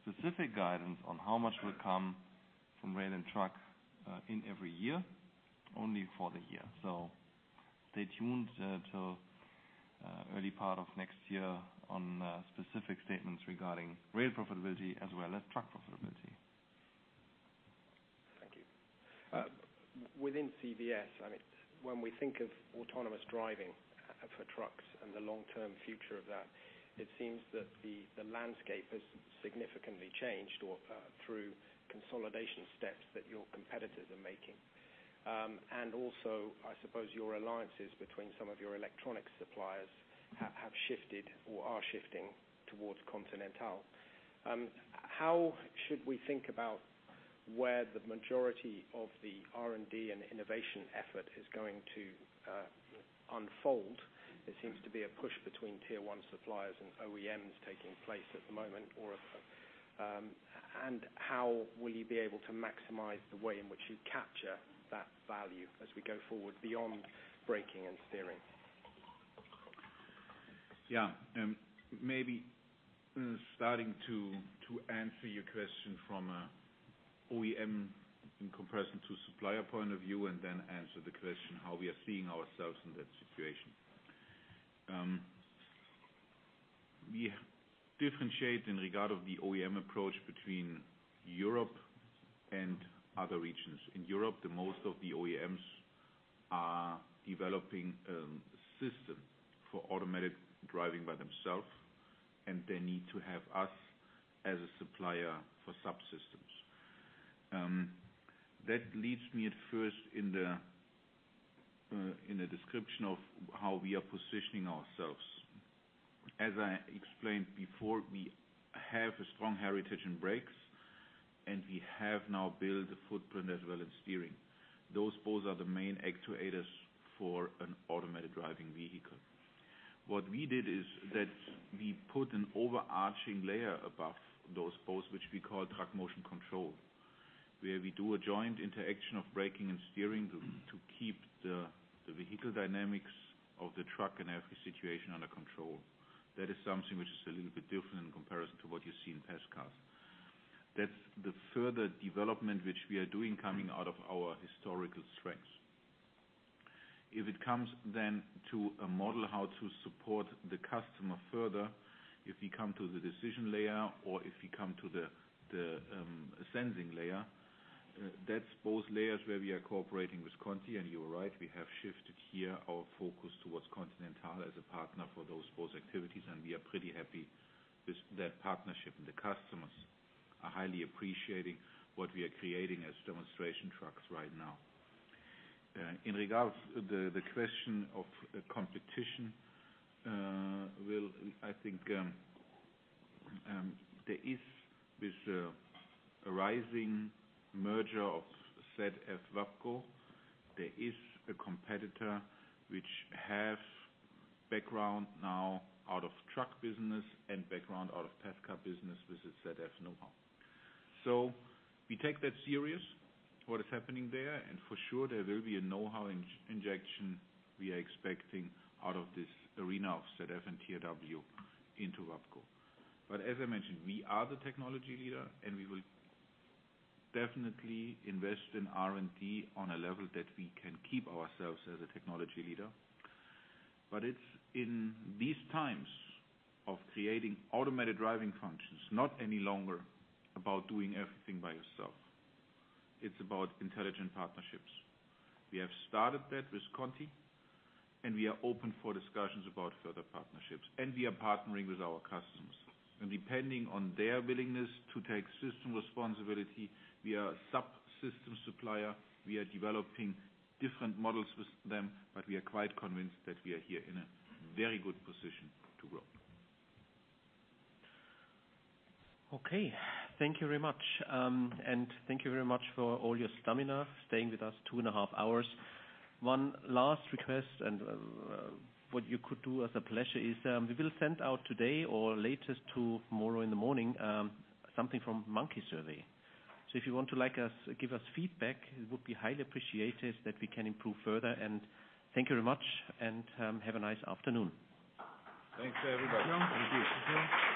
specific guidance on how much will come from Rail and Truck in every year, only for the year. Stay tuned till early part of next year on specific statements regarding Rail profitability as well as Truck profitability. Thank you. Within CVS, when we think of autonomous driving for trucks and the long-term future of that, it seems that the landscape has significantly changed through consolidation steps that your competitors are making. Also, I suppose your alliances between some of your electronic suppliers have shifted or are shifting towards Continental. How should we think about where the majority of the R&D and innovation effort is going to unfold? There seems to be a push between tier 1 suppliers and OEMs taking place at the moment. How will you be able to maximize the way in which you capture that value as we go forward beyond braking and steering? Maybe starting to answer your question from a OEM in comparison to supplier point of view, and then answer the question, how we are seeing ourselves in that situation. We differentiate in regard of the OEM approach between Europe and other regions. In Europe, the most of the OEMs are developing a system for automatic driving by themself, and they need to have us as a supplier for subsystems. That leads me at first in the description of how we are positioning ourselves. As I explained before, we have a strong heritage in brakes, and we have now built a footprint as well in steering. Those both are the main actuators for an automated driving vehicle. What we did is that we put an overarching layer above those both, which we call Truck Motion Control, where we do a joint interaction of braking and steering to keep the vehicle dynamics of the truck in every situation under control. That is something which is a little bit different in comparison to what you see in pass cars. That's the further development which we are doing coming out of our historical strengths. If it comes then to a model how to support the customer further, if we come to the decision layer, or if we come to the sensing layer, that's both layers where we are cooperating with Conti, and you are right, we have shifted here our focus towards Continental as a partner for those both activities, and we are pretty happy with that partnership. The customers are highly appreciating what we are creating as demonstration trucks right now. In regards the question of competition, I think there is this rising merger of ZF WABCO. There is a competitor which have background now out of truck business and background out of pass car business with ZF know-how. We take that serious, what is happening there. For sure, there will be a know-how injection we are expecting out of this arena of ZF and TRW into WABCO. As I mentioned, we are the technology leader, and we will definitely invest in R&D on a level that we can keep ourselves as a technology leader. It's in these times of creating automated driving functions, not any longer about doing everything by yourself. It's about intelligent partnerships. We have started that with Conti. We are open for discussions about further partnerships. We are partnering with our customers. Depending on their willingness to take system responsibility, we are a subsystem supplier. We are developing different models with them. We are quite convinced that we are here in a very good position to grow. Okay. Thank you very much. Thank you very much for all your stamina, staying with us two and a half hours. One last request and what you could do as a pleasure is, we will send out today or latest tomorrow in the morning, something from SurveyMonkey. If you want to give us feedback, it would be highly appreciated that we can improve further. Thank you very much, and have a nice afternoon. Thanks, everybody.